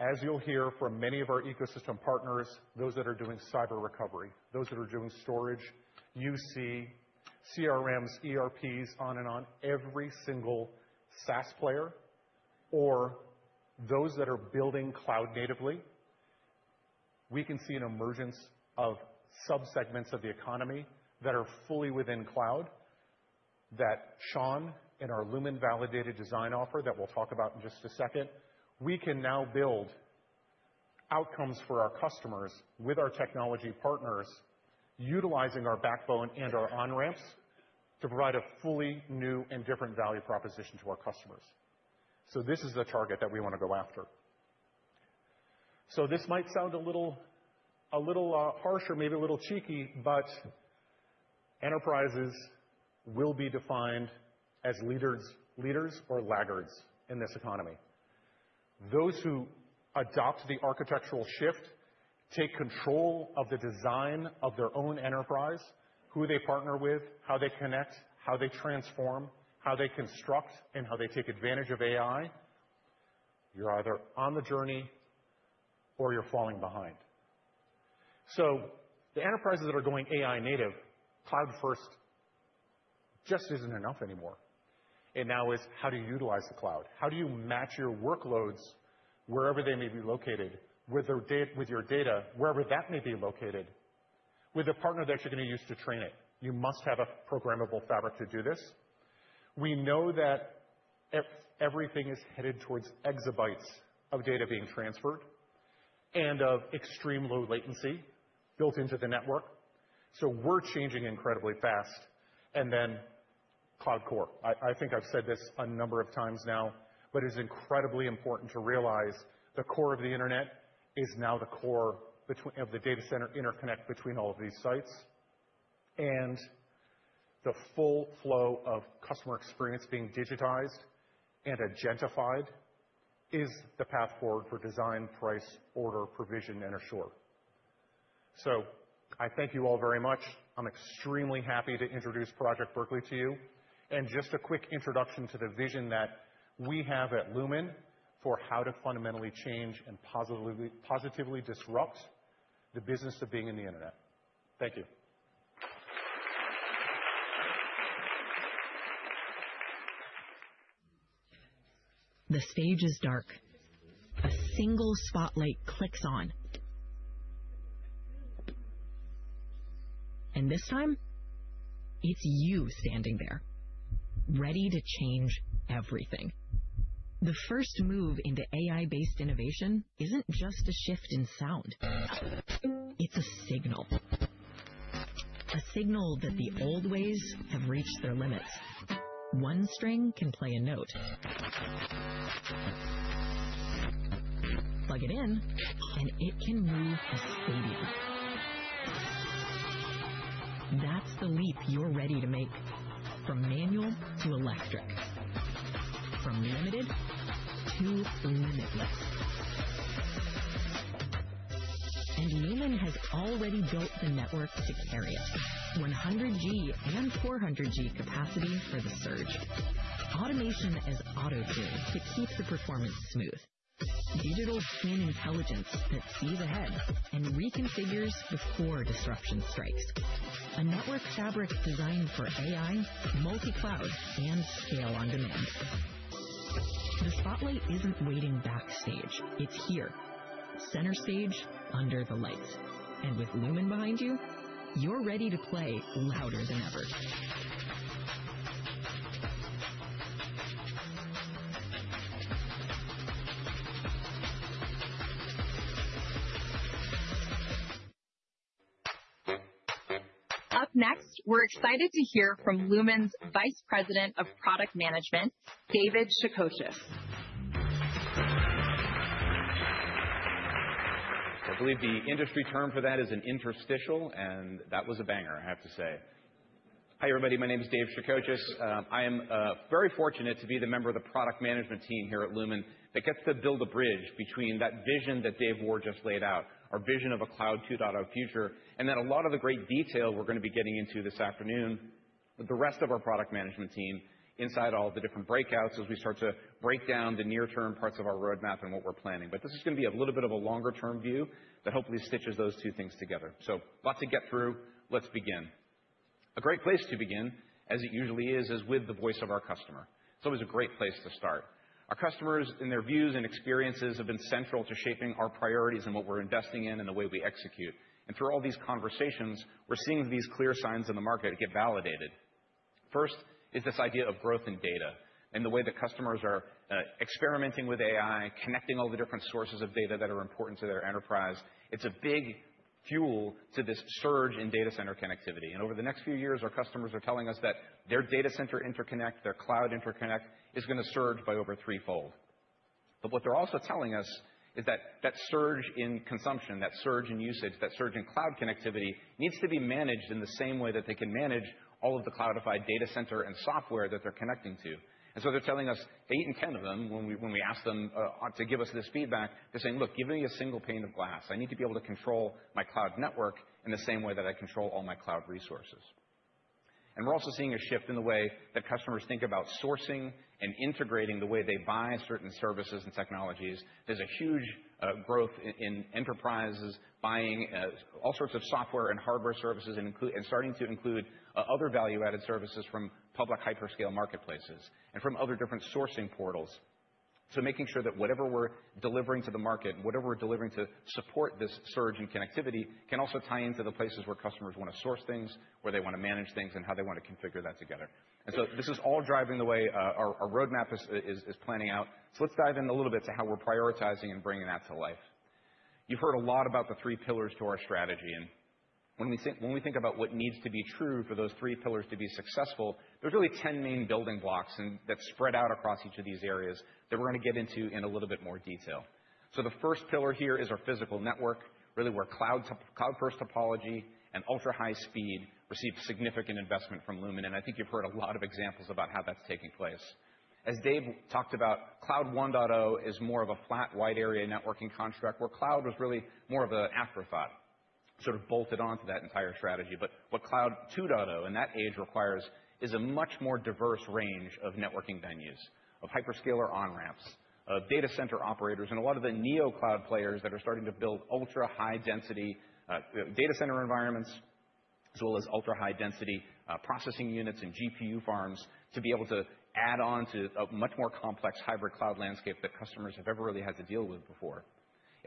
As you'll hear from many of our ecosystem partners, those that are doing cyber recovery, those that are doing storage, UC, CRMs, ERPs, on and on every single SaaS player, or those that are building cloud natively, we can see an emergence of subsegments of the economy that are fully within cloud that Sean and our Lumen Validated Design offer that we'll talk about in just a second. We can now build outcomes for our customers with our technology partners, utilizing our backbone and our on-ramps to provide a fully new and different value proposition to our customers. So this is the target that we want to go after. So this might sound a little harsh or maybe a little cheeky, but enterprises will be defined as leaders or laggards in this economy. Those who adopt the architectural shift, take control of the design of their own enterprise, who they partner with, how they connect, how they transform, how they construct, and how they take advantage of AI, you're either on the journey or you're falling behind. So the enterprises that are going AI native, cloud first just isn't enough anymore. And now is how do you utilize the cloud? How do you match your workloads wherever they may be located with your data, wherever that may be located, with the partner that you're going to use to train it? You must have a programmable fabric to do this. We know that everything is headed towards exabytes of data being transferred and of extreme low latency built into the network. So we're changing incredibly fast. And then cloud core. I think I've said this a number of times now, but it is incredibly important to realize the core of the internet is now the core of the data center interconnect between all of these sites, and the full flow of customer experience being digitized and agentified is the path forward for design, price, order, provision, and assure. So I thank you all very much. I'm extremely happy to introduce Project Berkeley to you and just a quick introduction to the vision that we have at Lumen for how to fundamentally change and positively disrupt the business of being in the internet. Thank you. The stage is dark. A single spotlight clicks on, and this time, it's you standing there, ready to change everything. The first move into AI-based innovation isn't just a shift in sound. It's a signal. A signal that the old ways have reached their limits. One string can play a note. Plug it in, and it can move a stadium. That's the leap you're ready to make from manual to electric, from limited to limitless. And Lumen has already built the network to carry it, 100G and 400G capacity for the surge. Automation as auto-tuned to keep the performance smooth. Digital Twin intelligence that sees ahead and reconfigures before disruption strikes. A network fabric designed for AI, multi-cloud, and scale on demand. The spotlight isn't waiting backstage. It's here, center stage under the lights. And with Lumen behind you, you're ready to play louder than ever. Up next, we're excited to hear from Lumen's Vice President of Product Management, David Shacochis. I believe the industry term for that is an interstitial, and that was a banger, I have to say. Hi everybody. My name is Dave Shacochis. I am very fortunate to be the member of the product management team here at Lumen that gets to build a bridge between that vision that Dave Ward just laid out, our vision of a Cloud 2.0 future, and then a lot of the great detail we're going to be getting into this afternoon with the rest of our product management team inside all the different breakouts as we start to break down the near-term parts of our roadmap and what we're planning. But this is going to be a little bit of a longer-term view that hopefully stitches those two things together. So lots to get through. Let's begin. A great place to begin, as it usually is, is with the voice of our customer. It's always a great place to start. Our customers and their views and experiences have been central to shaping our priorities and what we're investing in and the way we execute. And through all these conversations, we're seeing these clear signs in the market get validated. First is this idea of growth in data and the way that customers are experimenting with AI, connecting all the different sources of data that are important to their enterprise. It's a big fuel to this surge in data center connectivity. And over the next few years, our customers are telling us that their data center interconnect, their cloud interconnect is going to surge by over threefold. But what they're also telling us is that that surge in consumption, that surge in usage, that surge in cloud connectivity needs to be managed in the same way that they can manage all of the cloudified data center and software that they're connecting to. And so they're telling us, eight and 10 of them, when we asked them to give us this feedback, they're saying, "Look, give me a single pane of glass. I need to be able to control my cloud network in the same way that I control all my cloud resources," and we're also seeing a shift in the way that customers think about sourcing and integrating the way they buy certain services and technologies. There's a huge growth in enterprises buying all sorts of software and hardware services and starting to include other value-added services from public hyperscale marketplaces and from other different sourcing portals. So making sure that whatever we're delivering to the market, whatever we're delivering to support this surge in connectivity can also tie into the places where customers want to source things, where they want to manage things, and how they want to configure that together. And so this is all driving the way our roadmap is planning out. So let's dive in a little bit to how we're prioritizing and bringing that to life. You've heard a lot about the three pillars to our strategy. And when we think about what needs to be true for those three pillars to be successful, there's really 10 main building blocks that spread out across each of these areas that we're going to get into in a little bit more detail. The first pillar here is our physical network, really where Cloud 1.0 topology and ultra-high-speed receive significant investment from Lumen. I think you've heard a lot of examples about how that's taking place. As Dave talked about, Cloud 1.0 is more of a flat wide area networking construct where cloud was really more of an afterthought, sort of bolted onto that entire strategy. What Cloud 2.0 and that age requires is a much more diverse range of networking venues, of hyperscaler on-ramps, of data center operators, and a lot of the NeoCloud players that are starting to build ultra-high-density data center environments, as well as ultra-high-density processing units and GPU farms to be able to add on to a much more complex hybrid cloud landscape that customers have ever really had to deal with before.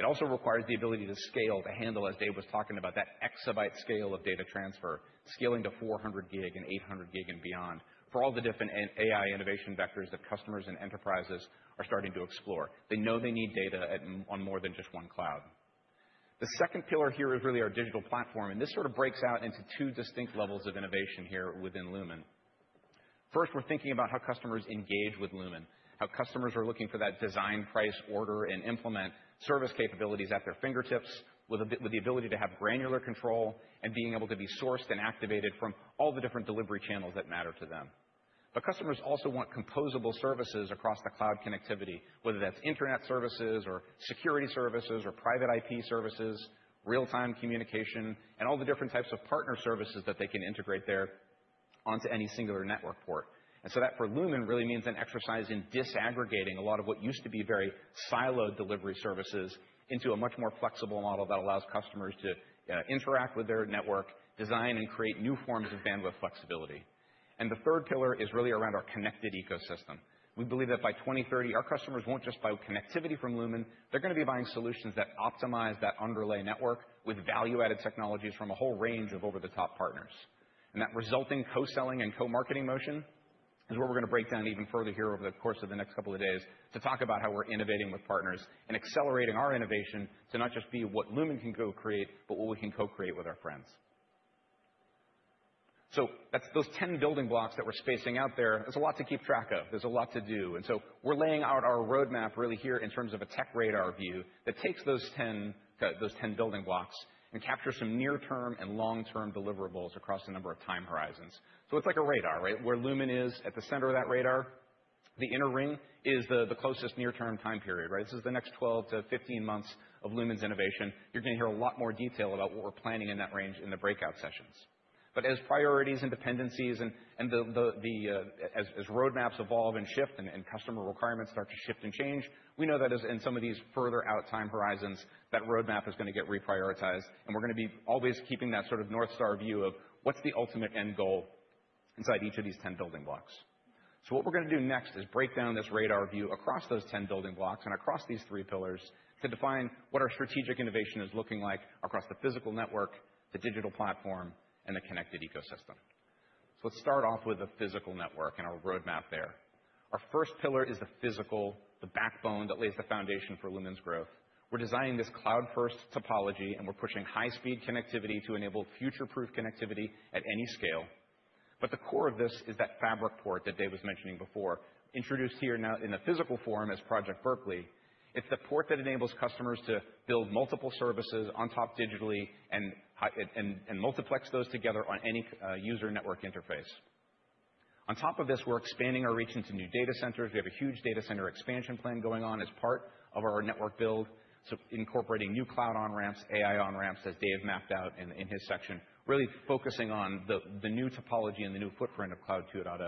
It also requires the ability to scale, to handle, as Dave was talking about, that exabyte scale of data transfer, scaling to 400 Gbps and 800 Gbps and beyond for all the different AI innovation vectors that customers and enterprises are starting to explore. They know they need data on more than just one cloud. The second pillar here is really our digital platform, and this sort of breaks out into two distinct levels of innovation here within Lumen. First, we're thinking about how customers engage with Lumen, how customers are looking for that design, price, order, and implement service capabilities at their fingertips with the ability to have granular control and being able to be sourced and activated from all the different delivery channels that matter to them. But customers also want composable services across the cloud connectivity, whether that's internet services or security services or private IP services, real-time communication, and all the different types of partner services that they can integrate there onto any singular network port. And so that for Lumen really means an exercise in disaggregating a lot of what used to be very siloed delivery services into a much more flexible model that allows customers to interact with their network, design, and create new forms of bandwidth flexibility. And the third pillar is really around our connected ecosystem. We believe that by 2030, our customers won't just buy connectivity from Lumen. They're going to be buying solutions that optimize that underlay network with value-added technologies from a whole range of over-the-top partners. And that resulting co-selling and co-marketing motion is what we're going to break down even further here over the course of the next couple of days to talk about how we're innovating with partners and accelerating our innovation to not just be what Lumen can go create, but what we can co-create with our friends. So those 10 building blocks that we're spacing out there, there's a lot to keep track of. There's a lot to do. And so we're laying out our roadmap really here in terms of a tech radar view that takes those 10 building blocks and captures some near-term and long-term deliverables across a number of time horizons. So it's like a radar, right? Where Lumen is at the center of that radar, the inner ring is the closest near-term time period, right? This is the next 12 to 15 months of Lumen's innovation. You're going to hear a lot more detail about what we're planning in that range in the breakout sessions. But as priorities and dependencies and as roadmaps evolve and shift and customer requirements start to shift and change, we know that in some of these further out time horizons, that roadmap is going to get reprioritized. And we're going to be always keeping that sort of North Star view of what's the ultimate end goal inside each of these ten building blocks. So what we're going to do next is break down this radar view across those ten building blocks and across these three pillars to define what our strategic innovation is looking like across the physical network, the digital platform, and the connected ecosystem. So let's start off with the physical network and our roadmap there. Our first pillar is the physical, the backbone that lays the foundation for Lumen's growth. We're designing this cloud first topology, and we're pushing high-speed connectivity to enable future-proof connectivity at any scale. But the core of this is that fabric port that Dave was mentioning before, introduced here now in the physical form as Project Berkeley. It's the port that enables customers to build multiple services on top digitally and multiplex those together on any user network interface. On top of this, we're expanding our reach into new data centers. We have a huge data center expansion plan going on as part of our network build, so incorporating new cloud on-ramps, AI on-ramps, as Dave mapped out in his section, really focusing on the new topology and the new footprint of cloud 2.0.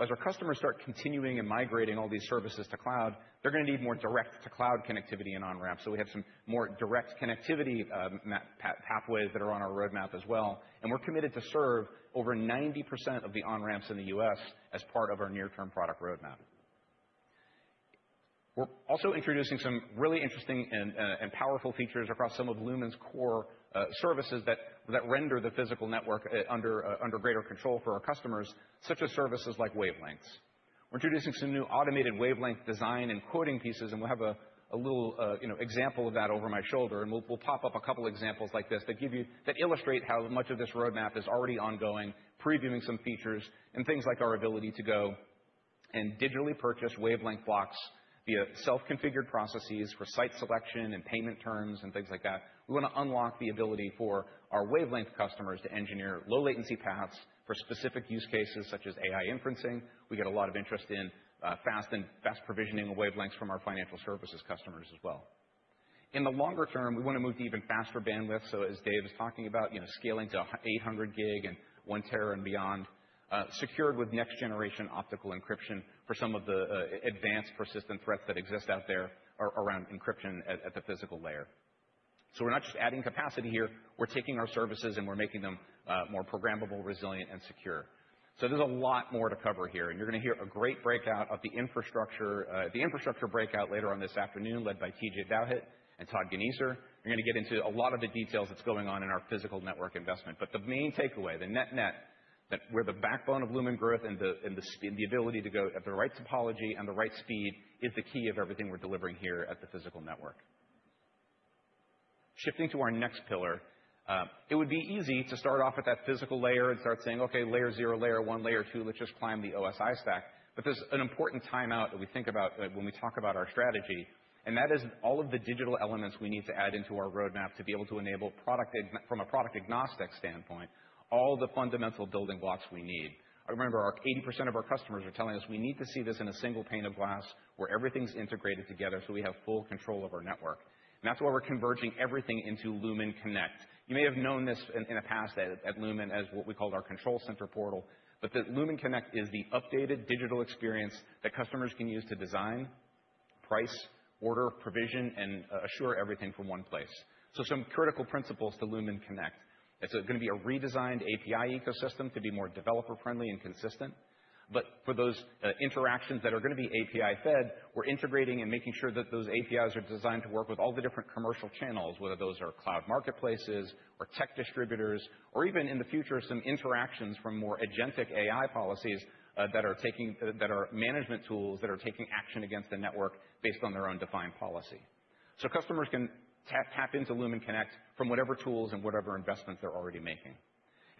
As our customers start continuing and migrating all these services to cloud, they're going to need more direct-to-cloud connectivity and on-ramps. So we have some more direct connectivity pathways that are on our roadmap as well. And we're committed to serve over 90% of the on-ramps in the U.S. as part of our near-term product roadmap. We're also introducing some really interesting and powerful features across some of Lumen's core services that render the physical network under greater control for our customers, such as services like wavelengths. We're introducing some new automated wavelength design and quoting pieces, and we'll have a little example of that over my shoulder. We'll pop up a couple of examples like this that illustrate how much of this roadmap is already ongoing, previewing some features and things like our ability to go and digitally purchase wavelength blocks via self-configured processes for site selection and payment terms and things like that. We want to unlock the ability for our wavelength customers to engineer low-latency paths for specific use cases such as AI inferencing. We get a lot of interest in fast provisioning of wavelengths from our financial services customers as well. In the longer term, we want to move to even faster bandwidth. As Dave is talking about, scaling to 800 Gbps and one tera and beyond, secured with next-generation optical encryption for some of the advanced persistent threats that exist out there around encryption at the physical layer. We're not just adding capacity here. We're taking our services and we're making them more programmable, resilient, and secure. So there's a lot more to cover here. And you're going to hear a great breakout of the infrastructure breakout later on this afternoon led by TJ Dowhitt and Todd Gneiser. You're going to get into a lot of the details that's going on in our physical network investment. But the main takeaway, the net-net, where the backbone of Lumen growth and the ability to go at the right topology and the right speed is the key of everything we're delivering here at the physical network. Shifting to our next pillar, it would be easy to start off at that physical layer and start saying, "Okay, layer zero, layer one, layer two, let's just climb the OSI stack." But there's an important timeout that we think about when we talk about our strategy. That is all of the digital elements we need to add into our roadmap to be able to enable, from a product agnostic standpoint, all the fundamental building blocks we need. I remember 80% of our customers are telling us we need to see this in a single pane of glass where everything's integrated together so we have full control of our network. That's why we're converging everything into Lumen Connect. You may have known this in the past at Lumen as what we called our Control Center portal, but the Lumen Connect is the updated digital experience that customers can use to design, price, order, provision, and assure everything from one place. Some critical principles to Lumen Connect. It's going to be a redesigned API ecosystem to be more developer-friendly and consistent. But for those interactions that are going to be API-fed, we're integrating and making sure that those APIs are designed to work with all the different commercial channels, whether those are cloud marketplaces or tech distributors, or even in the future, some interactions from more Agentic AI policies that are management tools that are taking action against the network based on their own defined policy. So customers can tap into Lumen Connect from whatever tools and whatever investments they're already making.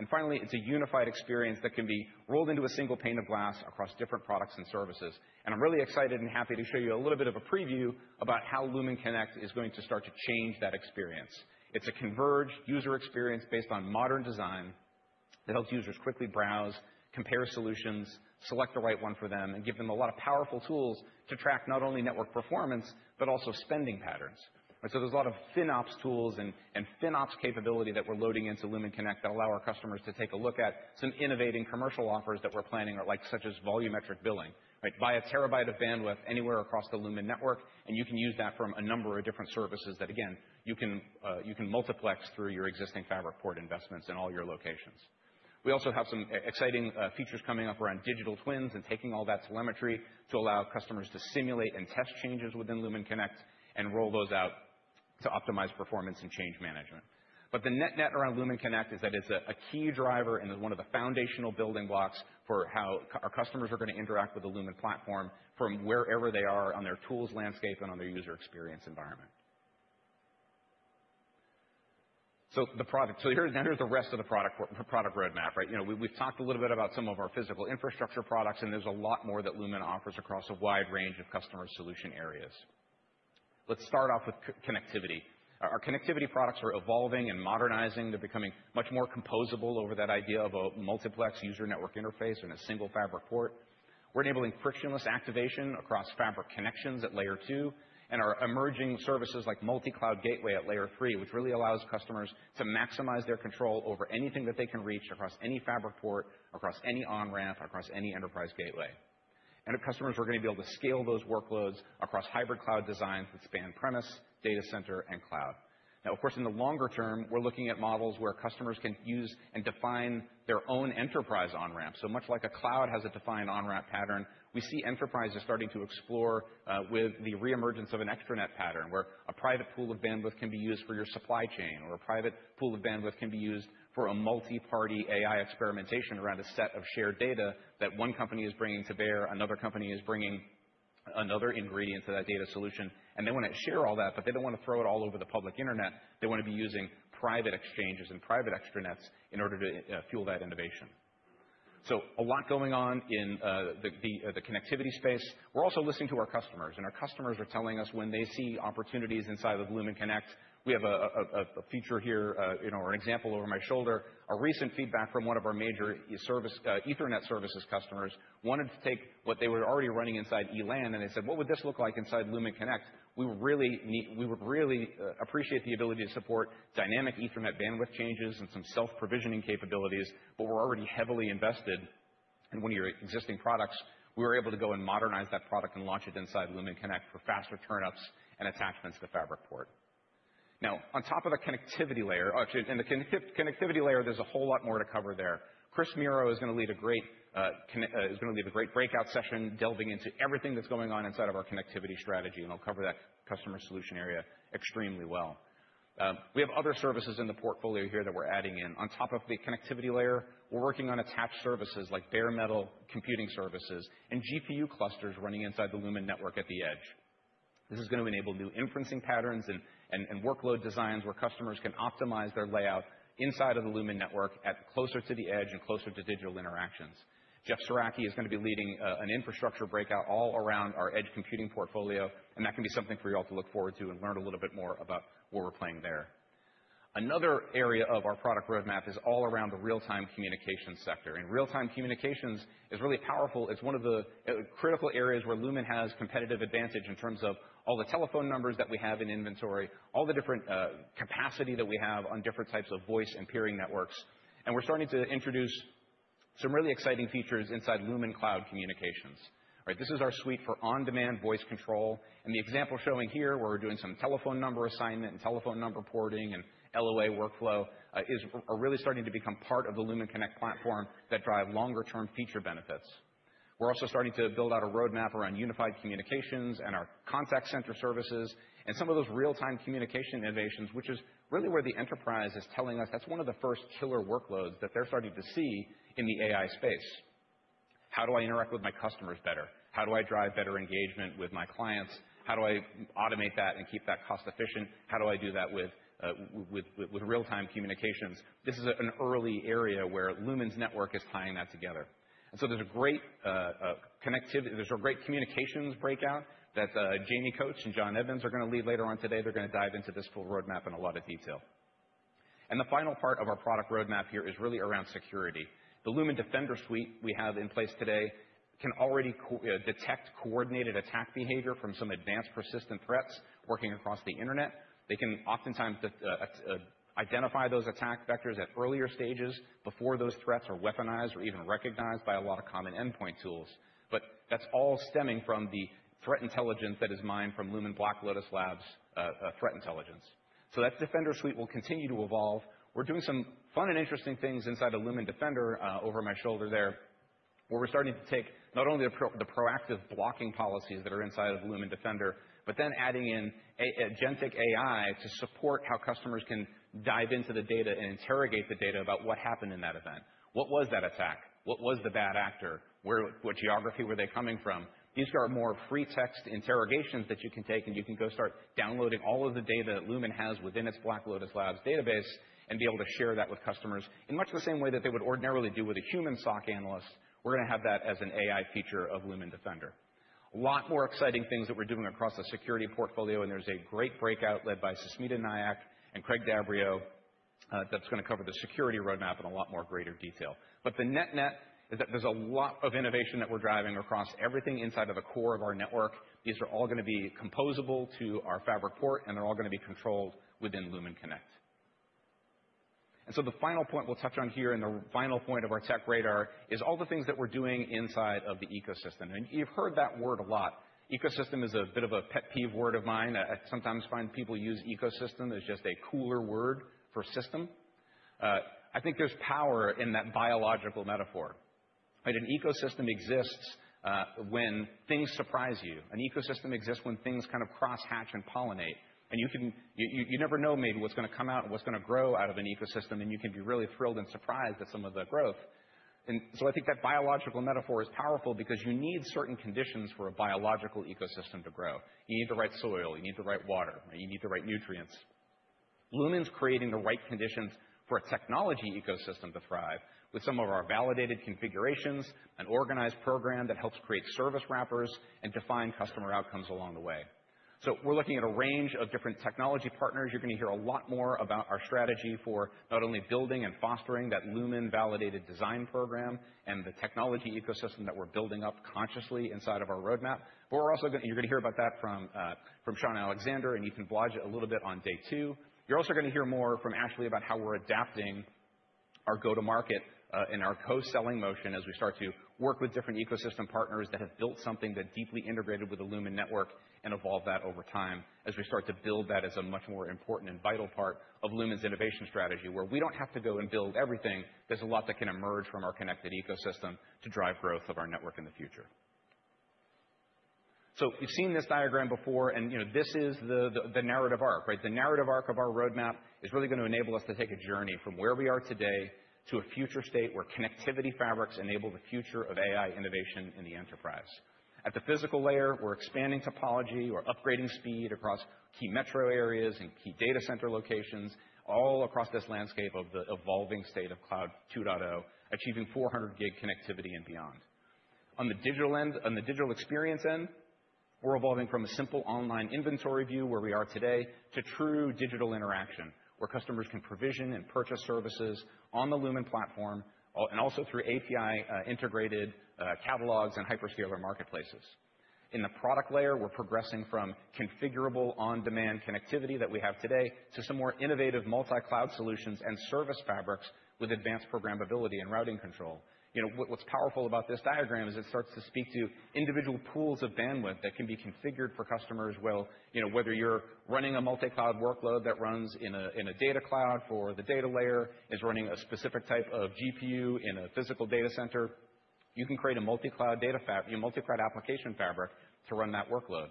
And finally, it's a unified experience that can be rolled into a single pane of glass across different products and services. And I'm really excited and happy to show you a little bit of a preview about how Lumen Connect is going to start to change that experience. It's a converged user experience based on modern design that helps users quickly browse, compare solutions, select the right one for them, and give them a lot of powerful tools to track not only network performance, but also spending patterns. So there's a lot of FinOps tools and FinOps capability that we're loading into Lumen Connect that allow our customers to take a look at some innovative commercial offers that we're planning, such as volumetric billing. Buy a terabyte of bandwidth anywhere across the Lumen network, and you can use that from a number of different services that, again, you can multiplex through your existing fabric port investments in all your locations. We also have some exciting features coming up around digital twins and taking all that telemetry to allow customers to simulate and test changes within Lumen Connect and roll those out to optimize performance and change management. But the net-net around Lumen Connect is that it's a key driver and is one of the foundational building blocks for how our customers are going to interact with the Lumen platform from wherever they are on their tools landscape and on their user experience environment. So here's the rest of the product roadmap. We've talked a little bit about some of our physical infrastructure products, and there's a lot more that Lumen offers across a wide range of customer solution areas. Let's start off with connectivity. Our connectivity products are evolving and modernizing. They're becoming much more composable over that idea of a multiplex user network interface and a single fabric port. We're enabling frictionless activation across fabric connections at layer two and our emerging services like multi-cloud gateway at layer three, which really allows customers to maximize their control over anything that they can reach across any fabric port, across any on-ramp, across any enterprise gateway, and customers are going to be able to scale those workloads across hybrid cloud designs that span on-premise, data center, and cloud. Now, of course, in the longer term, we're looking at models where customers can use and define their own enterprise on-ramp. So much like a cloud has a defined on-ramp pattern, we see enterprises starting to explore with the reemergence of an extranet pattern where a private pool of bandwidth can be used for your supply chain or a private pool of bandwidth can be used for a multi-party AI experimentation around a set of shared data that one company is bringing to bear, another company is bringing another ingredient to that data solution. And they want to share all that, but they don't want to throw it all over the public internet. They want to be using private exchanges and private extranets in order to fuel that innovation. So a lot going on in the connectivity space. We're also listening to our customers. And our customers are telling us when they see opportunities inside of Lumen Connect. We have a feature here or an example over my shoulder. Our recent feedback from one of our major Ethernet services customers wanted to take what they were already running inside ELAN, and they said, "What would this look like inside Lumen Connect?" We would really appreciate the ability to support dynamic Ethernet bandwidth changes and some self-provisioning capabilities, but we're already heavily invested in one of your existing products. We were able to go and modernize that product and launch it inside Lumen Connect for faster turnouts and attachments to Fabric Port. Now, on top of the connectivity layer, actually, in the connectivity layer, there's a whole lot more to cover there. Chris Miro is going to lead a great breakout session delving into everything that's going on inside of our connectivity strategy, and I'll cover that customer solution area extremely well. We have other services in the portfolio here that we're adding in. On top of the connectivity layer, we're working on attached services like bare metal computing services and GPU clusters running inside the Lumen network at the edge. This is going to enable new inferencing patterns and workload designs where customers can optimize their layout inside of the Lumen network closer to the edge and closer to digital interactions. Jeff Sieracki is going to be leading an infrastructure breakout all around our edge computing portfolio, and that can be something for you all to look forward to and learn a little bit more about what we're playing there. Another area of our product roadmap is all around the real-time communication sector, and real-time communications is really powerful. It's one of the critical areas where Lumen has competitive advantage in terms of all the telephone numbers that we have in inventory, all the different capacity that we have on different types of voice and peering networks. And we're starting to introduce some really exciting features inside Lumen Cloud Communications. This is our suite for on-demand voice control. And the example showing here where we're doing some telephone number assignment and telephone number porting and LOA workflow is really starting to become part of the Lumen Connect platform that drives longer-term feature benefits. We're also starting to build out a roadmap around unified communications and our contact center services and some of those real-time communication innovations, which is really where the enterprise is telling us that's one of the first killer workloads that they're starting to see in the AI space. How do I interact with my customers better? How do I drive better engagement with my clients? How do I automate that and keep that cost-efficient? How do I do that with real-time communications? This is an early area where Lumen's network is tying that together, and so there's a great connectivity. There's a great communications breakout that Jamie Coates and John Evans are going to lead later on today. They're going to dive into this full roadmap in a lot of detail, and the final part of our product roadmap here is really around security. The Lumen Defender suite we have in place today can already detect coordinated attack behavior from some advanced persistent threats working across the internet. They can oftentimes identify those attack vectors at earlier stages before those threats are weaponized or even recognized by a lot of common endpoint tools. But that's all stemming from the threat intelligence that is mined from Lumen's Black Lotus Labs' threat intelligence. So that Defender suite will continue to evolve. We're doing some fun and interesting things inside of Lumen Defender over my shoulder there where we're starting to take not only the proactive blocking policies that are inside of Lumen Defender, but then adding in agentic AI to support how customers can dive into the data and interrogate the data about what happened in that event. What was that attack? What was the bad actor? What geography were they coming from? These are more free-text interrogations that you can take, and you can go start downloading all of the data that Lumen has within its Black Lotus Labs database and be able to share that with customers in much the same way that they would ordinarily do with a human SOC analyst. We're going to have that as an AI feature of Lumen Defender. A lot more exciting things that we're doing across the security portfolio, and there's a great breakout led by Susmita Nayak and Craig D'Abrio that's going to cover the security roadmap in a lot more greater detail. But the net-net is that there's a lot of innovation that we're driving across everything inside of the core of our network. These are all going to be composable to our fabric port, and they're all going to be controlled within Lumen Connect. And so the final point we'll touch on here and the final point of our tech radar is all the things that we're doing inside of the ecosystem. And you've heard that word a lot. Ecosystem is a bit of a pet peeve word of mine. I sometimes find people use ecosystem as just a cooler word for system. I think there's power in that biological metaphor. An ecosystem exists when things surprise you. An ecosystem exists when things kind of crosshatch and pollinate. And you never know, maybe, what's going to come out and what's going to grow out of an ecosystem, and you can be really thrilled and surprised at some of the growth. And so I think that biological metaphor is powerful because you need certain conditions for a biological ecosystem to grow. You need the right soil. You need the right water. You need the right nutrients. Lumen's creating the right conditions for a technology ecosystem to thrive with some of our validated configurations and organized program that helps create service wrappers and define customer outcomes along the way. So we're looking at a range of different technology partners. You're going to hear a lot more about our strategy for not only building and fostering that Lumen Validated Design program and the technology ecosystem that we're building up consciously inside of our roadmap, but you're going to hear about that from Sean Alexander, and you can blog it a little bit on day two. You're also going to hear more from Ashley about how we're adapting our go-to-market and our co-selling motion as we start to work with different ecosystem partners that have built something that's deeply integrated with the Lumen network and evolved that over time as we start to build that as a much more important and vital part of Lumen's innovation strategy where we don't have to go and build everything. There's a lot that can emerge from our connected ecosystem to drive growth of our network in the future. So you've seen this diagram before, and this is the narrative arc. The narrative arc of our roadmap is really going to enable us to take a journey from where we are today to a future state where connectivity fabrics enable the future of AI innovation in the enterprise. At the physical layer, we're expanding topology. We're upgrading speed across key metro areas and key data center locations all across this landscape of the evolving state of Cloud 2.0, achieving 400 Gbps connectivity and beyond. On the digital experience end, we're evolving from a simple online inventory view where we are today to true digital interaction where customers can provision and purchase services on the Lumen platform and also through API-integrated catalogs and hyperscaler marketplaces. In the product layer, we're progressing from configurable on-demand connectivity that we have today to some more innovative multi-cloud solutions and service fabrics with advanced programmability and routing control. What's powerful about this diagram is it starts to speak to individual pools of bandwidth that can be configured for customers whether you're running a multi-cloud workload that runs in a data cloud for the data layer, is running a specific type of GPU in a physical data center. You can create a multi-cloud application fabric to run that workload.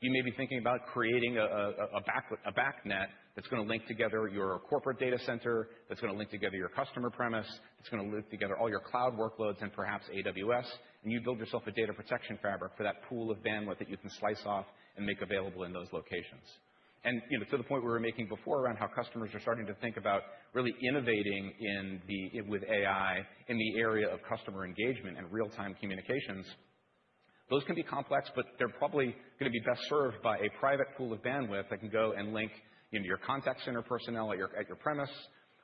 You may be thinking about creating a backnet that's going to link together your corporate data center, that's going to link together your customer premise, that's going to link together all your cloud workloads and perhaps AWS, and you build yourself a data protection fabric for that pool of bandwidth that you can slice off and make available in those locations. To the point we were making before around how customers are starting to think about really innovating with AI in the area of customer engagement and real-time communications, those can be complex, but they're probably going to be best served by a private pool of bandwidth that can go and link your contact center personnel at your premise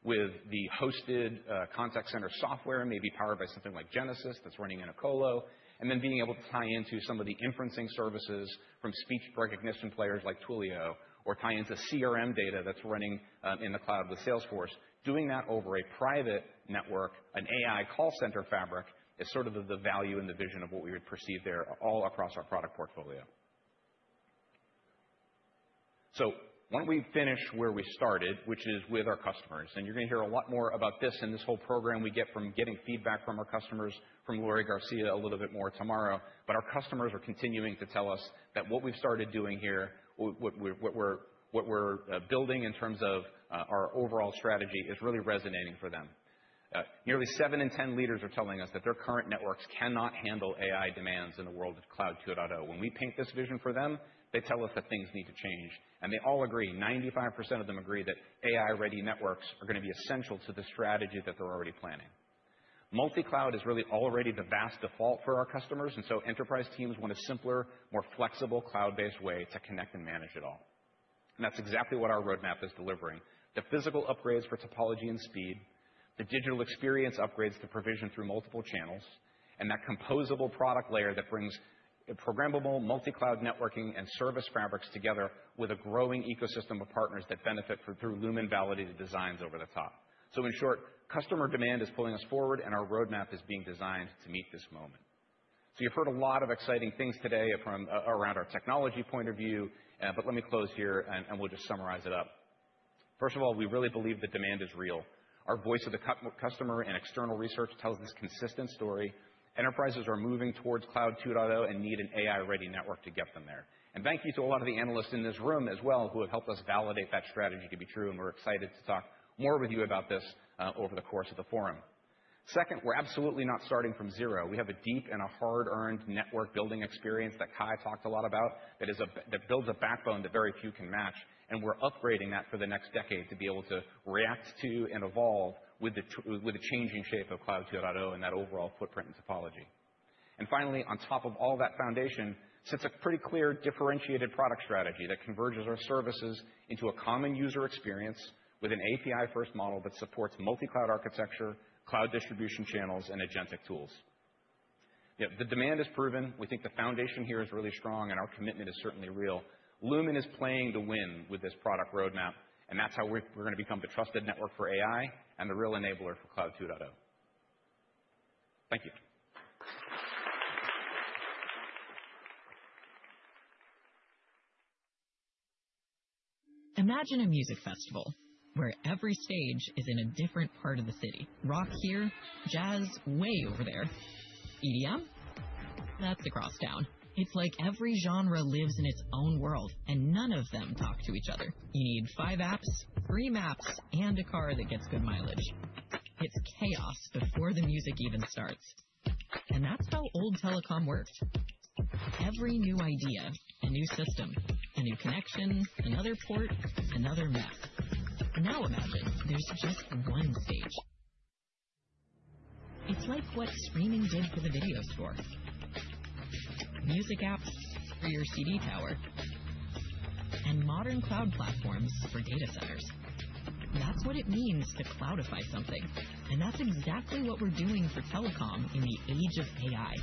with the hosted contact center software, maybe powered by something like Genesys that's running in a colo, and then being able to tie into some of the inferencing services from speech recognition players like Twilio or tie into CRM data that's running in the cloud with Salesforce. Doing that over a private network, an AI call center fabric, is sort of the value and the vision of what we would perceive there all across our product portfolio. Why don't we finish where we started, which is with our customers? And you're going to hear a lot more about this and this whole program we get from feedback from our customers, from Lori Garcia, a little bit more tomorrow. But our customers are continuing to tell us that what we've started doing here, what we're building in terms of our overall strategy, is really resonating for them. Nearly 7 in 10 leaders are telling us that their current networks cannot handle AI demands in the world of Cloud 2.0. When we paint this vision for them, they tell us that things need to change. And they all agree, 95% of them agree that AI-ready networks are going to be essential to the strategy that they're already planning. Multi-cloud is really already the vast default for our customers, and so enterprise teams want a simpler, more flexible cloud-based way to connect and manage it all. And that's exactly what our roadmap is delivering: the physical upgrades for topology and speed, the digital experience upgrades to provision through multiple channels, and that composable product layer that brings programmable multi-cloud networking and service fabrics together with a growing ecosystem of partners that benefit through Lumen Validated Designs over the top. So in short, customer demand is pulling us forward, and our roadmap is being designed to meet this moment. So you've heard a lot of exciting things today from around our technology point of view, but let me close here, and we'll just summarize it up. First of all, we really believe the demand is real. Our voice of the customer and external research tells this consistent story. Enterprises are moving towards Cloud 2.0 and need an AI-ready network to get them there. Thank you to a lot of the analysts in this room as well who have helped us validate that strategy to be true, and we're excited to talk more with you about this over the course of the forum. Second, we're absolutely not starting from zero. We have a deep and a hard-earned network-building experience that Kye talked a lot about that builds a backbone that very few can match, and we're upgrading that for the next decade to be able to react to and evolve with the changing shape of Cloud 2.0 and that overall footprint and topology. Finally, on top of all that foundation sits a pretty clear differentiated product strategy that converges our services into a common user experience with an API-first model that supports multi-cloud architecture, cloud distribution channels, and agentic tools. The demand is proven. We think the foundation here is really strong, and our commitment is certainly real. Lumen is playing to win with this product roadmap, and that's how we're going to become the trusted network for AI and the real enabler for Cloud 2.0. Thank you. Imagine a music festival where every stage is in a different part of the city. Rock here, jazz way over there. EDM? That's across town. It's like every genre lives in its own world, and none of them talk to each other. You need five apps, three maps, and a car that gets good mileage. It's chaos before the music even starts, and that's how old telecom worked. Every new idea, a new system, a new connection, another port, another map. Now imagine there's just one stage. It's like what streaming did for the video store, music apps for your CD tower, and modern cloud platforms for data centers. That's what it means to cloudify something, and that's exactly what we're doing for telecom in the age of AI.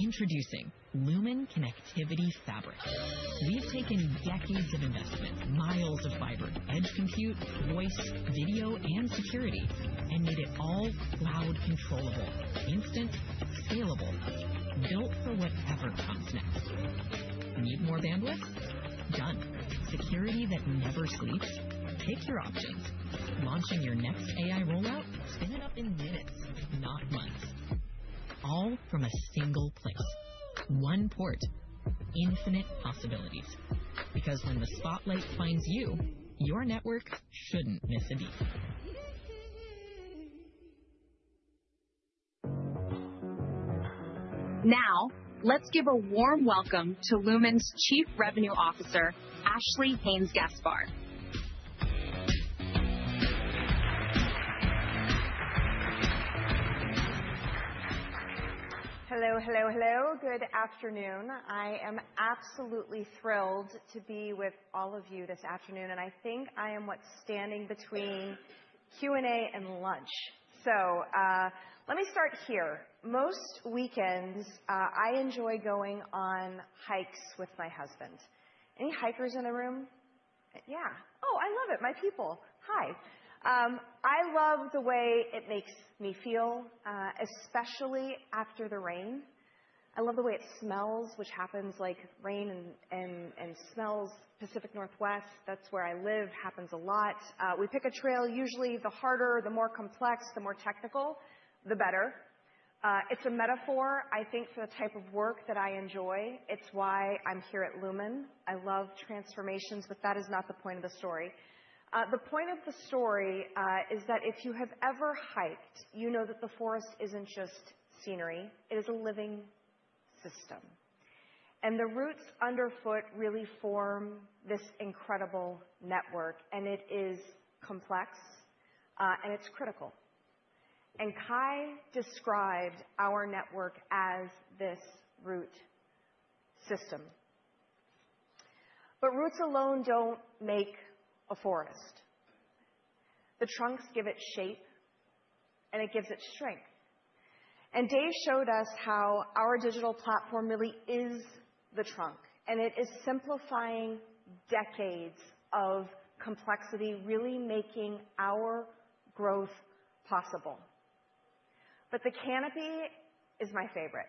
Introducing Lumen Connectivity Fabric. We've taken decades of investment, mi of fiber, edge compute, voice, video, and security, and made it all cloud controllable, instant, scalable, built for whatever comes next. Need more bandwidth? Done. Security that never sleeps? Pick your options. Launching your next AI rollout? Spin it up in minutes, not months. All from a single place. One port. Infinite possibilities. Because when the spotlight finds you, your network shouldn't miss a beat. Now, let's give a warm welcome to Lumen's Chief Revenue Officer, Ashley Haynes-Gaspar. Hello, hello, hello. Good afternoon. I am absolutely thrilled to be with all of you this afternoon, and I think I am what's standing between Q&A and lunch. So let me start here. Most weekends, I enjoy going on hikes with my husband. Any hikers in the room? Yeah. Oh, I love it. My people. Hi. I love the way it makes me feel, especially after the rain. I love the way it smells, which happens like rain and smells. Pacific Northwest, that's where I live. Happens a lot. We pick a trail. Usually, the harder, the more complex, the more technical, the better. It's a metaphor, I think, for the type of work that I enjoy. It's why I'm here at Lumen. I love transformations, but that is not the point of the story. The point of the story is that if you have ever hiked, you know that the forest isn't just scenery. It is a living system. And the roots underfoot really form this incredible network, and it is complex, and it's critical. And Kye described our network as this root system. But roots alone don't make a forest. The trunks give it shape, and it gives it strength. And Dave showed us how our digital platform really is the trunk, and it is simplifying decades of complexity, really making our growth possible. But the canopy is my favorite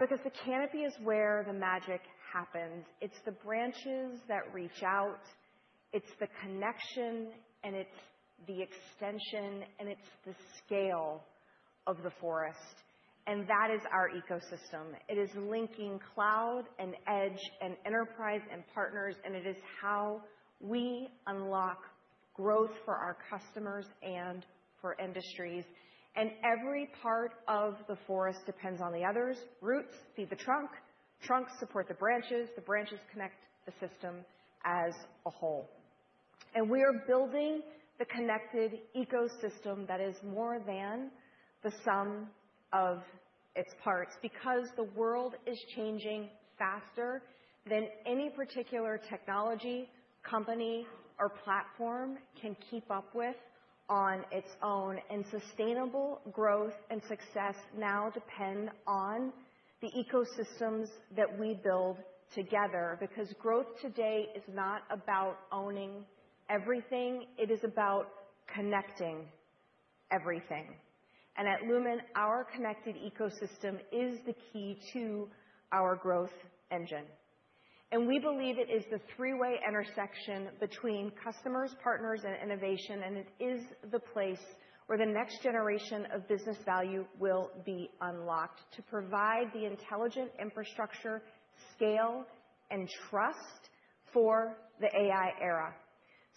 because the canopy is where the magic happens. It's the branches that reach out. It's the connection, and it's the extension, and it's the scale of the forest. And that is our ecosystem. It is linking cloud and edge and enterprise and partners, and it is how we unlock growth for our customers and for industries. And every part of the forest depends on the others. Roots feed the trunk. Trunks support the branches. The branches connect the system as a whole, and we are building the connected ecosystem that is more than the sum of its parts because the world is changing faster than any particular technology company or platform can keep up with on its own, and sustainable growth and success now depend on the ecosystems that we build together because growth today is not about owning everything. It is about connecting everything, and at Lumen, our connected ecosystem is the key to our growth engine, and we believe it is the three-way intersection between customers, partners, and innovation, and it is the place where the next generation of business value will be unlocked to provide the intelligent infrastructure, scale, and trust for the AI era,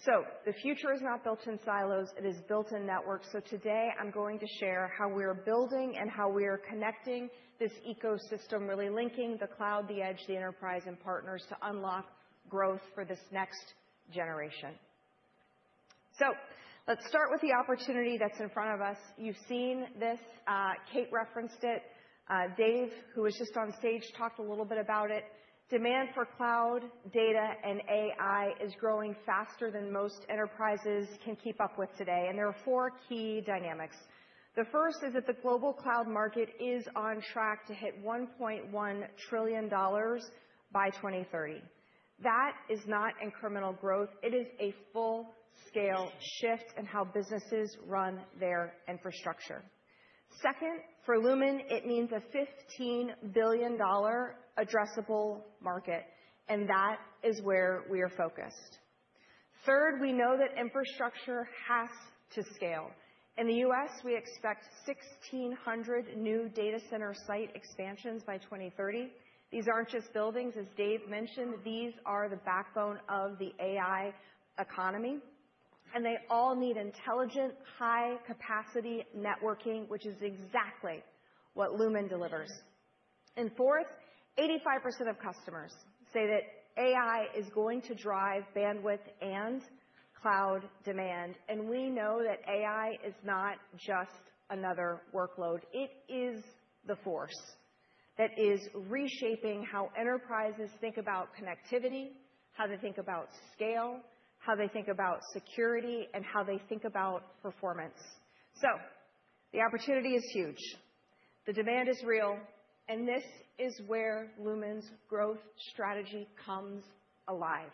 so the future is not built in silos. It is built in networks. So today, I'm going to share how we're building and how we're connecting this ecosystem, really linking the cloud, the edge, the enterprise, and partners to unlock growth for this next generation. So let's start with the opportunity that's in front of us. You've seen this. Kate referenced it. Dave, who was just on stage, talked a little bit about it. Demand for cloud, data, and AI is growing faster than most enterprises can keep up with today. And there are four key dynamics. The first is that the global cloud market is on track to hit $1.1 trillion by 2030. That is not incremental growth. It is a full-scale shift in how businesses run their infrastructure. Second, for Lumen, it means a $15 billion addressable market, and that is where we are focused. Third, we know that infrastructure has to scale. In the U.S., we expect 1,600 new data center site expansions by 2030. These aren't just buildings, as Dave mentioned. These are the backbone of the AI economy, and they all need intelligent, high-capacity networking, which is exactly what Lumen delivers. And fourth, 85% of customers say that AI is going to drive bandwidth and cloud demand, and we know that AI is not just another workload. It is the force that is reshaping how enterprises think about connectivity, how they think about scale, how they think about security, and how they think about performance. So the opportunity is huge. The demand is real, and this is where Lumen's growth strategy comes alive.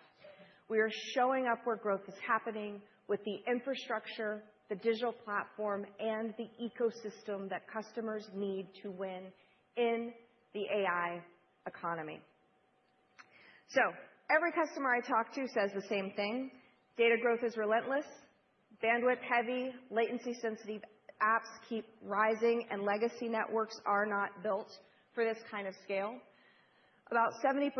We are showing up where growth is happening with the infrastructure, the digital platform, and the ecosystem that customers need to win in the AI economy. So every customer I talk to says the same thing. Data growth is relentless. Bandwidth-heavy, latency-sensitive apps keep rising, and legacy networks are not built for this kind of scale. About 70%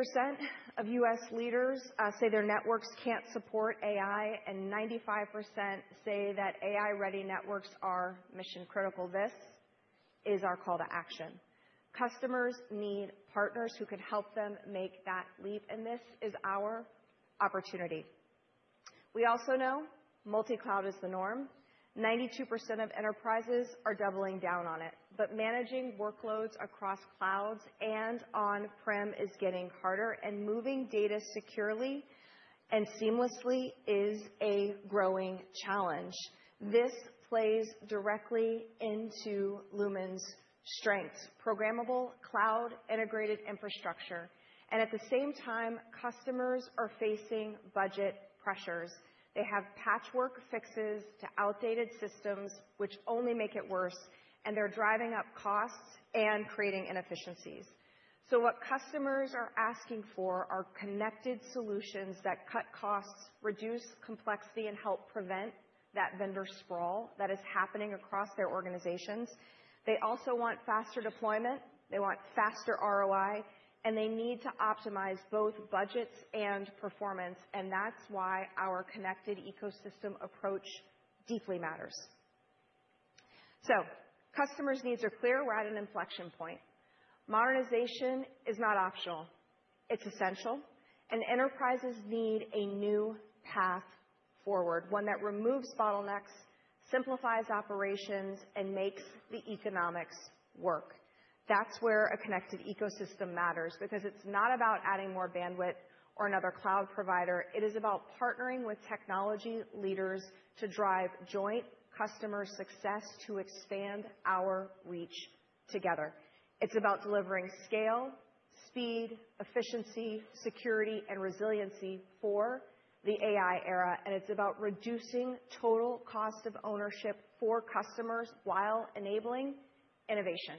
of U.S. leaders say their networks can't support AI, and 95% say that AI-ready networks are mission-critical. This is our call to action. Customers need partners who can help them make that leap, and this is our opportunity. We also know multi-cloud is the norm. 92% of enterprises are doubling down on it, but managing workloads across clouds and on-prem is getting harder, and moving data securely and seamlessly is a growing challenge. This plays directly into Lumen's strengths: programmable cloud-integrated infrastructure. And at the same time, customers are facing budget pressures. They have patchwork fixes to outdated systems, which only make it worse, and they're driving up costs and creating inefficiencies. So what customers are asking for are connected solutions that cut costs, reduce complexity, and help prevent that vendor sprawl that is happening across their organizations. They also want faster deployment. They want faster ROI, and they need to optimize both budgets and performance, and that's why our connected ecosystem approach deeply matters. So customers' needs are clear. We're at an inflection point. Modernization is not optional. It's essential. And enterprises need a new path forward, one that removes bottlenecks, simplifies operations, and makes the economics work. That's where a connected ecosystem matters because it's not about adding more bandwidth or another cloud provider. It is about partnering with technology leaders to drive joint customer success to expand our reach together. It's about delivering scale, speed, efficiency, security, and resiliency for the AI era, and it's about reducing total cost of ownership for customers while enabling innovation.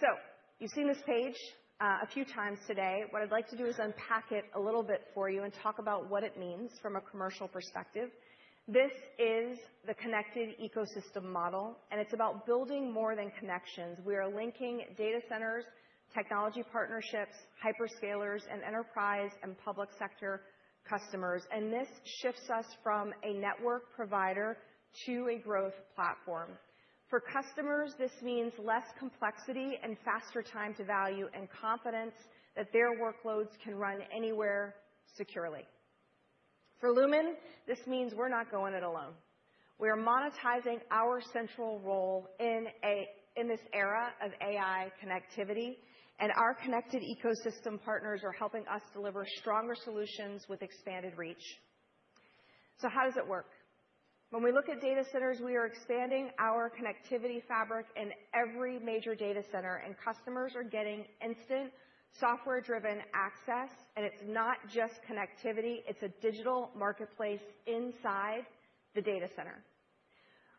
So you've seen this page a few times today. What I'd like to do is unpack it a little bit for you and talk about what it means from a commercial perspective. This is the connected ecosystem model, and it's about building more than connections. We are linking data centers, technology partnerships, hyperscalers, and enterprise and public sector customers, and this shifts us from a network provider to a growth platform. For customers, this means less complexity and faster time to value and confidence that their workloads can run anywhere securely. For Lumen, this means we're not going it alone. We are monetizing our central role in this era of AI connectivity, and our connected ecosystem partners are helping us deliver stronger solutions with expanded reach. So how does it work? When we look at data centers, we are expanding our connectivity fabric in every major data center, and customers are getting instant software-driven access, and it's not just connectivity. It's a digital marketplace inside the data center.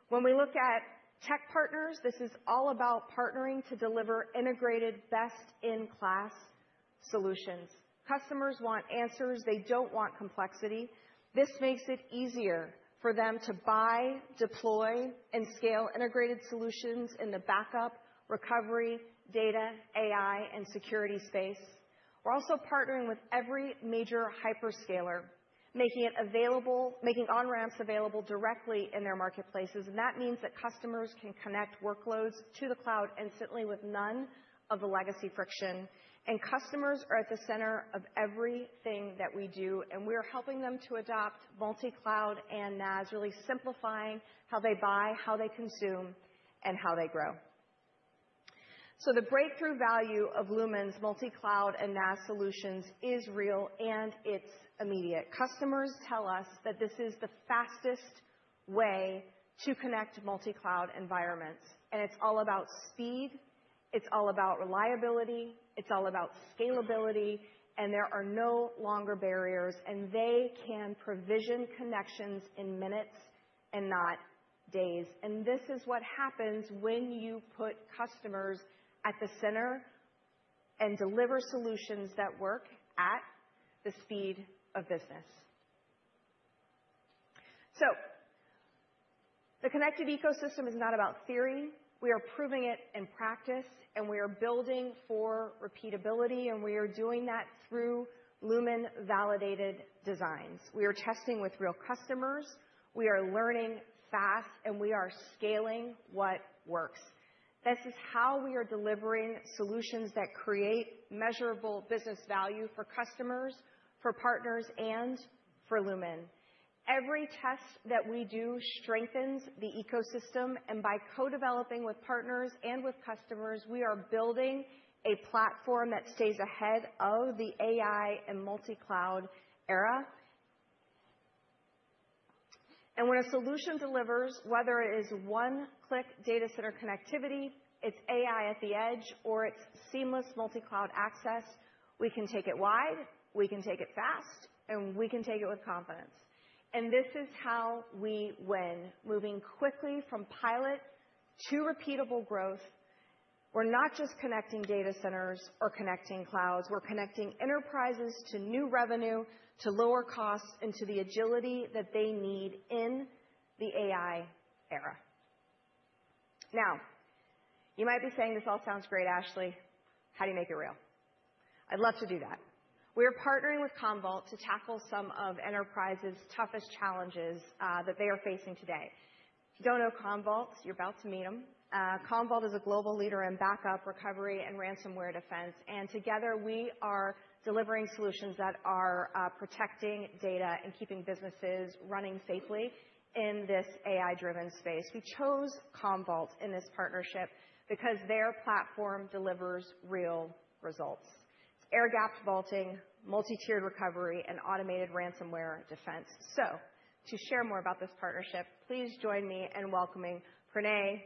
When we look at tech partners, this is all about partnering to deliver integrated, best-in-class solutions. Customers want answers. They don't want complexity. This makes it easier for them to buy, deploy, and scale integrated solutions in the backup, recovery, data, AI, and security space. We're also partnering with every major hyperscaler, making it available, making on-ramps available directly in their marketplaces, and that means that customers can connect workloads to the cloud instantly with none of the legacy friction, and customers are at the center of everything that we do, and we are helping them to adopt multi-cloud and NaaS, really simplifying how they buy, how they consume, and how they grow. So the breakthrough value of Lumen's multi-cloud and NaaS solutions is real, and it's immediate. Customers tell us that this is the fastest way to connect multi-cloud environments, and it's all about speed. It's all about reliability. It's all about scalability, and there are no longer barriers, and they can provision connections in minutes and not days. And this is what happens when you put customers at the center and deliver solutions that work at the speed of business. So the connected ecosystem is not about theory. We are proving it in practice, and we are building for repeatability, and we are doing that through Lumen Validated Designs. We are testing with real customers. We are learning fast, and we are scaling what works. This is how we are delivering solutions that create measurable business value for customers, for partners, and for Lumen. Every test that we do strengthens the ecosystem, and by co-developing with partners and with customers, we are building a platform that stays ahead of the AI and multi-cloud era. And when a solution delivers, whether it is one-click data center connectivity, it's AI at the edge, or it's seamless multi-cloud access, we can take it wide, we can take it fast, and we can take it with confidence. And this is how we win: moving quickly from pilot to repeatable growth. We're not just connecting data centers or connecting clouds. We're connecting enterprises to new revenue, to lower costs, and to the agility that they need in the AI era. Now, you might be saying, "This all sounds great, Ashley. How do you make it real?" I'd love to do that. We are partnering with Commvault to tackle some of enterprises' toughest challenges that they are facing today. If you don't know Commvault, you're about to meet them. Commvault is a global leader in backup, recovery, and ransomware defense, and together, we are delivering solutions that are protecting data and keeping businesses running safely in this AI-driven space. We chose Commvault in this partnership because their platform delivers real results. It's air-gapped vaulting, multi-tiered recovery, and automated ransomware defense. So to share more about this partnership, please join me in welcoming Pranay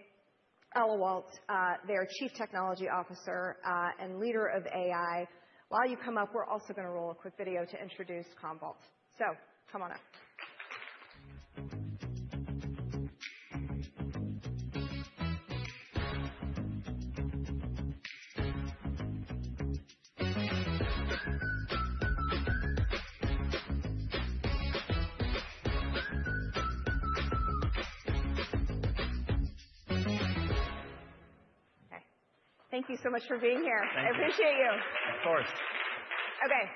Ahlawat, their Chief Technology Officer and Leader of AI. While you come up, we're also going to roll a quick video to introduce Commvault. So come on up. Okay. Thank you so much for being here. I appreciate you. Of course. Okay.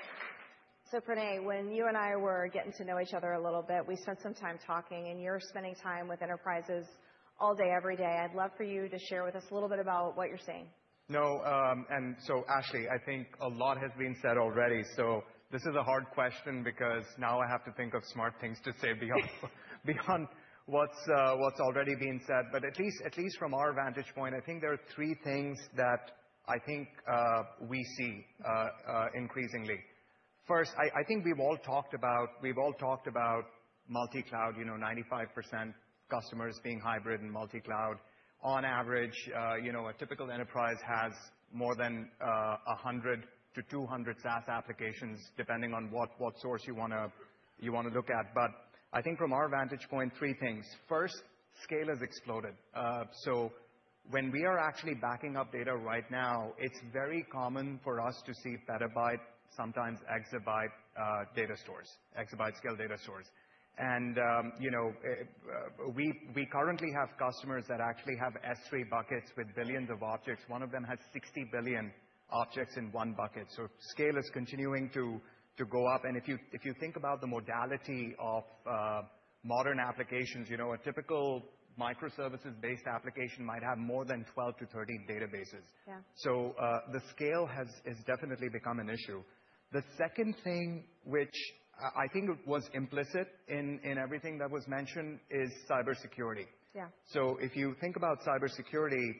So Pranay, when you and I were getting to know each other a little bit, we spent some time talking, and you're spending time with enterprises all day, every day. I'd love for you to share with us a little bit about what you're seeing. No. And so, Ashley, I think a lot has been said already. So this is a hard question because now I have to think of smart things to say beyond what's already been said. But at least from our vantage point, I think there are three things that I think we see increasingly. First, I think we've all talked about multi-cloud, 95% customers being hybrid and multi-cloud. On average, a typical enterprise has more than 100-200 SaaS applications, depending on what source you want to look at. But I think from our vantage point, three things. First, scale has exploded. So when we are actually backing up data right now, it's very common for us to see petabyte, sometimes exabyte data stores, exabyte-scale data stores. We currently have customers that actually have S3 buckets with billions of objects. One of them has 60 billion objects in one bucket. Scale is continuing to go up. If you think about the modality of modern applications, a typical microservices-based application might have more than 12 to 13 databases. The scale has definitely become an issue. The second thing, which I think was implicit in everything that was mentioned, is cybersecurity. If you think about cybersecurity,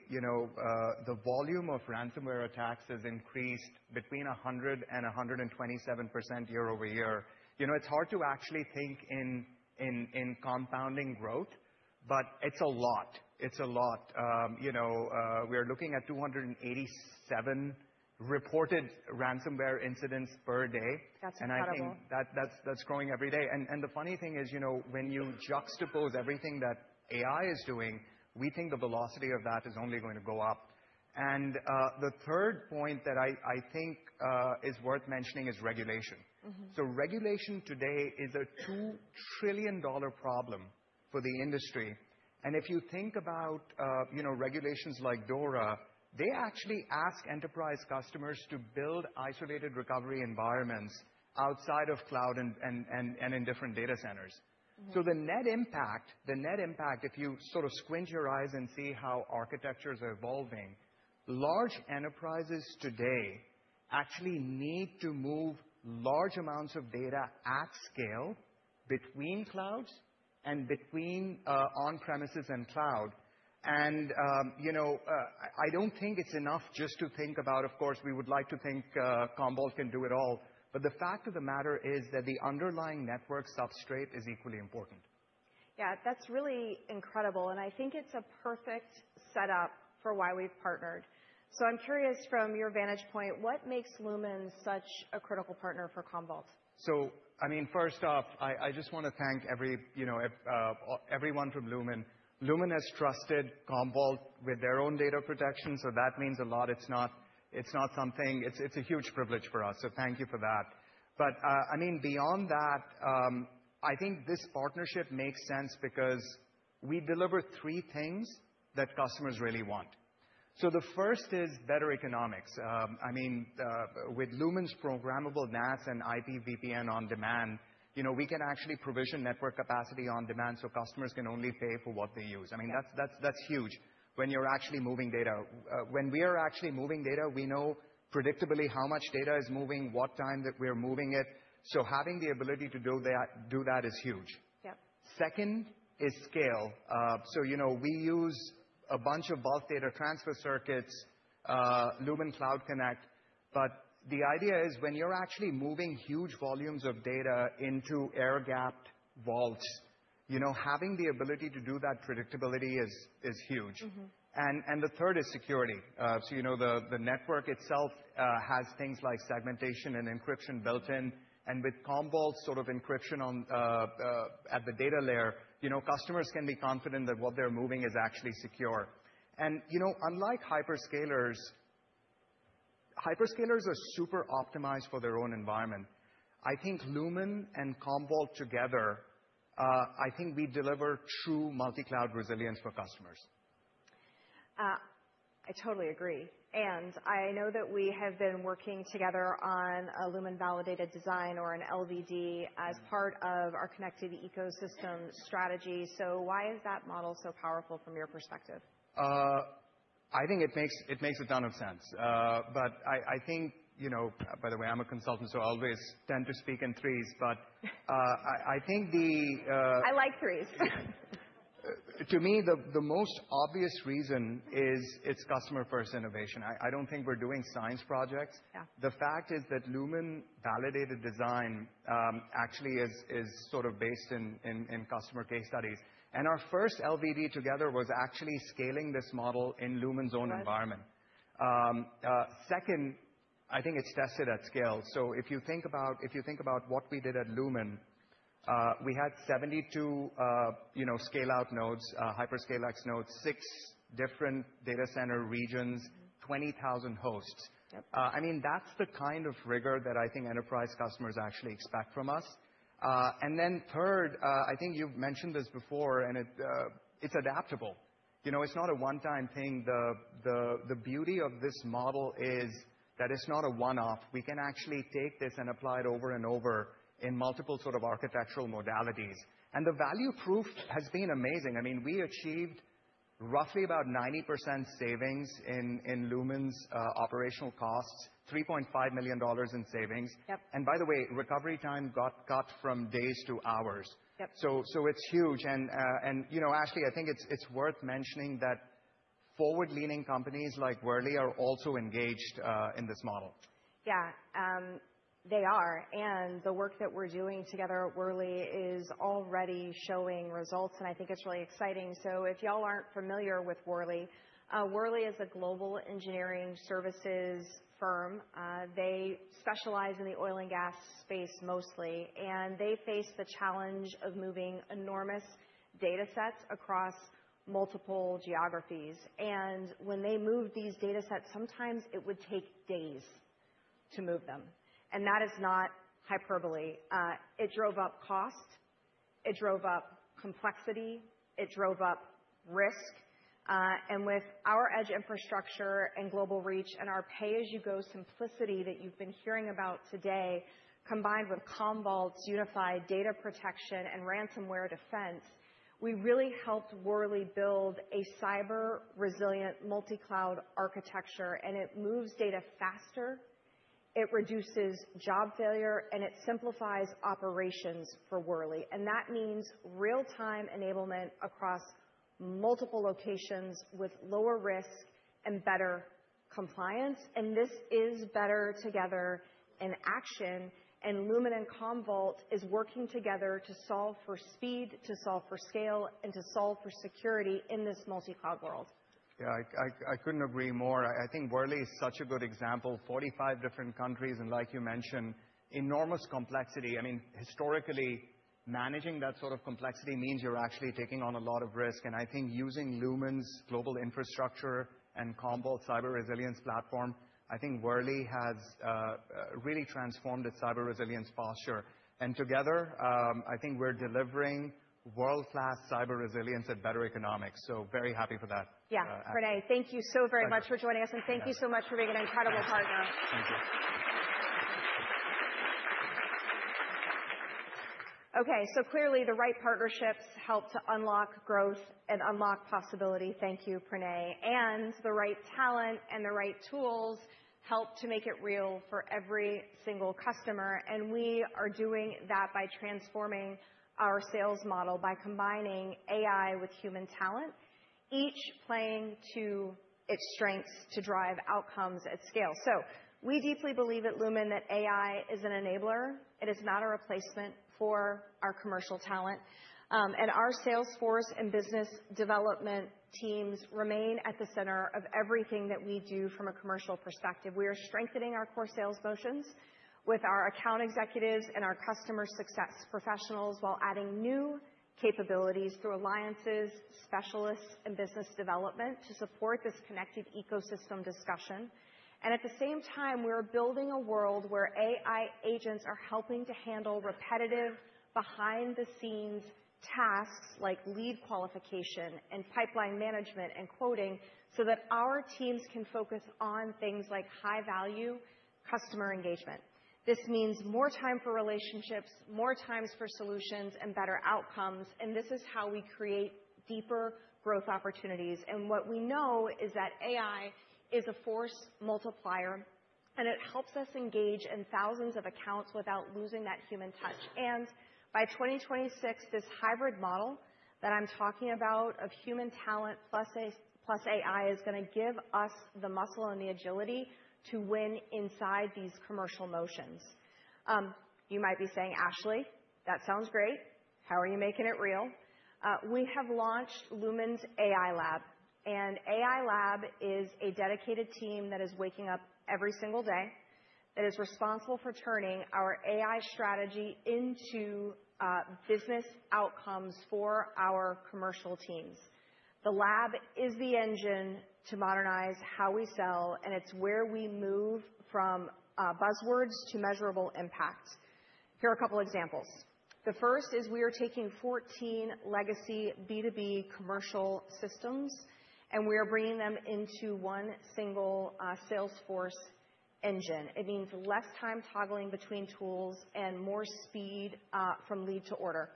the volume of ransomware attacks has increased between 100% and 127% year over year. It's hard to actually think in compounding growth, but it's a lot. It's a lot. We are looking at 287 reported ransomware incidents per day. That's incredible. I think that's growing every day. The funny thing is, when you juxtapose everything that AI is doing, we think the velocity of that is only going to go up. The third point that I think is worth mentioning is regulation. Regulation today is a $2 trillion problem for the industry. If you think about regulations like DORA, they actually ask enterprise customers to build isolated recovery environments outside of cloud and in different data centers. The net impact, if you sort of squint your eyes and see how architectures are evolving, large enterprises today actually need to move large amounts of data at scale between clouds and between on-premises and cloud. I don't think it's enough just to think about, of course, we would like to think Commvault can do it all. The fact of the matter is that the underlying network substrate is equally important. Yeah, that's really incredible, and I think it's a perfect setup for why we've partnered, so I'm curious, from your vantage point, what makes Lumen such a critical partner for Commvault. So, I mean, first off, I just want to thank everyone from Lumen. Lumen has trusted Commvault with their own data protection, so that means a lot. It's not something, it's a huge privilege for us. So thank you for that. But, I mean, beyond that, I think this partnership makes sense because we deliver three things that customers really want. So the first is better economics. I mean, with Lumen's programmable NaaS and IP VPN on Demand, we can actually provision network capacity on demand so customers can only pay for what they use. I mean, that's huge when you're actually moving data. When we are actually moving data, we know predictably how much data is moving, what time that we're moving it. So having the ability to do that is huge. Second is scale. So we use a bunch of bulk data transfer circuits, Lumen Cloud Connect. But the idea is when you're actually moving huge volumes of data into air-gapped vaults, having the ability to do that predictability is huge, and the third is security. So the network itself has things like segmentation and encryption built in, and with Commvault's sort of encryption at the data layer, customers can be confident that what they're moving is actually secure, and unlike hyperscalers, hyperscalers are super optimized for their own environment. I think Lumen and Commvault together, I think we deliver true multi-cloud resilience for customers. I totally agree. I know that we have been working together on a Lumen Validated Design or an LVD as part of our connected ecosystem strategy. Why is that model so powerful from your perspective? I think it makes a ton of sense. I think, by the way, I'm a consultant, so I always tend to speak in threes. I think. I like threes. To me, the most obvious reason is it's customer-first innovation. I don't think we're doing science projects. The fact is that Lumen Validated Design actually is sort of based in customer case studies. Our first LVD together was actually scaling this model in Lumen's own environment. Second, I think it's tested at scale. If you think about what we did at Lumen, we had 72 scale-out nodes, hyperscale X nodes, six different data center regions, 20,000 hosts. I mean, that's the kind of rigor that I think enterprise customers actually expect from us. And then third, I think you've mentioned this before, and it's adaptable. It's not a one-time thing. The beauty of this model is that it's not a one-off. We can actually take this and apply it over and over in multiple sort of architectural modalities. And the value proof has been amazing. I mean, we achieved roughly about 90% savings in Lumen's operational costs, $3.5 million in savings. And by the way, recovery time got cut from days to hours. So it's huge. And Ashley, I think it's worth mentioning that forward-leaning companies like Worley are also engaged in this model. Yeah, they are. And the work that we're doing together at Worley is already showing results, and I think it's really exciting. If y'all aren't familiar with Worley, Worley is a global engineering services firm. They specialize in the oil and gas space mostly, and they face the challenge of moving enormous data sets across multiple geographies. And when they moved these data sets, sometimes it would take days to move them. And that is not hyperbole. It drove up cost. It drove up complexity. It drove up risk. And with our edge infrastructure and global reach and our pay-as-you-go simplicity that you've been hearing about today, combined with Commvault's unified data protection and ransomware defense, we really helped Worley build a cyber-resilient multi-cloud architecture. And it moves data faster. It reduces job failure, and it simplifies operations for Worley. And that means real-time enablement across multiple locations with lower risk and better compliance. And this is better together in action. Lumen and Commvault are working together to solve for speed, to solve for scale, and to solve for security in this multi-cloud world. Yeah, I couldn't agree more. I think Worley is such a good example. 45 different countries, and like you mentioned, enormous complexity. I mean, historically, managing that sort of complexity means you're actually taking on a lot of risk. I think using Lumen's global infrastructure and Commvault's cyber-resilience platform, I think Worley has really transformed its cyber-resilience posture. And together, I think we're delivering world-class cyber-resilience at better economics. So very happy for that. Yeah, Pranay, thank you so very much for joining us, and thank you so much for being an incredible partner. Thank you. Okay, so clearly, the right partnerships help to unlock growth and unlock possibility. Thank you, Pranay. And the right talent and the right tools help to make it real for every single customer. And we are doing that by transforming our sales model, by combining AI with human talent, each playing to its strengths to drive outcomes at scale. So we deeply believe at Lumen that AI is an enabler. It is not a replacement for our commercial talent. And our sales force and business development teams remain at the center of everything that we do from a commercial perspective. We are strengthening our core sales motions with our account executives and our customer success professionals while adding new capabilities through alliances, specialists, and business development to support this connected ecosystem discussion. And at the same time, we are building a world where AI agents are helping to handle repetitive behind-the-scenes tasks like lead qualification and pipeline management and quoting so that our teams can focus on things like high-value customer engagement. This means more time for relationships, more times for solutions, and better outcomes. And this is how we create deeper growth opportunities. And what we know is that AI is a force multiplier, and it helps us engage in thousands of accounts without losing that human touch. And by 2026, this hybrid model that I'm talking about of human talent plus AI is going to give us the muscle and the agility to win inside these commercial motions. You might be saying, "Ashley, that sounds great. How are you making it real?" We have launched Lumen's AI Lab. AI Lab is a dedicated team that is waking up every single day that is responsible for turning our AI strategy into business outcomes for our commercial teams. The lab is the engine to modernize how we sell, and it's where we move from buzzwords to measurable impact. Here are a couple of examples. The first is we are taking 14 legacy B2B commercial systems, and we are bringing them into one single Salesforce engine. It means less time toggling between tools and more speed from lead to order.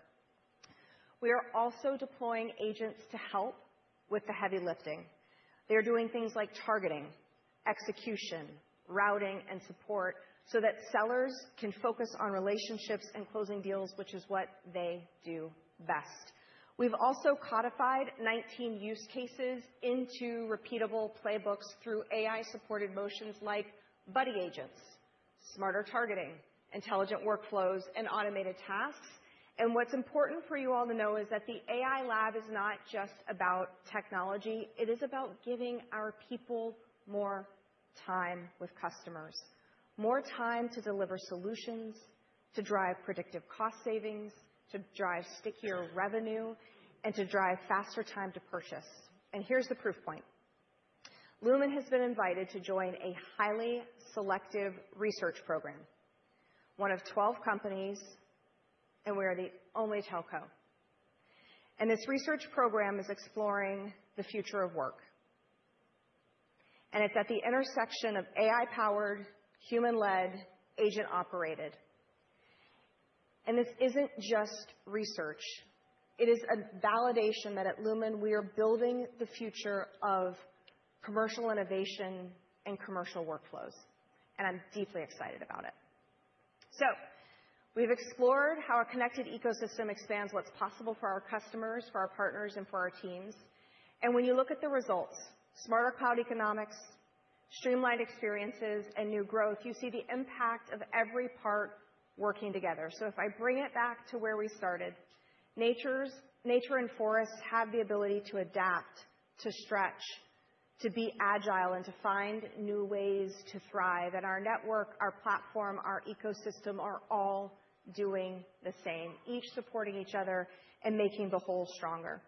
We are also deploying agents to help with the heavy lifting. They're doing things like targeting, execution, routing, and support so that sellers can focus on relationships and closing deals, which is what they do best. We've also codified 19 use cases into repeatable playbooks through AI-supported motions like buddy agents, smarter targeting, intelligent workflows, and automated tasks. And what's important for you all to know is that the AI Lab is not just about technology. It is about giving our people more time with customers, more time to deliver solutions, to drive predictive cost savings, to drive stickier revenue, and to drive faster time to purchase. And here's the proof point. Lumen has been invited to join a highly selective research program, one of 12 companies, and we are the only telco. And this research program is exploring the future of work. And it's at the intersection of AI-powered, human-led, agent-operated. And this isn't just research. It is a validation that at Lumen, we are building the future of commercial innovation and commercial workflows. And I'm deeply excited about it. So we've explored how a connected ecosystem expands what's possible for our customers, for our partners, and for our teams. And when you look at the results, smarter cloud economics, streamlined experiences, and new growth, you see the impact of every part working together. So if I bring it back to where we started, nature and forests have the ability to adapt, to stretch, to be agile, and to find new ways to thrive. And our network, our platform, our ecosystem are all doing the same, each supporting each other and making the whole stronger.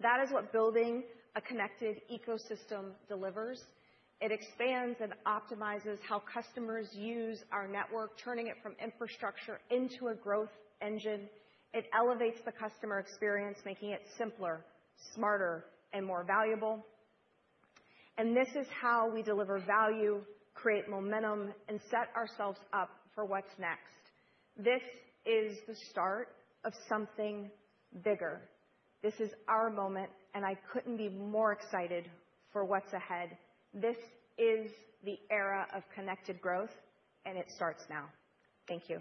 That is what building a connected ecosystem delivers. It expands and optimizes how customers use our network, turning it from infrastructure into a growth engine. It elevates the customer experience, making it simpler, smarter, and more valuable. And this is how we deliver value, create momentum, and set ourselves up for what's next. This is the start of something bigger. This is our moment, and I couldn't be more excited for what's ahead. This is the era of connected growth, and it starts now. Thank you.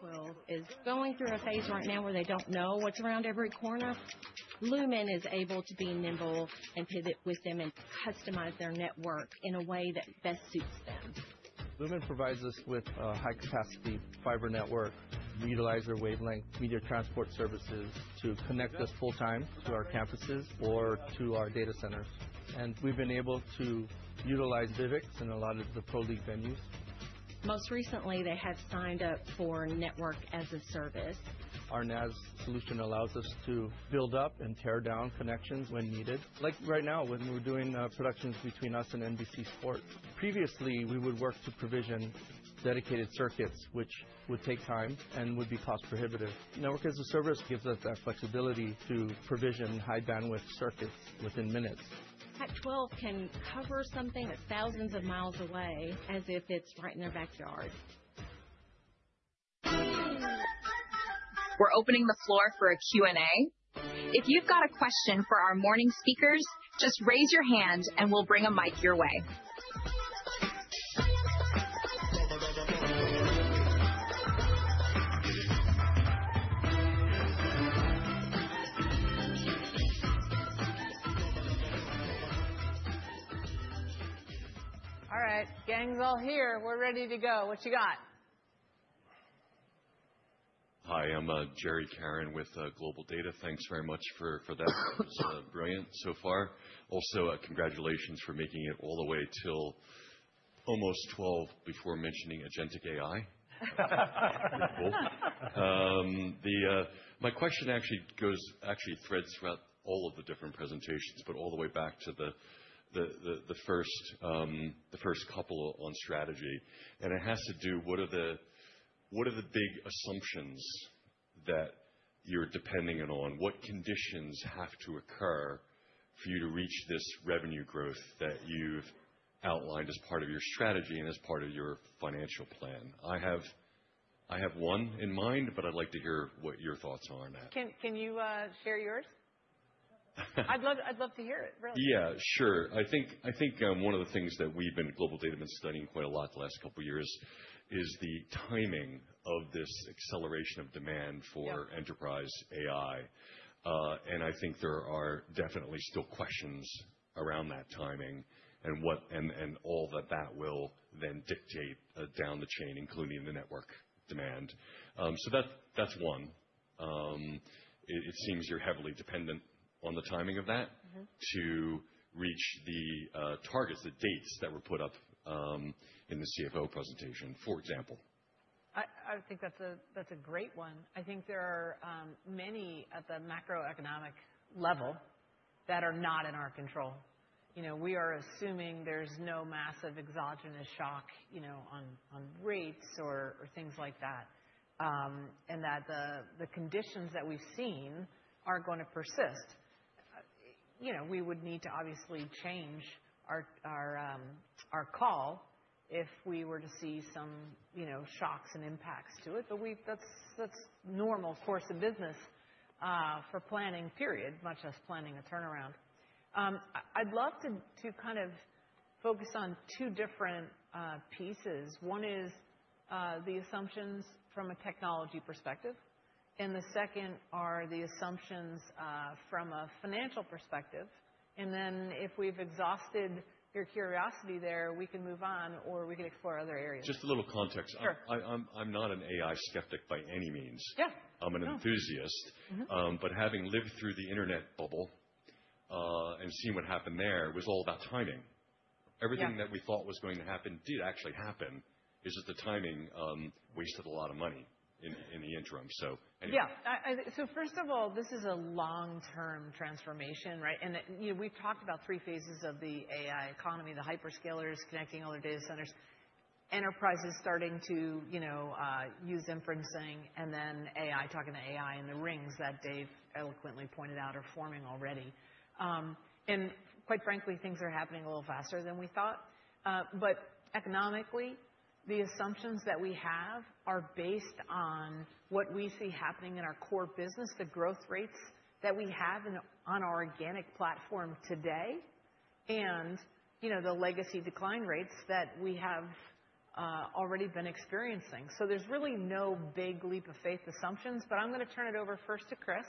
Pac-12 is going through a phase right now where they don't know what's around every corner. Lumen is able to be nimble and pivot with them and customize their network in a way that best suits them. Lumen provides us with a high-capacity fiber network, utilize our wavelength media transport services to connect us full-time to our campuses or to our data centers. And we've been able to utilize Vyvx in a lot of the Pro League venues. Most recently, they have signed up for network as a service. Our NaaS solution allows us to build up and tear down connections when needed. Like right now, when we're doing productions between us and NBC Sports. Previously, we would work to provision dedicated circuits, which would take time and would be cost-prohibitive. Network as a service gives us that flexibility to provision high-bandwidth circuits within minutes. Pac-12 can cover something that's thousands of mi away as if it's right in their backyard. We're opening the floor for a Q&A. If you've got a question for our morning speakers, just raise your hand, and we'll bring a mic your way. All right, gang's all here. We're ready to go. What you got? Hi, I'm Jerry Caron with GlobalData. Thanks very much for that. It's brilliant so far. Also, congratulations for making it all the way till almost 12 before mentioning agentic AI. My question actually threads throughout all of the different presentations, but all the way back to the first couple on strategy. And it has to do with what are the big assumptions that you're depending on? What conditions have to occur for you to reach this revenue growth that you've outlined as part of your strategy and as part of your financial plan? I have one in mind, but I'd like to hear what your thoughts are on that. Can you share yours? I'd love to hear it, really. Yeah, sure. I think one of the things that GlobalData has been studying quite a lot the last couple of years is the timing of this acceleration of demand for enterprise AI. And I think there are definitely still questions around that timing and all that that will then dictate down the chain, including the network demand. So that's one. It seems you're heavily dependent on the timing of that to reach the targets, the dates that were put up in the CFO presentation, for example. I think that's a great one. I think there are many at the macroeconomic level that are not in our control. We are assuming there's no massive exogenous shock on rates or things like that, and that the conditions that we've seen are going to persist. We would need to obviously change our call if we were to see some shocks and impacts to it, but that's normal course of business for planning, period, much less planning a turnaround. I'd love to kind of focus on two different pieces. One is the assumptions from a technology perspective, and the second are the assumptions from a financial perspective and then if we've exhausted your curiosity there, we can move on, or we can explore other areas. Just a little context. I'm not an AI skeptic by any means. I'm an enthusiast, but having lived through the internet bubble and seen what happened there was all about timing. Everything that we thought was going to happen did actually happen. It's just the timing wasted a lot of money in the interim. So yeah. So first of all, this is a long-term transformation, right? And we've talked about three phases of the AI economy, the hyperscalers, connecting all their data centers, enterprises starting to use inferencing, and then talking to AI in the rings that Dave eloquently pointed out are forming already. And quite frankly, things are happening a little faster than we thought. But economically, the assumptions that we have are based on what we see happening in our core business, the growth rates that we have on our organic platform today, and the legacy decline rates that we have already been experiencing. So there's really no big leap of faith assumptions. But I'm going to turn it over first to Chris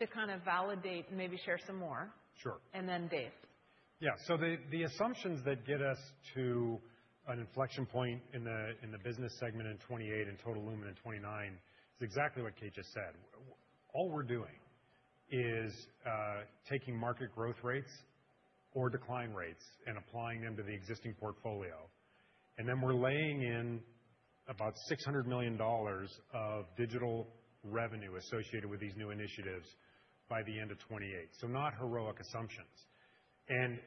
to kind of validate and maybe share some more. And then Dave. Yeah. So the assumptions that get us to an inflection point in the business segment in 2028 and total Lumen in 2029 is exactly what Kate just said. All we're doing is taking market growth rates or decline rates and applying them to the existing portfolio. And then we're laying in about $600 million of digital revenue associated with these new initiatives by the end of 2028. So not heroic assumptions. And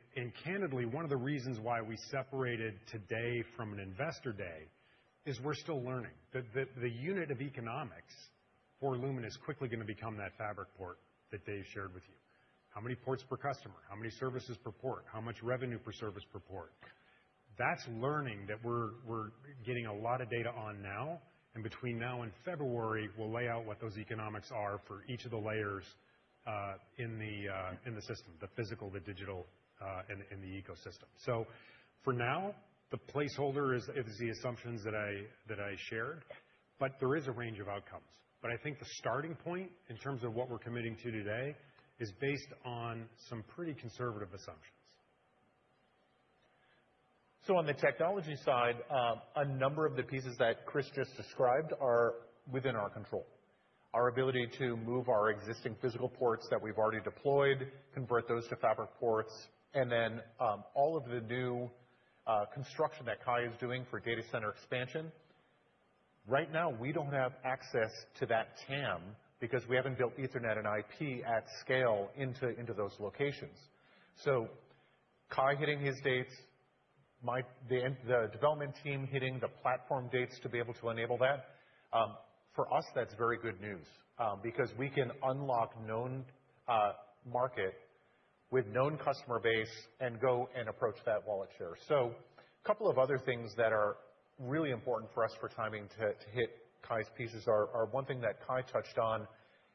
candidly, one of the reasons why we separated today from an investor day is we're still learning. The unit of economics for Lumen is quickly going to become that Fabric Port that Dave shared with you. How many ports per customer? How many services per port? How much revenue per service per port? That's the learning that we're getting a lot of data on now. Between now and February, we'll lay out what those economics are for each of the layers in the system, the physical, the digital, and the ecosystem. For now, the placeholder is the assumptions that I shared. There is a range of outcomes. I think the starting point in terms of what we're committing to today is based on some pretty conservative assumptions. On the technology side, a number of the pieces that Chris just described are within our control. Our ability to move our existing physical ports that we've already deployed, convert those to fabric ports, and then all of the new construction that Kye is doing for data center expansion. Right now, we don't have access to that TAM because we haven't built Ethernet and IP at scale into those locations. So, Kye hitting his dates, the development team hitting the platform dates to be able to enable that. For us, that's very good news because we can unlock known market with known customer base and go and approach that wallet share. So a couple of other things that are really important for us for timing to hit Kye's pieces are one thing that Kye touched on,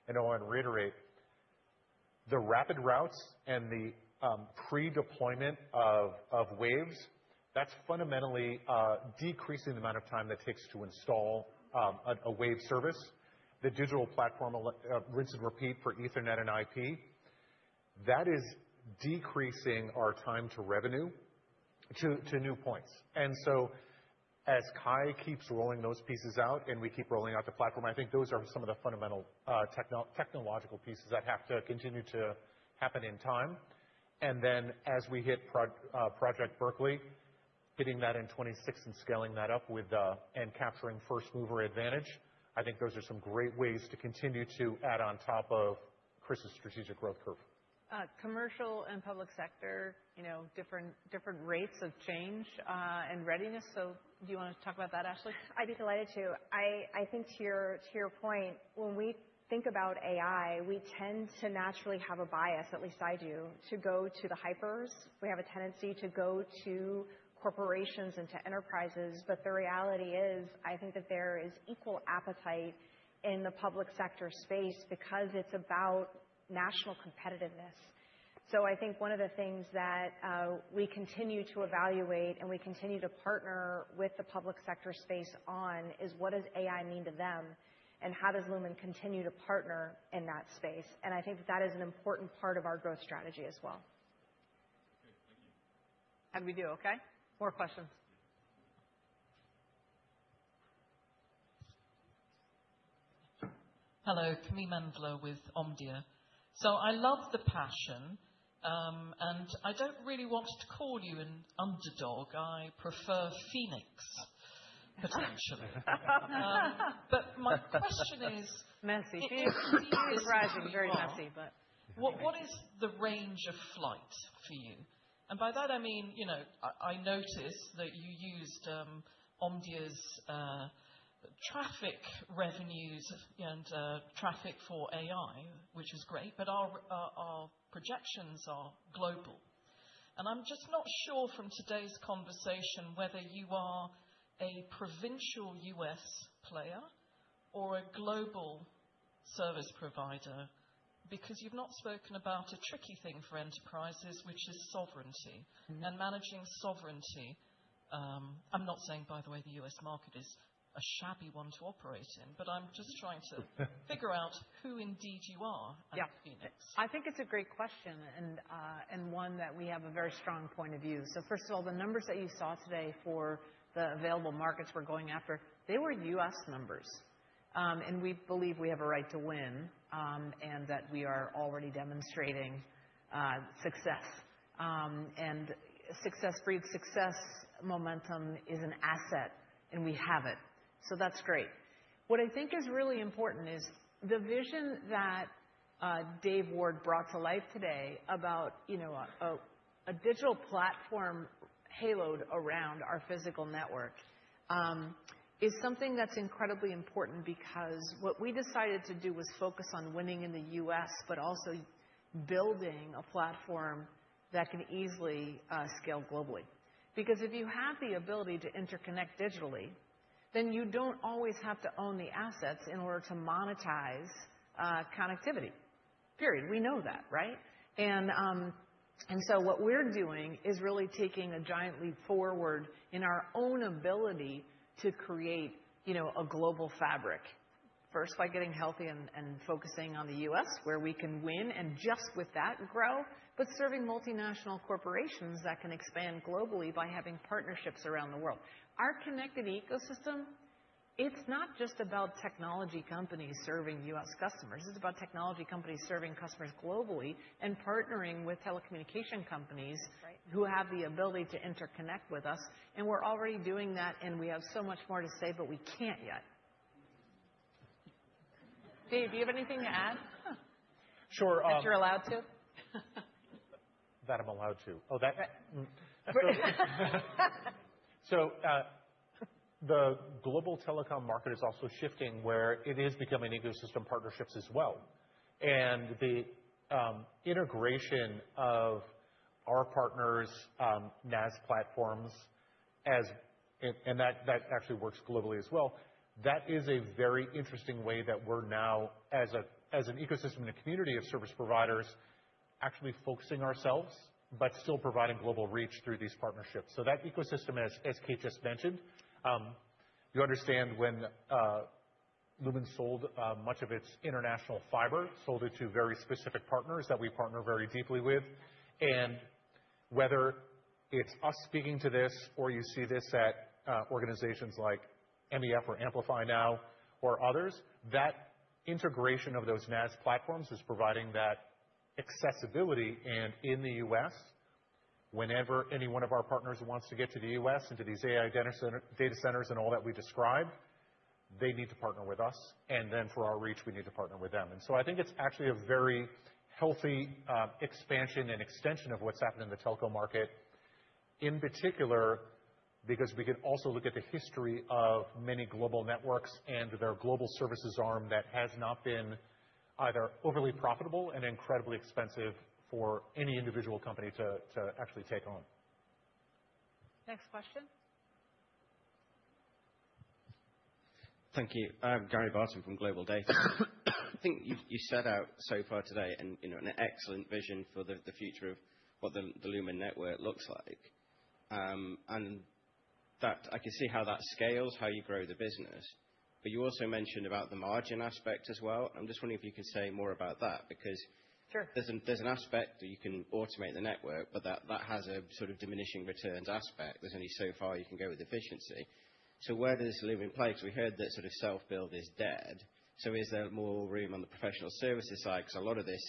and I want to reiterate, the Rapid Routes and the pre-deployment of waves. That's fundamentally decreasing the amount of time that takes to install a wave service. The digital platform rinse and repeat for Ethernet and IP. That is decreasing our time to revenue to new points. And so as Kye keeps rolling those pieces out and we keep rolling out the platform, I think those are some of the fundamental technological pieces that have to continue to happen in time. And then as we hit Project Berkeley, hitting that in 2026 and scaling that up and capturing first mover advantage, I think those are some great ways to continue to add on top of Chris's strategic growth curve. Commercial and public sector, different rates of change and readiness. So do you want to talk about that, Ashley? I'd be delighted to. I think to your point, when we think about AI, we tend to naturally have a bias, at least I do, to go to the hypers. We have a tendency to go to corporations and to enterprises. But the reality is, I think that there is equal appetite in the public sector space because it's about national competitiveness. So I think one of the things that we continue to evaluate and we continue to partner with the public sector space on is what does AI mean to them and how does Lumen continue to partner in that space. And I think that that is an important part of our growth strategy s well. Okay. Thank you. And we do, okay? More questions. Hello, Camille Mendler with Omdia. So I love the passion, and I don't really want to call you an underdog. I prefer Phoenix, potentially. But my question is messy. AI is rising, very messy. But what is the range of flight for you? And by that, I mean, I noticed that you used Omdia's traffic revenues and traffic for AI, which is great, but our projections are global. I'm just not sure from today's conversation whether you are a provincial US player or a global service provider because you've not spoken about a tricky thing for enterprises, which is sovereignty and managing sovereignty. I'm not saying, by the way, the U.S. market is a shabby one to operate in, but I'm just trying to figure out who indeed you are in Phoenix. I think it's a great question and one that we have a very strong point of view. First of all, the numbers that you saw today for the available markets we're going after, they were US numbers. We believe we have a right to win and that we are already demonstrating success. Building success momentum is an asset, and we have it. That's great. What I think is really important is the vision that Dave Ward brought to life today about a digital platform haloed around our physical network is something that's incredibly important because what we decided to do was focus on winning in the U.S., but also building a platform that can easily scale globally. Because if you have the ability to interconnect digitally, then you don't always have to own the assets in order to monetize connectivity. Period. We know that, right? And so what we're doing is really taking a giant leap forward in our own ability to create a global fabric, first by getting healthy and focusing on the U.S., where we can win and just with that grow, but serving multinational corporations that can expand globally by having partnerships around the world. Our connected ecosystem, it's not just about technology companies serving U.S. customers. It's about technology companies serving customers globally and partnering with telecommunication companies who have the ability to interconnect with us. And we're already doing that, and we have so much more to say, but we can't yet. Dave, do you have anything to add? Sure. If you're allowed to. That I'm allowed to. Oh, that. So the global telecom market is also shifting where it is becoming ecosystem partnerships as well. And the integration of our partners, NaaS platforms, and that actually works globally as well. That is a very interesting way that we're now, as an ecosystem and a community of service providers, actually focusing ourselves, but still providing global reach through these partnerships. So that ecosystem, as Kate just mentioned, you understand when Lumen sold much of its international fiber, sold it to very specific partners that we partner very deeply with. And whether it's us speaking to this or you see this at organizations like MEF or Amplify Now or others, that integration of those NaaS platforms is providing that accessibility. And in the U.S., whenever any one of our partners wants to get to the U.S. and to these AI data centers and all that we described, they need to partner with us. And then for our reach, we need to partner with them. And so I think it's actually a very healthy expansion and extension of what's happened in the telco market, in particular, because we can also look at the history of many global networks and their global services arm that has not been either overly profitable and incredibly expensive for any individual company to actually take on. Next question. Thank you. Gary Barton from GlobalData. I think you set out so far today an excellent vision for the future of what the Lumen network looks like. And I can see how that scales, how you grow the business. But you also mentioned about the margin aspect as well. I'm just wondering if you could say more about that because there's an aspect that you can automate the network, but that has a sort of diminishing returns aspect. There's only so far you can go with efficiency. So where does Lumen play? Because we heard that sort of self-build is dead. So is there more room on the professional services side? Because a lot of this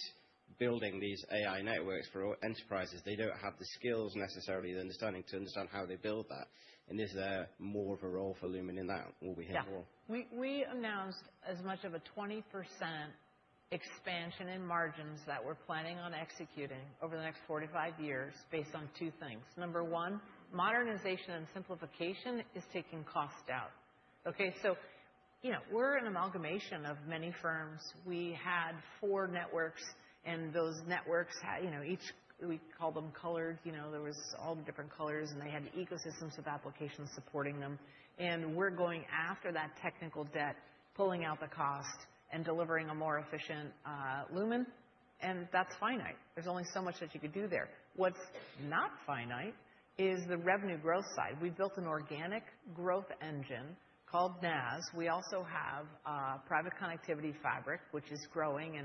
building these AI networks for enterprises, they don't have the skills necessarily, the understanding to understand how they build that. And is there more of a role for Lumen in that? Will we have more? Yeah. We announced as much as a 20% expansion in margins that we're planning on executing over the next 45 years based on two things. Number one, modernization and simplification is taking costs out. Okay? So we're an amalgamation of many firms. We had four networks, and those networks, we call them colored. There were all different colors, and they had ecosystems of applications supporting them. We're going after that technical debt, pulling out the cost, and delivering a more efficient Lumen, and that's finite. There's only so much that you could do there. What's not finite is the revenue growth side. We've built an organic growth engine called NaaS. We also have private connectivity fabric, which is growing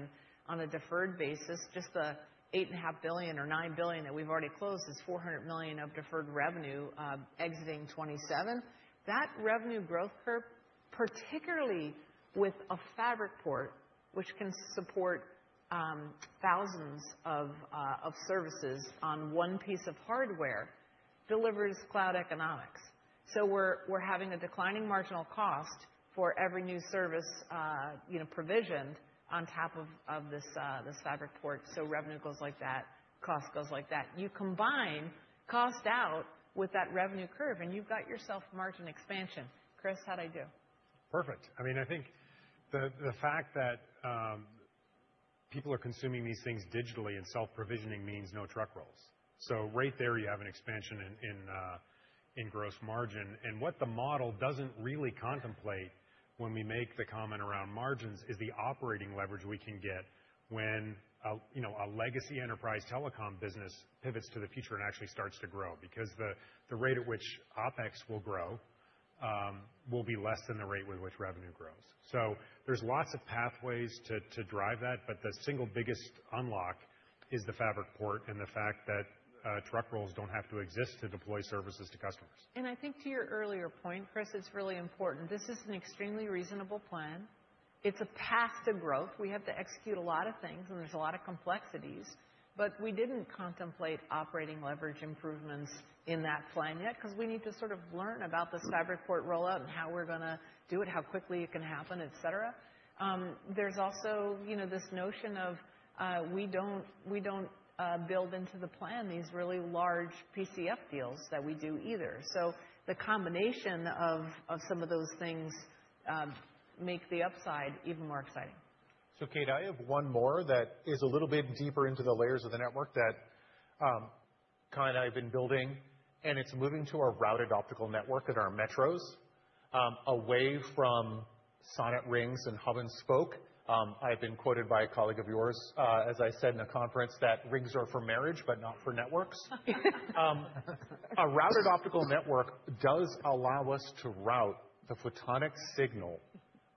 on a deferred basis. Just the $8.5 billion or $9 billion that we've already closed is $400 million of deferred revenue exiting 2027. That revenue growth curve, particularly with a Fabric Port, which can support thousands of services on one piece of hardware, delivers cloud economics. So we're having a declining marginal cost for every new service provisioned on top of this Fabric Port. So revenue goes like that. Cost goes like that. You combine cost out with that revenue curve, and you've got yourself margin expansion. Chris, how'd I do? Perfect. I mean, I think the fact that people are consuming these things digitally and self-provisioning means no truck rolls. So right there, you have an expansion in gross margin. And what the model doesn't really contemplate when we make the comment around margins is the operating leverage we can get when a legacy enterprise telecom business pivots to the future and actually starts to grow. Because the rate at which OpEx will grow will be less than the rate with which revenue grows. So there's lots of pathways to drive that, but the single biggest unlock is the Fabric Port and the fact that truck rolls don't have to exist to deploy services to customers. And I think to your earlier point, Chris, it's really important. This is an extremely reasonable plan. It's a path to growth. We have to execute a lot of things, and there's a lot of complexities. But we didn't contemplate operating leverage improvements in that plan yet because we need to sort of learn about the Fabric Port rollout and how we're going to do it, how quickly it can happen, etc. There's also this notion of we don't build into the plan these really large PCF deals that we do either. So the combination of some of those things makes the upside even more exciting. So, Kate, I have one more that is a little bit deeper into the layers of the network that Kye and I have been building, and it's moving to our routed optical network at our metros, away from SONET rings and hub and spoke. I have been quoted by a colleague of yours, as I said in a conference, that rings are for marriage, but not for networks. A routed optical network does allow us to route the photonic signal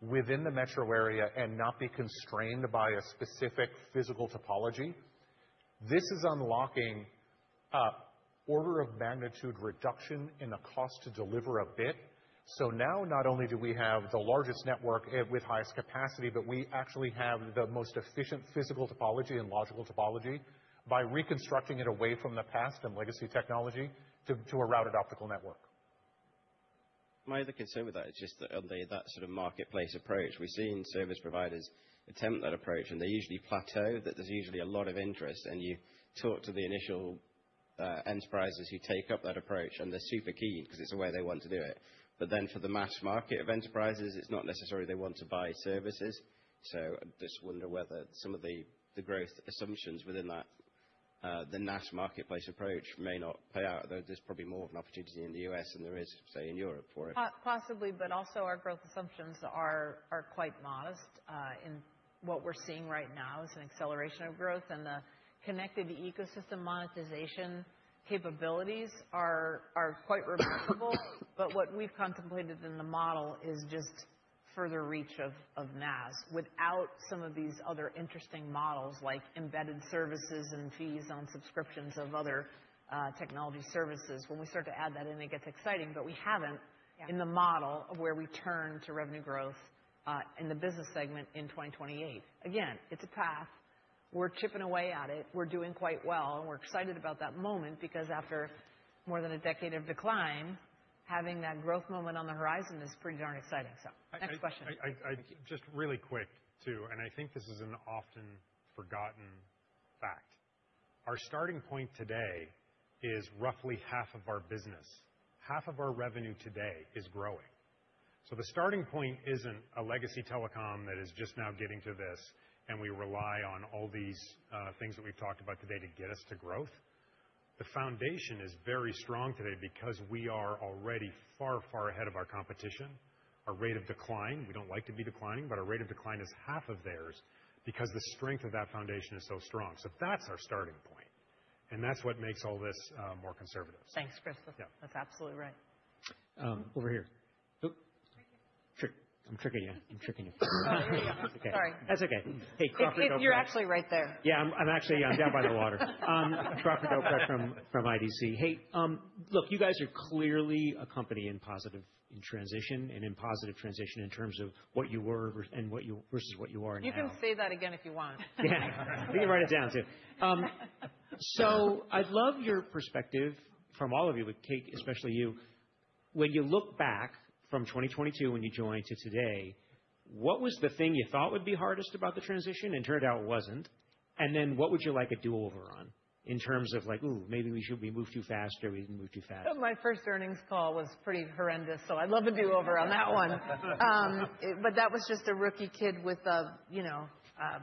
within the metro area and not be constrained by a specific physical topology. This is unlocking order of magnitude reduction in the cost to deliver a bit. So now not only do we have the largest network with highest capacity, but we actually have the most efficient physical topology and logical topology by reconstructing it away from the past and legacy technology to a routed optical network. My other concern with that is just that sort of marketplace approach. We've seen service providers attempt that approach, and they usually plateau. That there's usually a lot of interest. And you talk to the initial enterprises who take up that approach, and they're super keen because it's the way they want to do it. But then for the mass market of enterprises, it's not necessarily they want to buy services. So I just wonder whether some of the growth assumptions within the NaaS marketplace approach may not pay out. There's probably more of an opportunity in the U.S. than there is, say, in Europe for it. Possibly, but also our growth assumptions are quite modest, and what we're seeing right now is an acceleration of growth, and the connected ecosystem monetization capabilities are quite remarkable. But what we've contemplated in the model is just further reach of NaaS without some of these other interesting models like embedded services and fees on subscriptions of other technology services. When we start to add that in, it gets exciting, but we haven't in the model of where we turn to revenue growth in the business segment in 2028. Again, it's a path. We're chipping away at it. We're doing quite well, and we're excited about that moment because after more than a decade of decline, having that growth moment on the horizon is pretty darn exciting. So next question. Just really quick too, and I think this is an often forgotten fact. Our starting point today is roughly half of our business. Half of our revenue today is growing. So the starting point isn't a legacy telecom that is just now getting to this, and we rely on all these things that we've talked about today to get us to growth. The foundation is very strong today because we are already far, far ahead of our competition. Our rate of decline, we don't like to be declining, but our rate of decline is half of theirs because the strength of that foundation is so strong. So that's our starting point, and that's what makes all this more conservative. Thanks, Chris. That's absolutely right. Over here. I'm tricking you. I'm tricking you. Sorry. That's okay. Hey, Crawford. You're actually right there. Yeah, I'm actually down by the water. Crawford Del Prete from IDC. Hey, look, you guys are clearly a company in positive transition and in positive transition in terms of what you were versus what you are now. You can say that again if you want. Yeah. You can write it down too. So I'd love your perspective from all of you, Kate, especially you. When you look back from 2022 when you joined to today, what was the thing you thought would be hardest about the transition and turned out it wasn't? And then what would you like a do-over on in terms of like, "Ooh, maybe we should we move too fast or we didn't move too fast?" My first earnings call was pretty horrendous, so I'd love a do-over on that one. But that was just a rookie kid with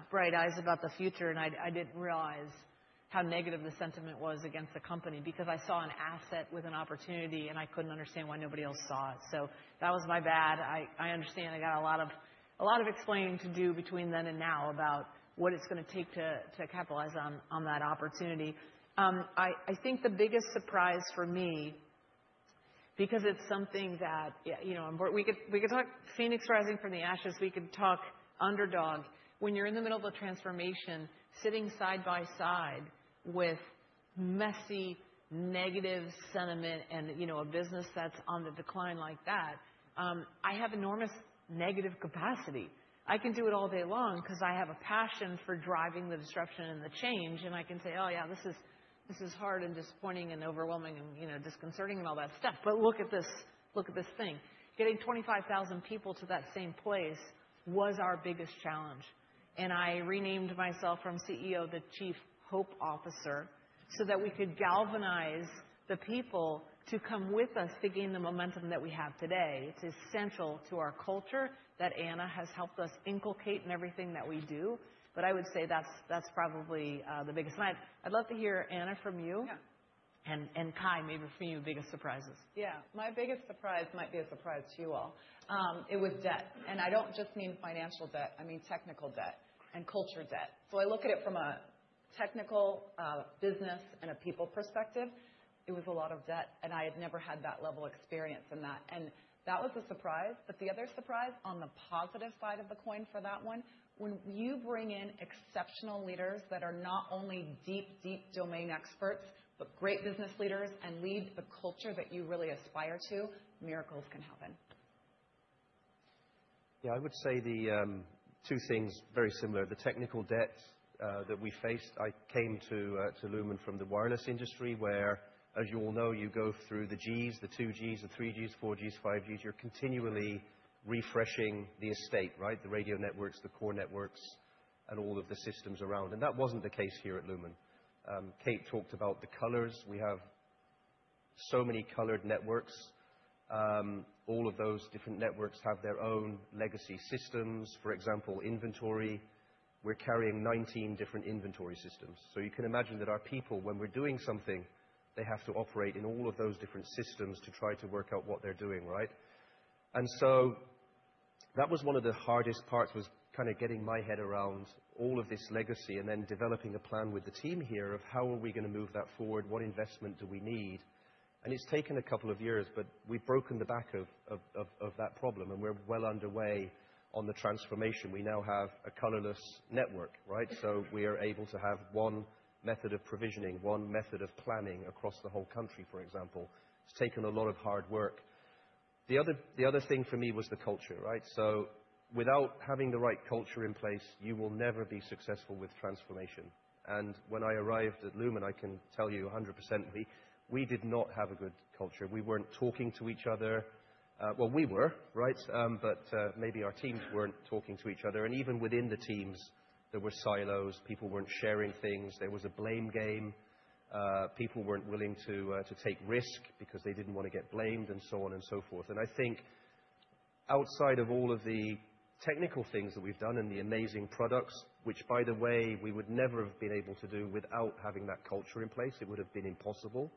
bright eyes about the future, and I didn't realize how negative the sentiment was against the company because I saw an asset with an opportunity, and I couldn't understand why nobody else saw it. So that was my bad. I understand I got a lot of explaining to do between then and now about what it's going to take to capitalize on that opportunity. I think the biggest surprise for me, because it's something that we could talk phoenix rising from the ashes. We could talk underdog. When you're in the middle of a transformation, sitting side by side with messy negative sentiment and a business that's on the decline like that, I have enormous negative capacity. I can do it all day long because I have a passion for driving the disruption and the change, and I can say, "Oh, yeah, this is hard and disappointing and overwhelming and disconcerting and all that stuff," but look at this thing. Getting 25,000 people to that same place was our biggest challenge, and I renamed myself from CEO to Chief Hope Officer so that we could galvanize the people to come with us to gain the momentum that we have today. It's essential to our culture that Anna has helped us inculcate in everything that we do, but I would say that's probably the biggest. I'd love to hear, Anna, from you and, Kye, maybe from you, biggest surprises. Yeah. My biggest surprise might be a surprise to you all. It was debt, and I don't just mean financial debt. I mean technical debt and culture debt. So I look at it from a technical business and a people perspective. It was a lot of debt, and I had never had that level of experience in that. And that was a surprise. But the other surprise on the positive side of the coin for that one, when you bring in exceptional leaders that are not only deep, deep domain experts, but great business leaders and lead the culture that you really aspire to, miracles can happen. Yeah, I would say the two things very similar. The technical debt that we faced, I came to Lumen from the wireless industry where, as you all know, you go through the Gs, the 2Gs, the 3Gs, 4Gs, 5Gs. You're continually refreshing the estate, right? The radio networks, the core networks, and all of the systems around. And that wasn't the case here at Lumen. Kate talked about the colors. We have so many colored networks. All of those different networks have their own legacy systems. For example, inventory, we're carrying 19 different inventory systems. So you can imagine that our people, when we're doing something, they have to operate in all of those different systems to try to work out what they're doing, right? And so that was one of the hardest parts was kind of getting my head around all of this legacy and then developing a plan with the team here of how are we going to move that forward? What investment do we need? And it's taken a couple of years, but we've broken the back of that problem, and we're well underway on the transformation. We now have a colorless network, right? So we are able to have one method of provisioning, one method of planning across the whole country, for example. It's taken a lot of hard work. The other thing for me was the culture, right? So without having the right culture in place, you will never be successful with transformation, and when I arrived at Lumen, I can tell you 100%, we did not have a good culture. We weren't talking to each other, well, we were, right? But maybe our teams weren't talking to each other. And even within the teams, there were silos. People weren't sharing things. There was a blame game. People weren't willing to take risks because they didn't want to get blamed and so on and so forth, and I think outside of all of the technical things that we've done and the amazing products, which by the way, we would never have been able to do without having that culture in place. It would have been impossible.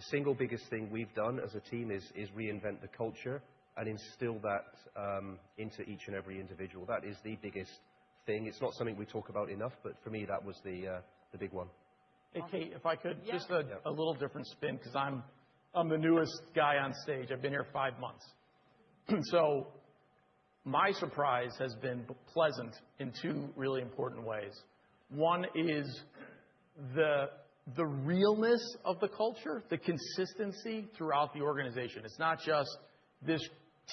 The single biggest thing we've done as a team is reinvent the culture and instill that into each and every individual. That is the biggest thing. It's not something we talk about enough, but for me, that was the big one. Hey, Kate, if I could just a little different spin because I'm the newest guy on stage. I've been here five months. So my surprise has been pleasant in two really important ways. One is the realness of the culture, the consistency throughout the organization. It's not just this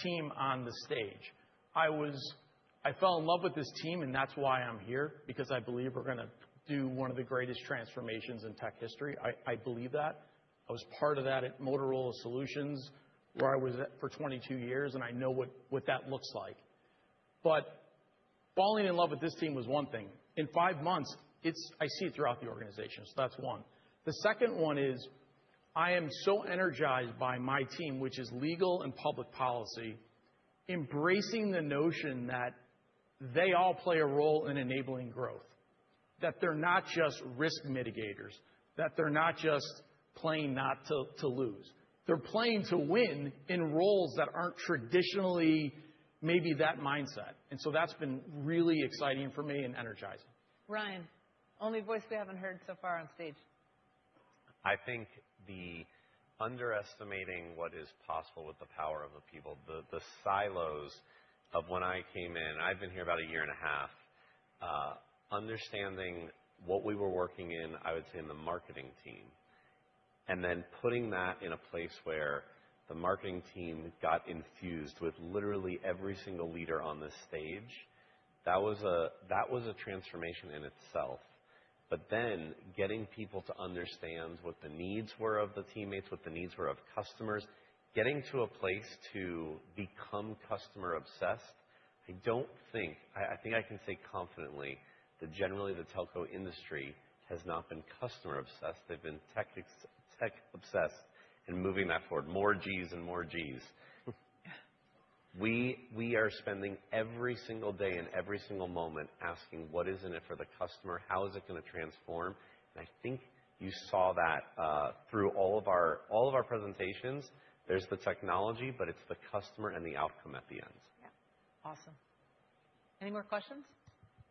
team on the stage. I fell in love with this team, and that's why I'm here, because I believe we're going to do one of the greatest transformations in tech history. I believe that. I was part of that at Motorola Solutions where I was for 22 years, and I know what that looks like. But falling in love with this team was one thing. In five months, I see it throughout the organization. So that's one. The second one is I am so energized by my team, which is legal and public policy, embracing the notion that they all play a role in enabling growth, that they're not just risk mitigators, that they're not just playing not to lose. They're playing to win in roles that aren't traditionally maybe that mindset. And so that's been really exciting for me and energizing. Ryan, only voice we haven't heard so far on stage. I think the underestimating what is possible with the power of the people, the silos of when I came in. I've been here about a year and a half, understanding what we were working in. I would say, in the marketing team, and then putting that in a place where the marketing team got infused with literally every single leader on the stage. That was a transformation in itself. But then getting people to understand what the needs were of the teammates, what the needs were of customers, getting to a place to become customer-obsessed. I think I can say confidently that generally the telco industry has not been customer-obsessed. They've been tech-obsessed and moving that forward. More Gs and more Gs. We are spending every single day and every single moment asking, "What is in it for the customer? How is it going to transform?" And I think you saw that through all of our presentations. There's the technology, but it's the customer and the outcome at the end. Yeah. Awesome. Any more questions?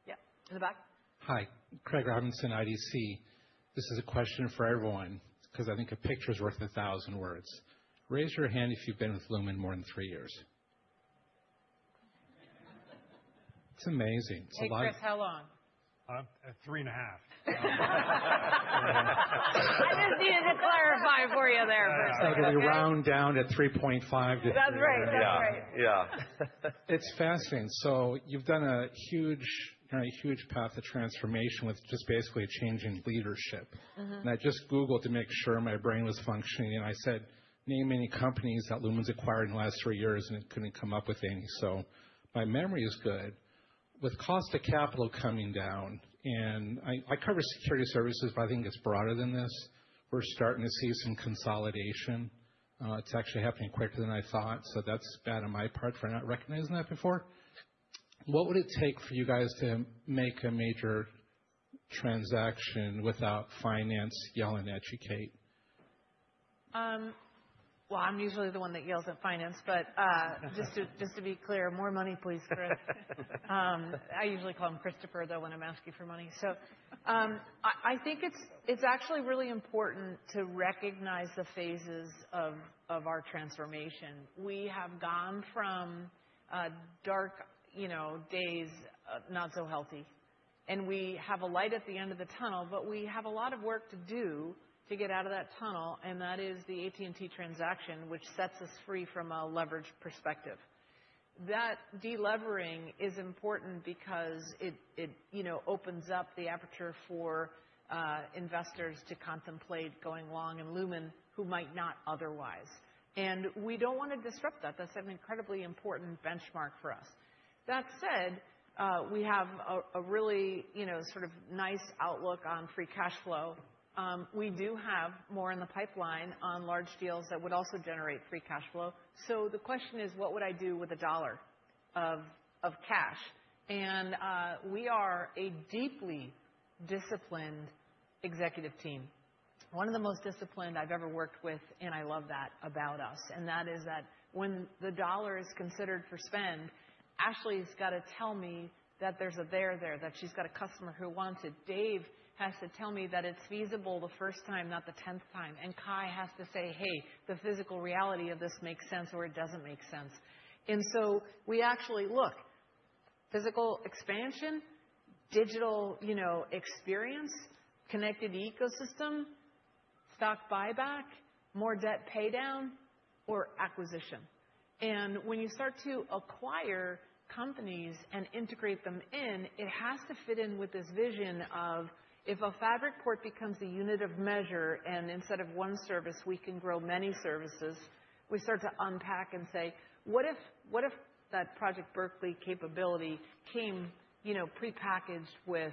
Yeah. In the back. Hi. Craig Robinson, IDC. This is a question for everyone because I think a picture is worth a thousand words. Raise your hand if you've been with Lumen more than three years. It's amazing. It's a lot. Hey, Chris, how long? Three and a half. I just needed to clarify for you there. So it'll be round down at 3.5 to 3.5. That's right. That's right. Yeah. It's fascinating. So you've done a huge path of transformation with just basically a change in leadership. And I just Googled to make sure my brain was functioning. I said, "Name any companies that Lumen's acquired in the last three years," and it couldn't come up with any. So my memory is good. With cost of capital coming down, and I cover security services, but I think it's broader than this. We're starting to see some consolidation. It's actually happening quicker than I thought. So that's bad on my part for not recognizing that before. What would it take for you guys to make a major transaction without finance yelling at you, Kate? Well, I'm usually the one that yells at finance, but just to be clear, more money, please, Chris. I usually call him Christopher, though, when I'm asking for money. So I think it's actually really important to recognize the phases of our transformation. We have gone from dark days, not so healthy, and we have a light at the end of the tunnel, but we have a lot of work to do to get out of that tunnel, and that is the AT&T transaction, which sets us free from a leveraged perspective. That delevering is important because it opens up the aperture for investors to contemplate going long in Lumen who might not otherwise. And we don't want to disrupt that. That's an incredibly important benchmark for us. That said, we have a really sort of nice outlook on free cash flow. We do have more in the pipeline on large deals that would also generate free cash flow. So the question is, what would I do with $1 of cash? And we are a deeply disciplined executive team. One of the most disciplined I've ever worked with, and I love that about us. And that is that when the dollar is considered for spend, Ashley's got to tell me that there's a there there, that she's got a customer who wants it. Dave has to tell me that it's feasible the first time, not the tenth time. And Kye has to say, "Hey, the physical reality of this makes sense or it doesn't make sense." And so we actually look: physical expansion, digital experience, connected ecosystem, stock buyback, more debt paydown, or acquisition. When you start to acquire companies and integrate them in, it has to fit in with this vision of if a fabric port becomes a unit of measure and instead of one service, we can grow many services, we start to unpack and say, "What if that Project Berkeley capability came prepackaged with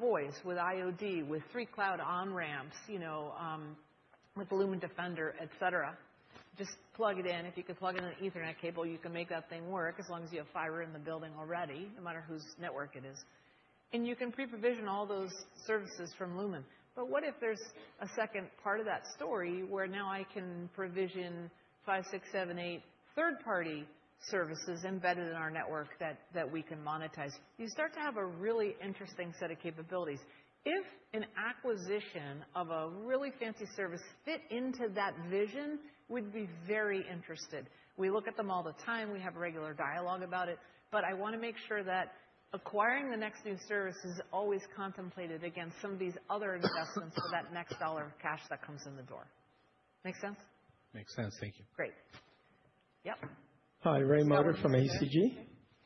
voice, with IoD, with three cloud on-ramps, with the Lumen Defender, etc.?" Just plug it in. If you could plug in an Ethernet cable, you can make that thing work as long as you have fiber in the building already, no matter whose network it is. And you can pre-provision all those services from Lumen. But what if there's a second part of that story where now I can provision five, six, seven, eight third-party services embedded in our network that we can monetize? You start to have a really interesting set of capabilities. If an acquisition of a really fancy service fit into that vision, we'd be very interested. We look at them all the time. We have regular dialogue about it. But I want to make sure that acquiring the next new service is always contemplated against some of these other investments for that next dollar of cash that comes in the door. Make sense? Makes sense. Thank you. Great. Yep. Hi. Ray Mota from ACG.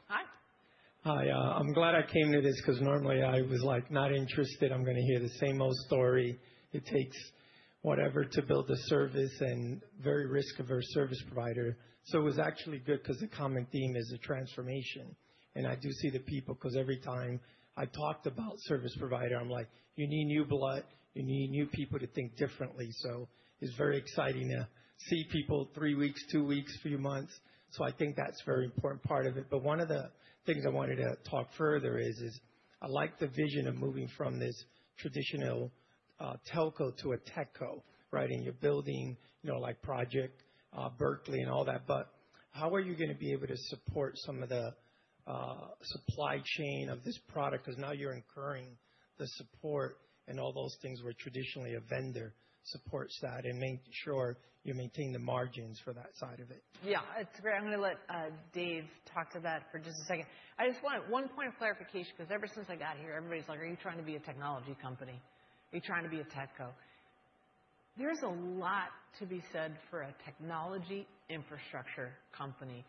Hi. Hi. I'm glad I came to this because normally I was not interested. I'm going to hear the same old story. It takes whatever to build a service and very risk-averse service provider. So it was actually good because the common theme is a transformation. And I do see the people because every time I talked about service provider, I'm like, "You need new blood. You need new people to think differently." So it's very exciting to see people three weeks, two weeks, a few months. So I think that's a very important part of it. But one of the things I wanted to talk further is I like the vision of moving from this traditional telco to a techco, right? And you're building Project Berkeley and all that. But how are you going to be able to support some of the supply chain of this product because now you're incurring the support and all those things where traditionally a vendor supports that and makes sure you maintain the margins for that side of it? Yeah. It's great. I'm going to let Dave talk to that for just a second. I just want one point of clarification because ever since I got here, everybody's like, "Are you trying to be a technology company? Are you trying to be a techco?" There is a lot to be said for a technology infrastructure company.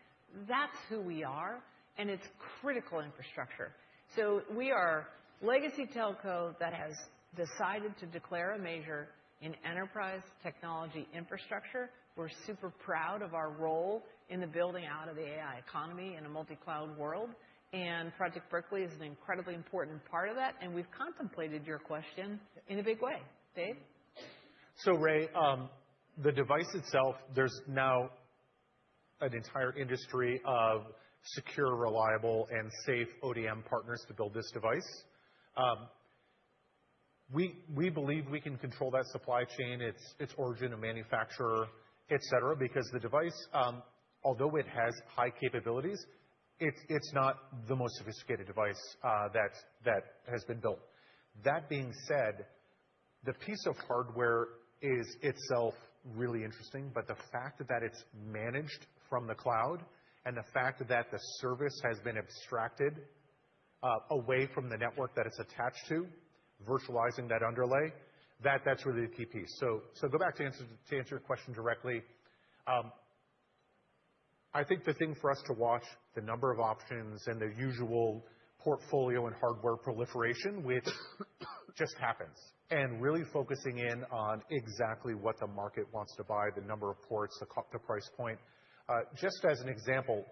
That's who we are, and it's critical infrastructure. So we are a legacy telco that has decided to declare a major in enterprise technology infrastructure. We're super proud of our role in the building out of the AI economy in a multi-cloud world. And Project Berkeley is an incredibly important part of that. And we've contemplated your question in a big way. Dave? So Ray, the device itself, there's now an entire industry of secure, reliable, and safe ODM partners to build this device. We believe we can control that supply chain, its origin, and manufacturer, etc., because the device, although it has high capabilities, it's not the most sophisticated device that has been built. That being said, the piece of hardware is itself really interesting, but the fact that it's managed from the cloud and the fact that the service has been abstracted away from the network that it's attached to, virtualizing that underlay, that's really the key piece. So go back to answer your question directly. I think the thing for us to watch is the number of options and the usual portfolio and hardware proliferation, which just happens, and really focusing in on exactly what the market wants to buy, the number of ports, the price point. Just as an example,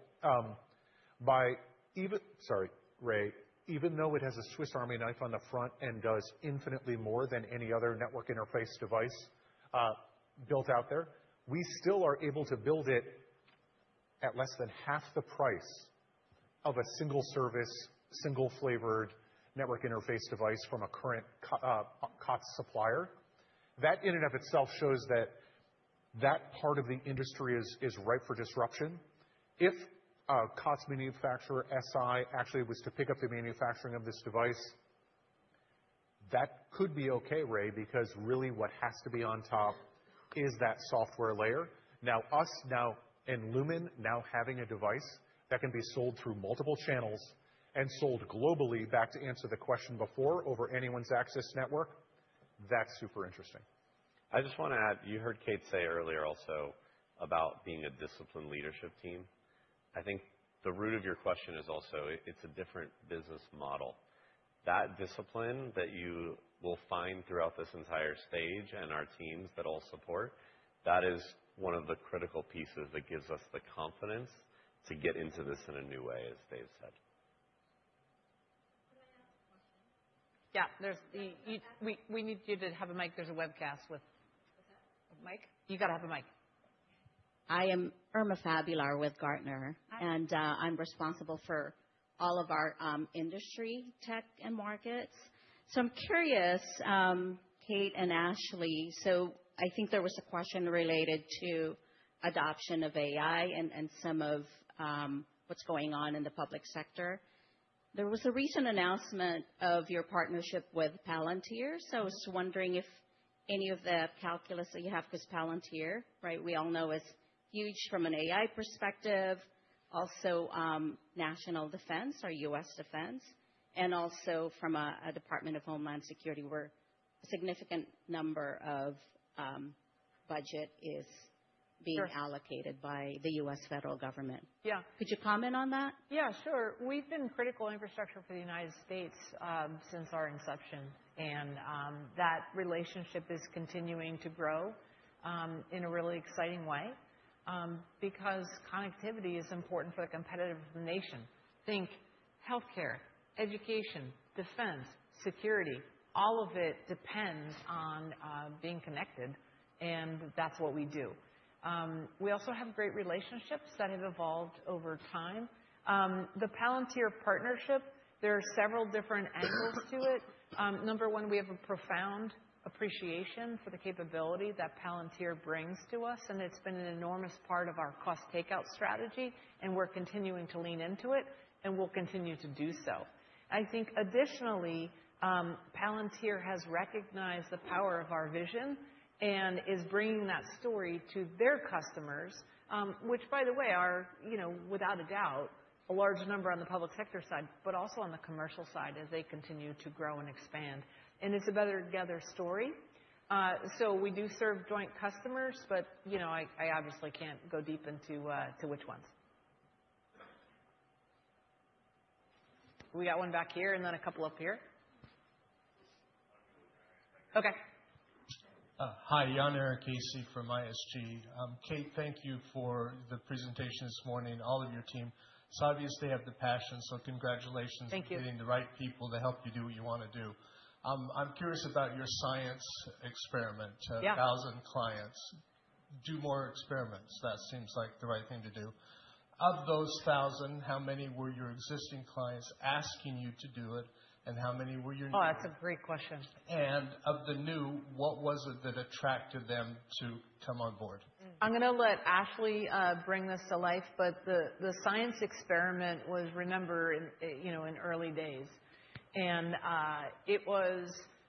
sorry, Ray, even though it has a Swiss Army knife on the front and does infinitely more than any other network interface device built out there, we still are able to build it at less than half the price of a single-service, single-flavored network interface device from a current COTS supplier. That in and of itself shows that that part of the industry is ripe for disruption. If a COTS manufacturer SI actually was to pick up the manufacturing of this device, that could be okay, Ray, because really what has to be on top is that software layer. Now, us now in Lumen now having a device that can be sold through multiple channels and sold globally back to answer the question before over anyone's access network, that's super interesting. I just want to add, you heard Kate say earlier also about being a disciplined leadership team. I think the root of your question is also it's a different business model. That discipline that you will find throughout this entire stage and our teams that all support, that is one of the critical pieces that gives us the confidence to get into this in a new way, as Dave said. Could I ask a question? Yeah. We need you to have a mic. There's a webcast with a mic. You got to have a mic. I am Irma Fabular with Gartner, and I'm responsible for all of our industry, tech, and markets. So I'm curious, Kate and Ashley, so I think there was a question related to adoption of AI and some of what's going on in the public sector. There was a recent announcement of your partnership with Palantir. So I was wondering if any of the calculus that you have because Palantir, right, we all know is huge from an AI perspective, also national defense or U.S. defense, and also from a Department of Homeland Security, where a significant number of budget is being allocated by the U.S. federal government. Yeah. Could you comment on that? Yeah, sure. We've been critical infrastructure for the United States since our inception, and that relationship is continuing to grow in a really exciting way because connectivity is important for the competitive nation. Think healthcare, education, defense, security. All of it depends on being connected, and that's what we do. We also have great relationships that have evolved over time. The Palantir partnership, there are several different angles to it. Number one, we have a profound appreciation for the capability that Palantir brings to us, and it's been an enormous part of our cost takeout strategy, and we're continuing to lean into it and will continue to do so. I think additionally, Palantir has recognized the power of our vision and is bringing that story to their customers, which, by the way, are without a doubt a large number on the public sector side, but also on the commercial side as they continue to grow and expand, and it's a better together story, so we do serve joint customers, but I obviously can't go deep into which ones. We got one back here and then a couple up here. Okay. Hi. Jan Erik Aase from ISG. Kate, thank you for the presentation this morning. All of your team. It's obvious they have the passion, so congratulations on getting the right people to help you do what you want to do. I'm curious about your science experiment. A thousand clients. Do more experiments. That seems like the right thing to do. Of those thousand, how many were your existing clients asking you to do it, and how many were your new? Oh, that's a great question. And of the new, what was it that attracted them to come on board? I'm going to let Ashley bring this to life, but the science experiment was, remember, in early days. And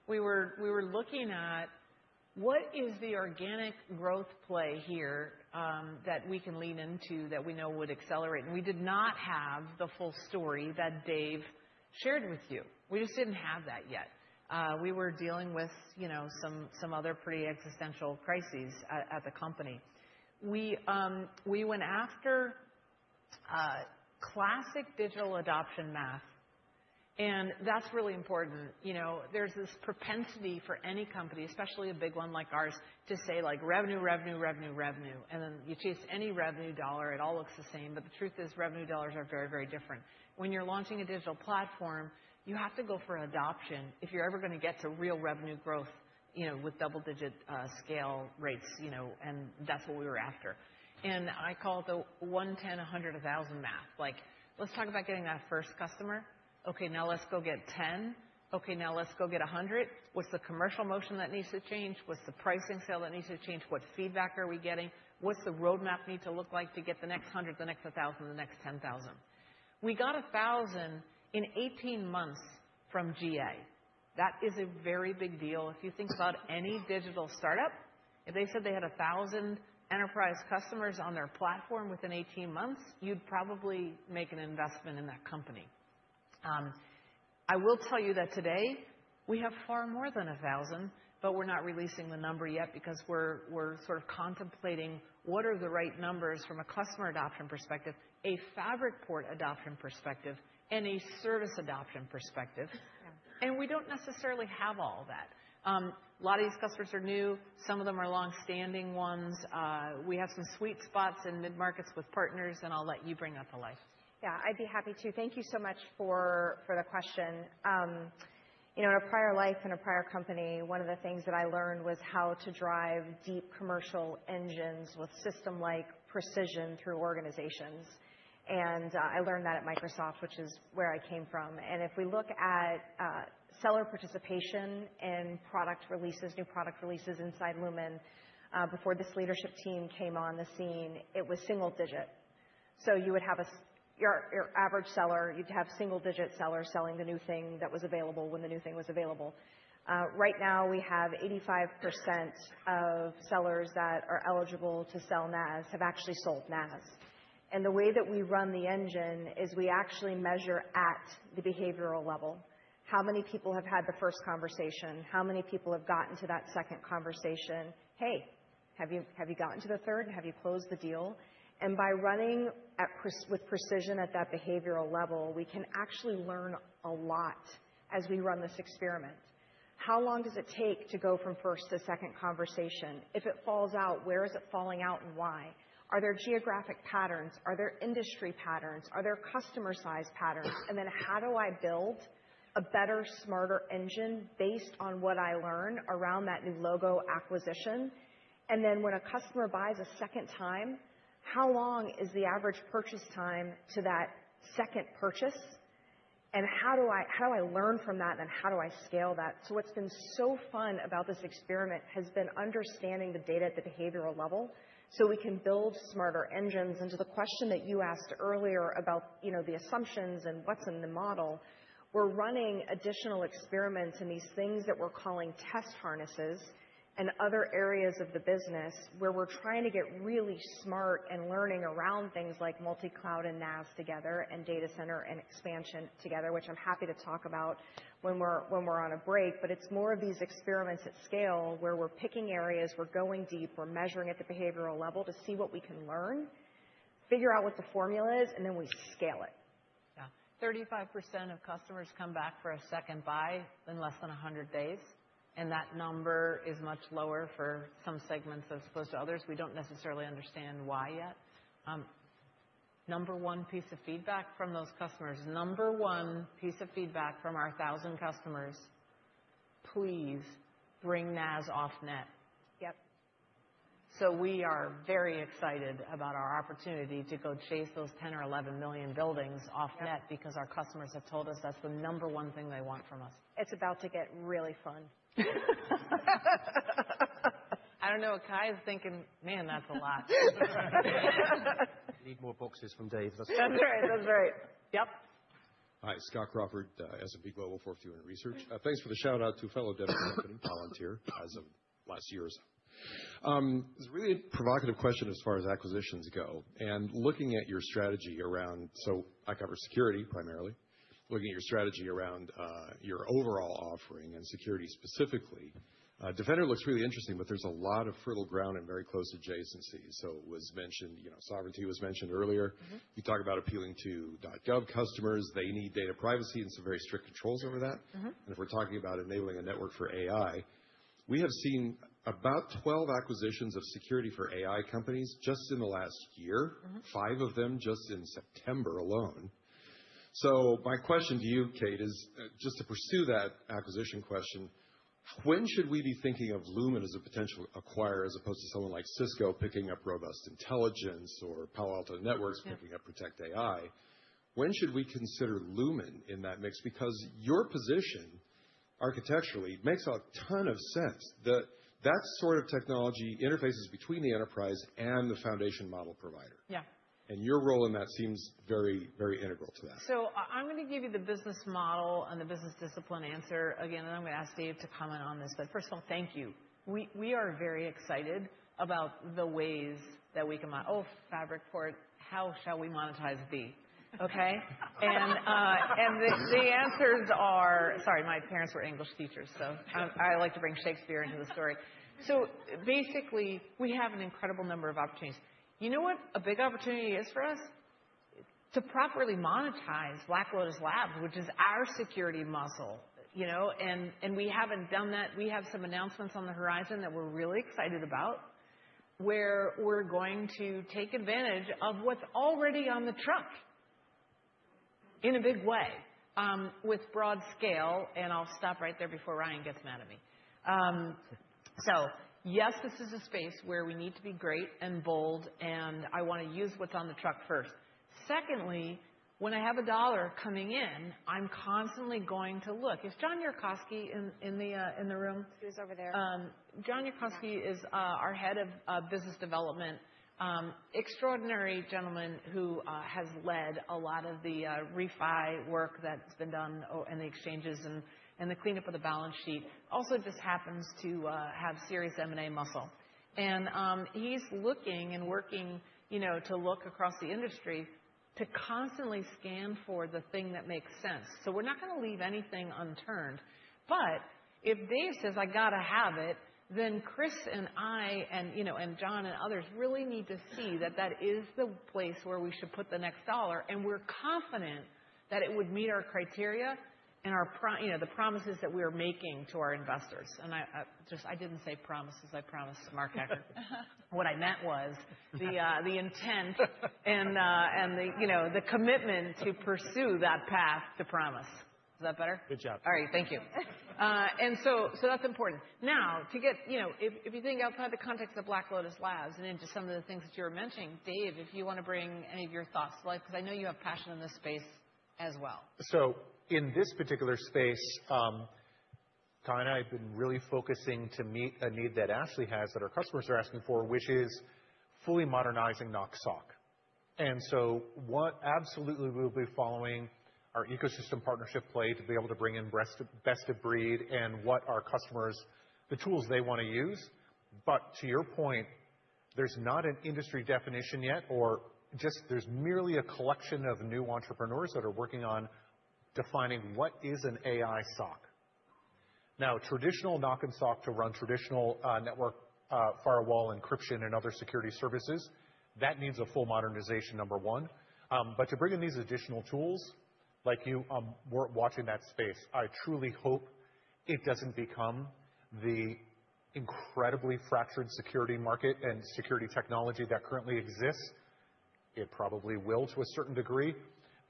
we were looking at what is the organic growth play here that we can lean into that we know would accelerate. And we did not have the full story that Dave shared with you. We just didn't have that yet. We were dealing with some other pretty existential crises at the company. We went after classic digital adoption math, and that's really important. There's this propensity for any company, especially a big one like ours, to say revenue, revenue, revenue, revenue. And then you chase any revenue dollar. It all looks the same, but the truth is revenue dollars are very, very different. When you're launching a digital platform, you have to go for adoption if you're ever going to get to real revenue growth with double-digit scale rates, and that's what we were after, and I call it the 1, 10, 100, 1,000 math. Let's talk about getting that first customer. Okay, now let's go get 10. Okay, now let's go get 100. What's the commercial motion that needs to change? What's the pricing sale that needs to change? What feedback are we getting? What's the roadmap need to look like to get the next 100, the next 1,000, the next 10,000? We got 1,000 in 18 months from GA. That is a very big deal. If you think about any digital startup, if they said they had a thousand enterprise customers on their platform within 18 months, you'd probably make an investment in that company. I will tell you that today we have far more than a thousand, but we're not releasing the number yet because we're sort of contemplating what are the right numbers from a customer adoption perspective, a fabric port adoption perspective, and a service adoption perspective. And we don't necessarily have all that. A lot of these customers are new. Some of them are long-standing ones. We have some sweet spots in mid-markets with partners, and I'll let you bring that to life. Yeah, I'd be happy to. Thank you so much for the question. In a prior life and a prior company, one of the things that I learned was how to drive deep commercial engines with system-like precision through organizations. And I learned that at Microsoft, which is where I came from. And if we look at seller participation and new product releases inside Lumen, before this leadership team came on the scene, it was single digit. So you would have your average seller, you'd have single-digit sellers selling the new thing that was available when the new thing was available. Right now, we have 85% of sellers that are eligible to sell NaaS have actually sold NaaS. And the way that we run the engine is we actually measure at the behavioral level how many people have had the first conversation, how many people have gotten to that second conversation. Hey, have you gotten to the third? Have you closed the deal? By running with precision at that behavioral level, we can actually learn a lot as we run this experiment. How long does it take to go from first to second conversation? If it falls out, where is it falling out and why? Are there geographic patterns? Are there industry patterns? Are there customer-size patterns? How do I build a better, smarter engine based on what I learn around that new logo acquisition? When a customer buys a second time, how long is the average purchase time to that second purchase? And how do I learn from that, and how do I scale that? What's been so fun about this experiment has been understanding the data at the behavioral level so we can build smarter engines. And to the question that you asked earlier about the assumptions and what's in the model, we're running additional experiments in these things that we're calling test harnesses and other areas of the business where we're trying to get really smart and learning around things like multi-cloud and NaaS together and data center and expansion together, which I'm happy to talk about when we're on a break. But it's more of these experiments at scale where we're picking areas, we're going deep, we're measuring at the behavioral level to see what we can learn, figure out what the formula is, and then we scale it. Yeah. 35% of customers come back for a second buy in less than 100 days, and that number is much lower for some segments as opposed to others. We don't necessarily understand why yet. Number one piece of feedback from those customers, number one piece of feedback from our 1,000 customers, please bring NaaS off net. Yep. So we are very excited about our opportunity to go chase those 10 or 11 million buildings off net because our customers have told us that's the number one thing they want from us. It's about to get really fun. I don't know what Kye is thinking. Man, that's a lot. You need more boxes from Dave. That's right. That's right. Yep. Hi, Scott Crawford, S&P Global. Thanks for the shout-out to fellow devs in the company, Palantir, as of last year or so. It's a really provocative question as far as acquisitions go. Looking at your strategy around, so I cover security primarily, looking at your strategy around your overall offering and security specifically, Defender looks really interesting, but there's a lot of fertile ground and very close adjacency. So it was mentioned, sovereignty was mentioned earlier. You talk about appealing to .gov customers. They need data privacy and some very strict controls over that. And if we're talking about enabling a network for AI, we have seen about 12 acquisitions of security for AI companies just in the last year, five of them just in September alone. So my question to you, Kate, is just to pursue that acquisition question, when should we be thinking of Lumen as a potential acquirer as opposed to someone like Cisco picking up Robust Intelligence or Palo Alto Networks picking up Protect AI? When should we consider Lumen in that mix? Because your position architecturally makes a ton of sense. That sort of technology interfaces between the enterprise and the foundation model provider. Yeah. And your role in that seems very, very integral to that. So I'm going to give you the business model and the business discipline answer. Again, I'm going to ask Dave to comment on this, but first of all, thank you. We are very excited about the ways that we can - oh, Fabric Port, how shall we monetize the - okay? And the answers are - sorry, my parents were English teachers, so I like to bring Shakespeare into the story. So basically, we have an incredible number of opportunities. You know what a big opportunity is for us? To properly monetize Black Lotus Labs, which is our security muscle. And we haven't done that. We have some announcements on the horizon that we're really excited about where we're going to take advantage of what's already on the truck in a big way with broad scale, and I'll stop right there before Ryan gets mad at me, so yes, this is a space where we need to be great and bold, and I want to use what's on the truck first. Secondly, when I have a dollar coming in, I'm constantly going to look. Is John Yerkowski in the room? He's over there. John Yerkowski is our head of business development, extraordinary gentleman who has led a lot of the refi work that's been done and the exchanges and the cleanup of the balance sheet. Also just happens to have serious M&A muscle, and he's looking and working to look across the industry to constantly scan for the thing that makes sense. So we're not going to leave anything unturned. But if Dave says, "I got to have it," then Chris and I and John and others really need to see that that is the place where we should put the next dollar, and we're confident that it would meet our criteria and the promises that we are making to our investors. And I didn't say promises. I promised Mark Hacker. What I meant was the intent and the commitment to pursue that path to promise. Is that better? Good job. All right. Thank you. And so that's important. Now, if you think outside the context of Black Lotus Labs and into some of the things that you were mentioning, Dave, if you want to bring any of your thoughts to life because I know you have passion in this space as well. So, in this particular space, Kye and I have been really focusing to meet a need that Ashley has that our customers are asking for, which is fully modernizing NOC SOC. And so, absolutely, we will be following our ecosystem partnership play to be able to bring in best of breed and what our customers, the tools they want to use. But to your point, there's not an industry definition yet, or just there's merely a collection of new entrepreneurs that are working on defining what is an AI SOC. Now, traditional NOC and SOC to run traditional network firewall encryption and other security services, that needs a full modernization, number one. But to bring in these additional tools, like you were watching that space, I truly hope it doesn't become the incredibly fractured security market and security technology that currently exists. It probably will to a certain degree,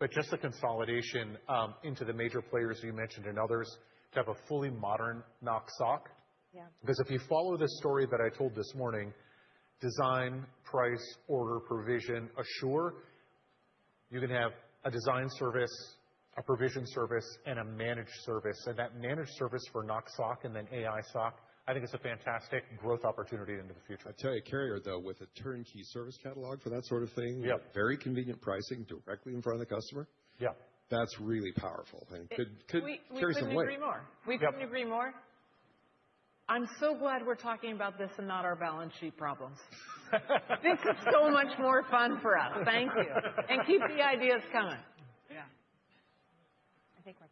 but just a consolidation into the major players you mentioned and others to have a fully modern NOC/SOC. Because if you follow the story that I told this morning, design, price, order, provision, assure, you can have a design service, a provision service, and a managed service, and that managed service for NOC/SOC and then AI SOC, I think it's a fantastic growth opportunity into the future. I tell you, carrier, though, with a turnkey service catalog for that sort of thing, very convenient pricing directly in front of the customer. Yeah. That's really powerful, and carry some light. We couldn't agree more. We couldn't agree more. I'm so glad we're talking about this and not our balance sheet problems. This is so much more fun for us. Thank you, and keep the ideas coming. Yeah. I think we're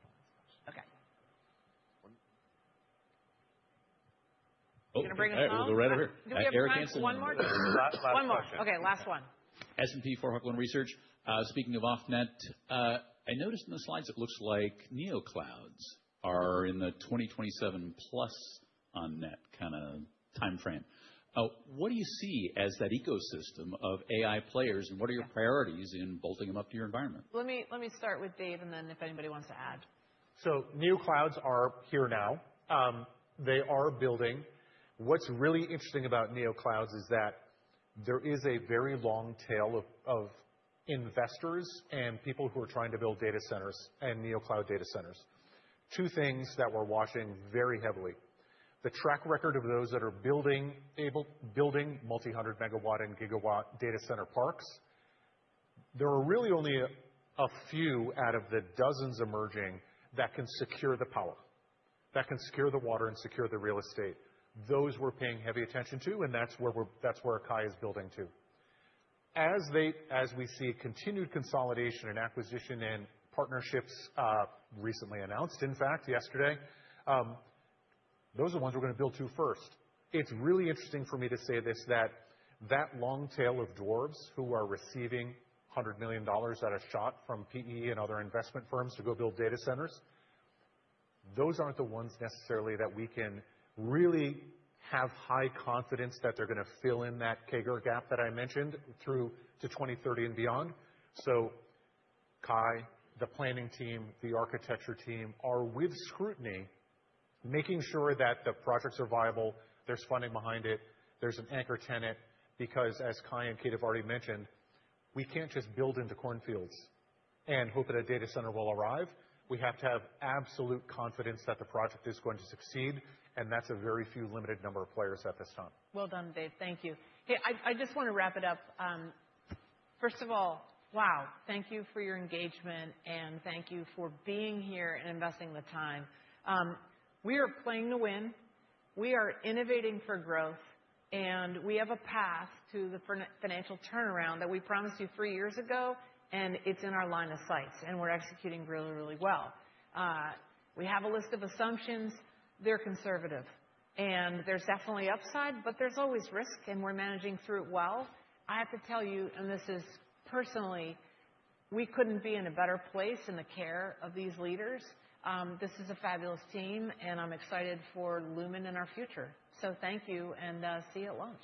at the last question. Okay. You're going to bring us all? Hey, we're right over here. Do we have time for one more? One more question. Okay, last one. S&P for Hockland Research, speaking of off net, I noticed in the slides it looks like NeoClouds are in the 2027 plus on net kind of time frame. What do you see as that ecosystem of AI players, and what are your priorities in bolting them up to your environment? Let me start with Dave, and then if anybody wants to add. So NeoClouds are here now. They are building. What's really interesting about NeoClouds is that there is a very long tail of investors and people who are trying to build data centers and NeoCloud data centers. Two things that we're watching very heavily. The track record of those that are building multi-hundred megawatt and GW data center parks. There are really only a few out of the dozens emerging that can secure the power, that can secure the water and secure the real estate. Those we're paying heavy attention to, and that's where Kye is building too. As we see continued consolidation and acquisition and partnerships recently announced, in fact, yesterday, those are the ones we're going to build to first. It's really interesting for me to say this that that long tail of dwarfs who are receiving $100 million that are sought from PE and other investment firms to go build data centers, those aren't the ones necessarily that we can really have high confidence that they're going to fill in that CAGR gap that I mentioned through to 2030 and beyond. So Kye, the planning team, the architecture team are with scrutiny making sure that the projects are viable. There's funding behind it. There's an anchor tenant because as Kye and Kate have already mentioned, we can't just build into cornfields and hope that a data center will arrive. We have to have absolute confidence that the project is going to succeed, and that's a very few limited number of players at this time. Well done, Dave. Thank you. Hey, I just want to wrap it up. First of all, wow, thank you for your engagement, and thank you for being here and investing the time. We are playing to win. We are innovating for growth, and we have a path to the financial turnaround that we promised you three years ago, and it's in our line of sight, and we're executing really, really well. We have a list of assumptions. They're conservative, and there's definitely upside, but there's always risk, and we're managing through it well. I have to tell you, and this is personally, we couldn't be in a better place in the care of these leaders. This is a fabulous team, and I'm excited for Lumen and our future. So thank you, and see you at launch.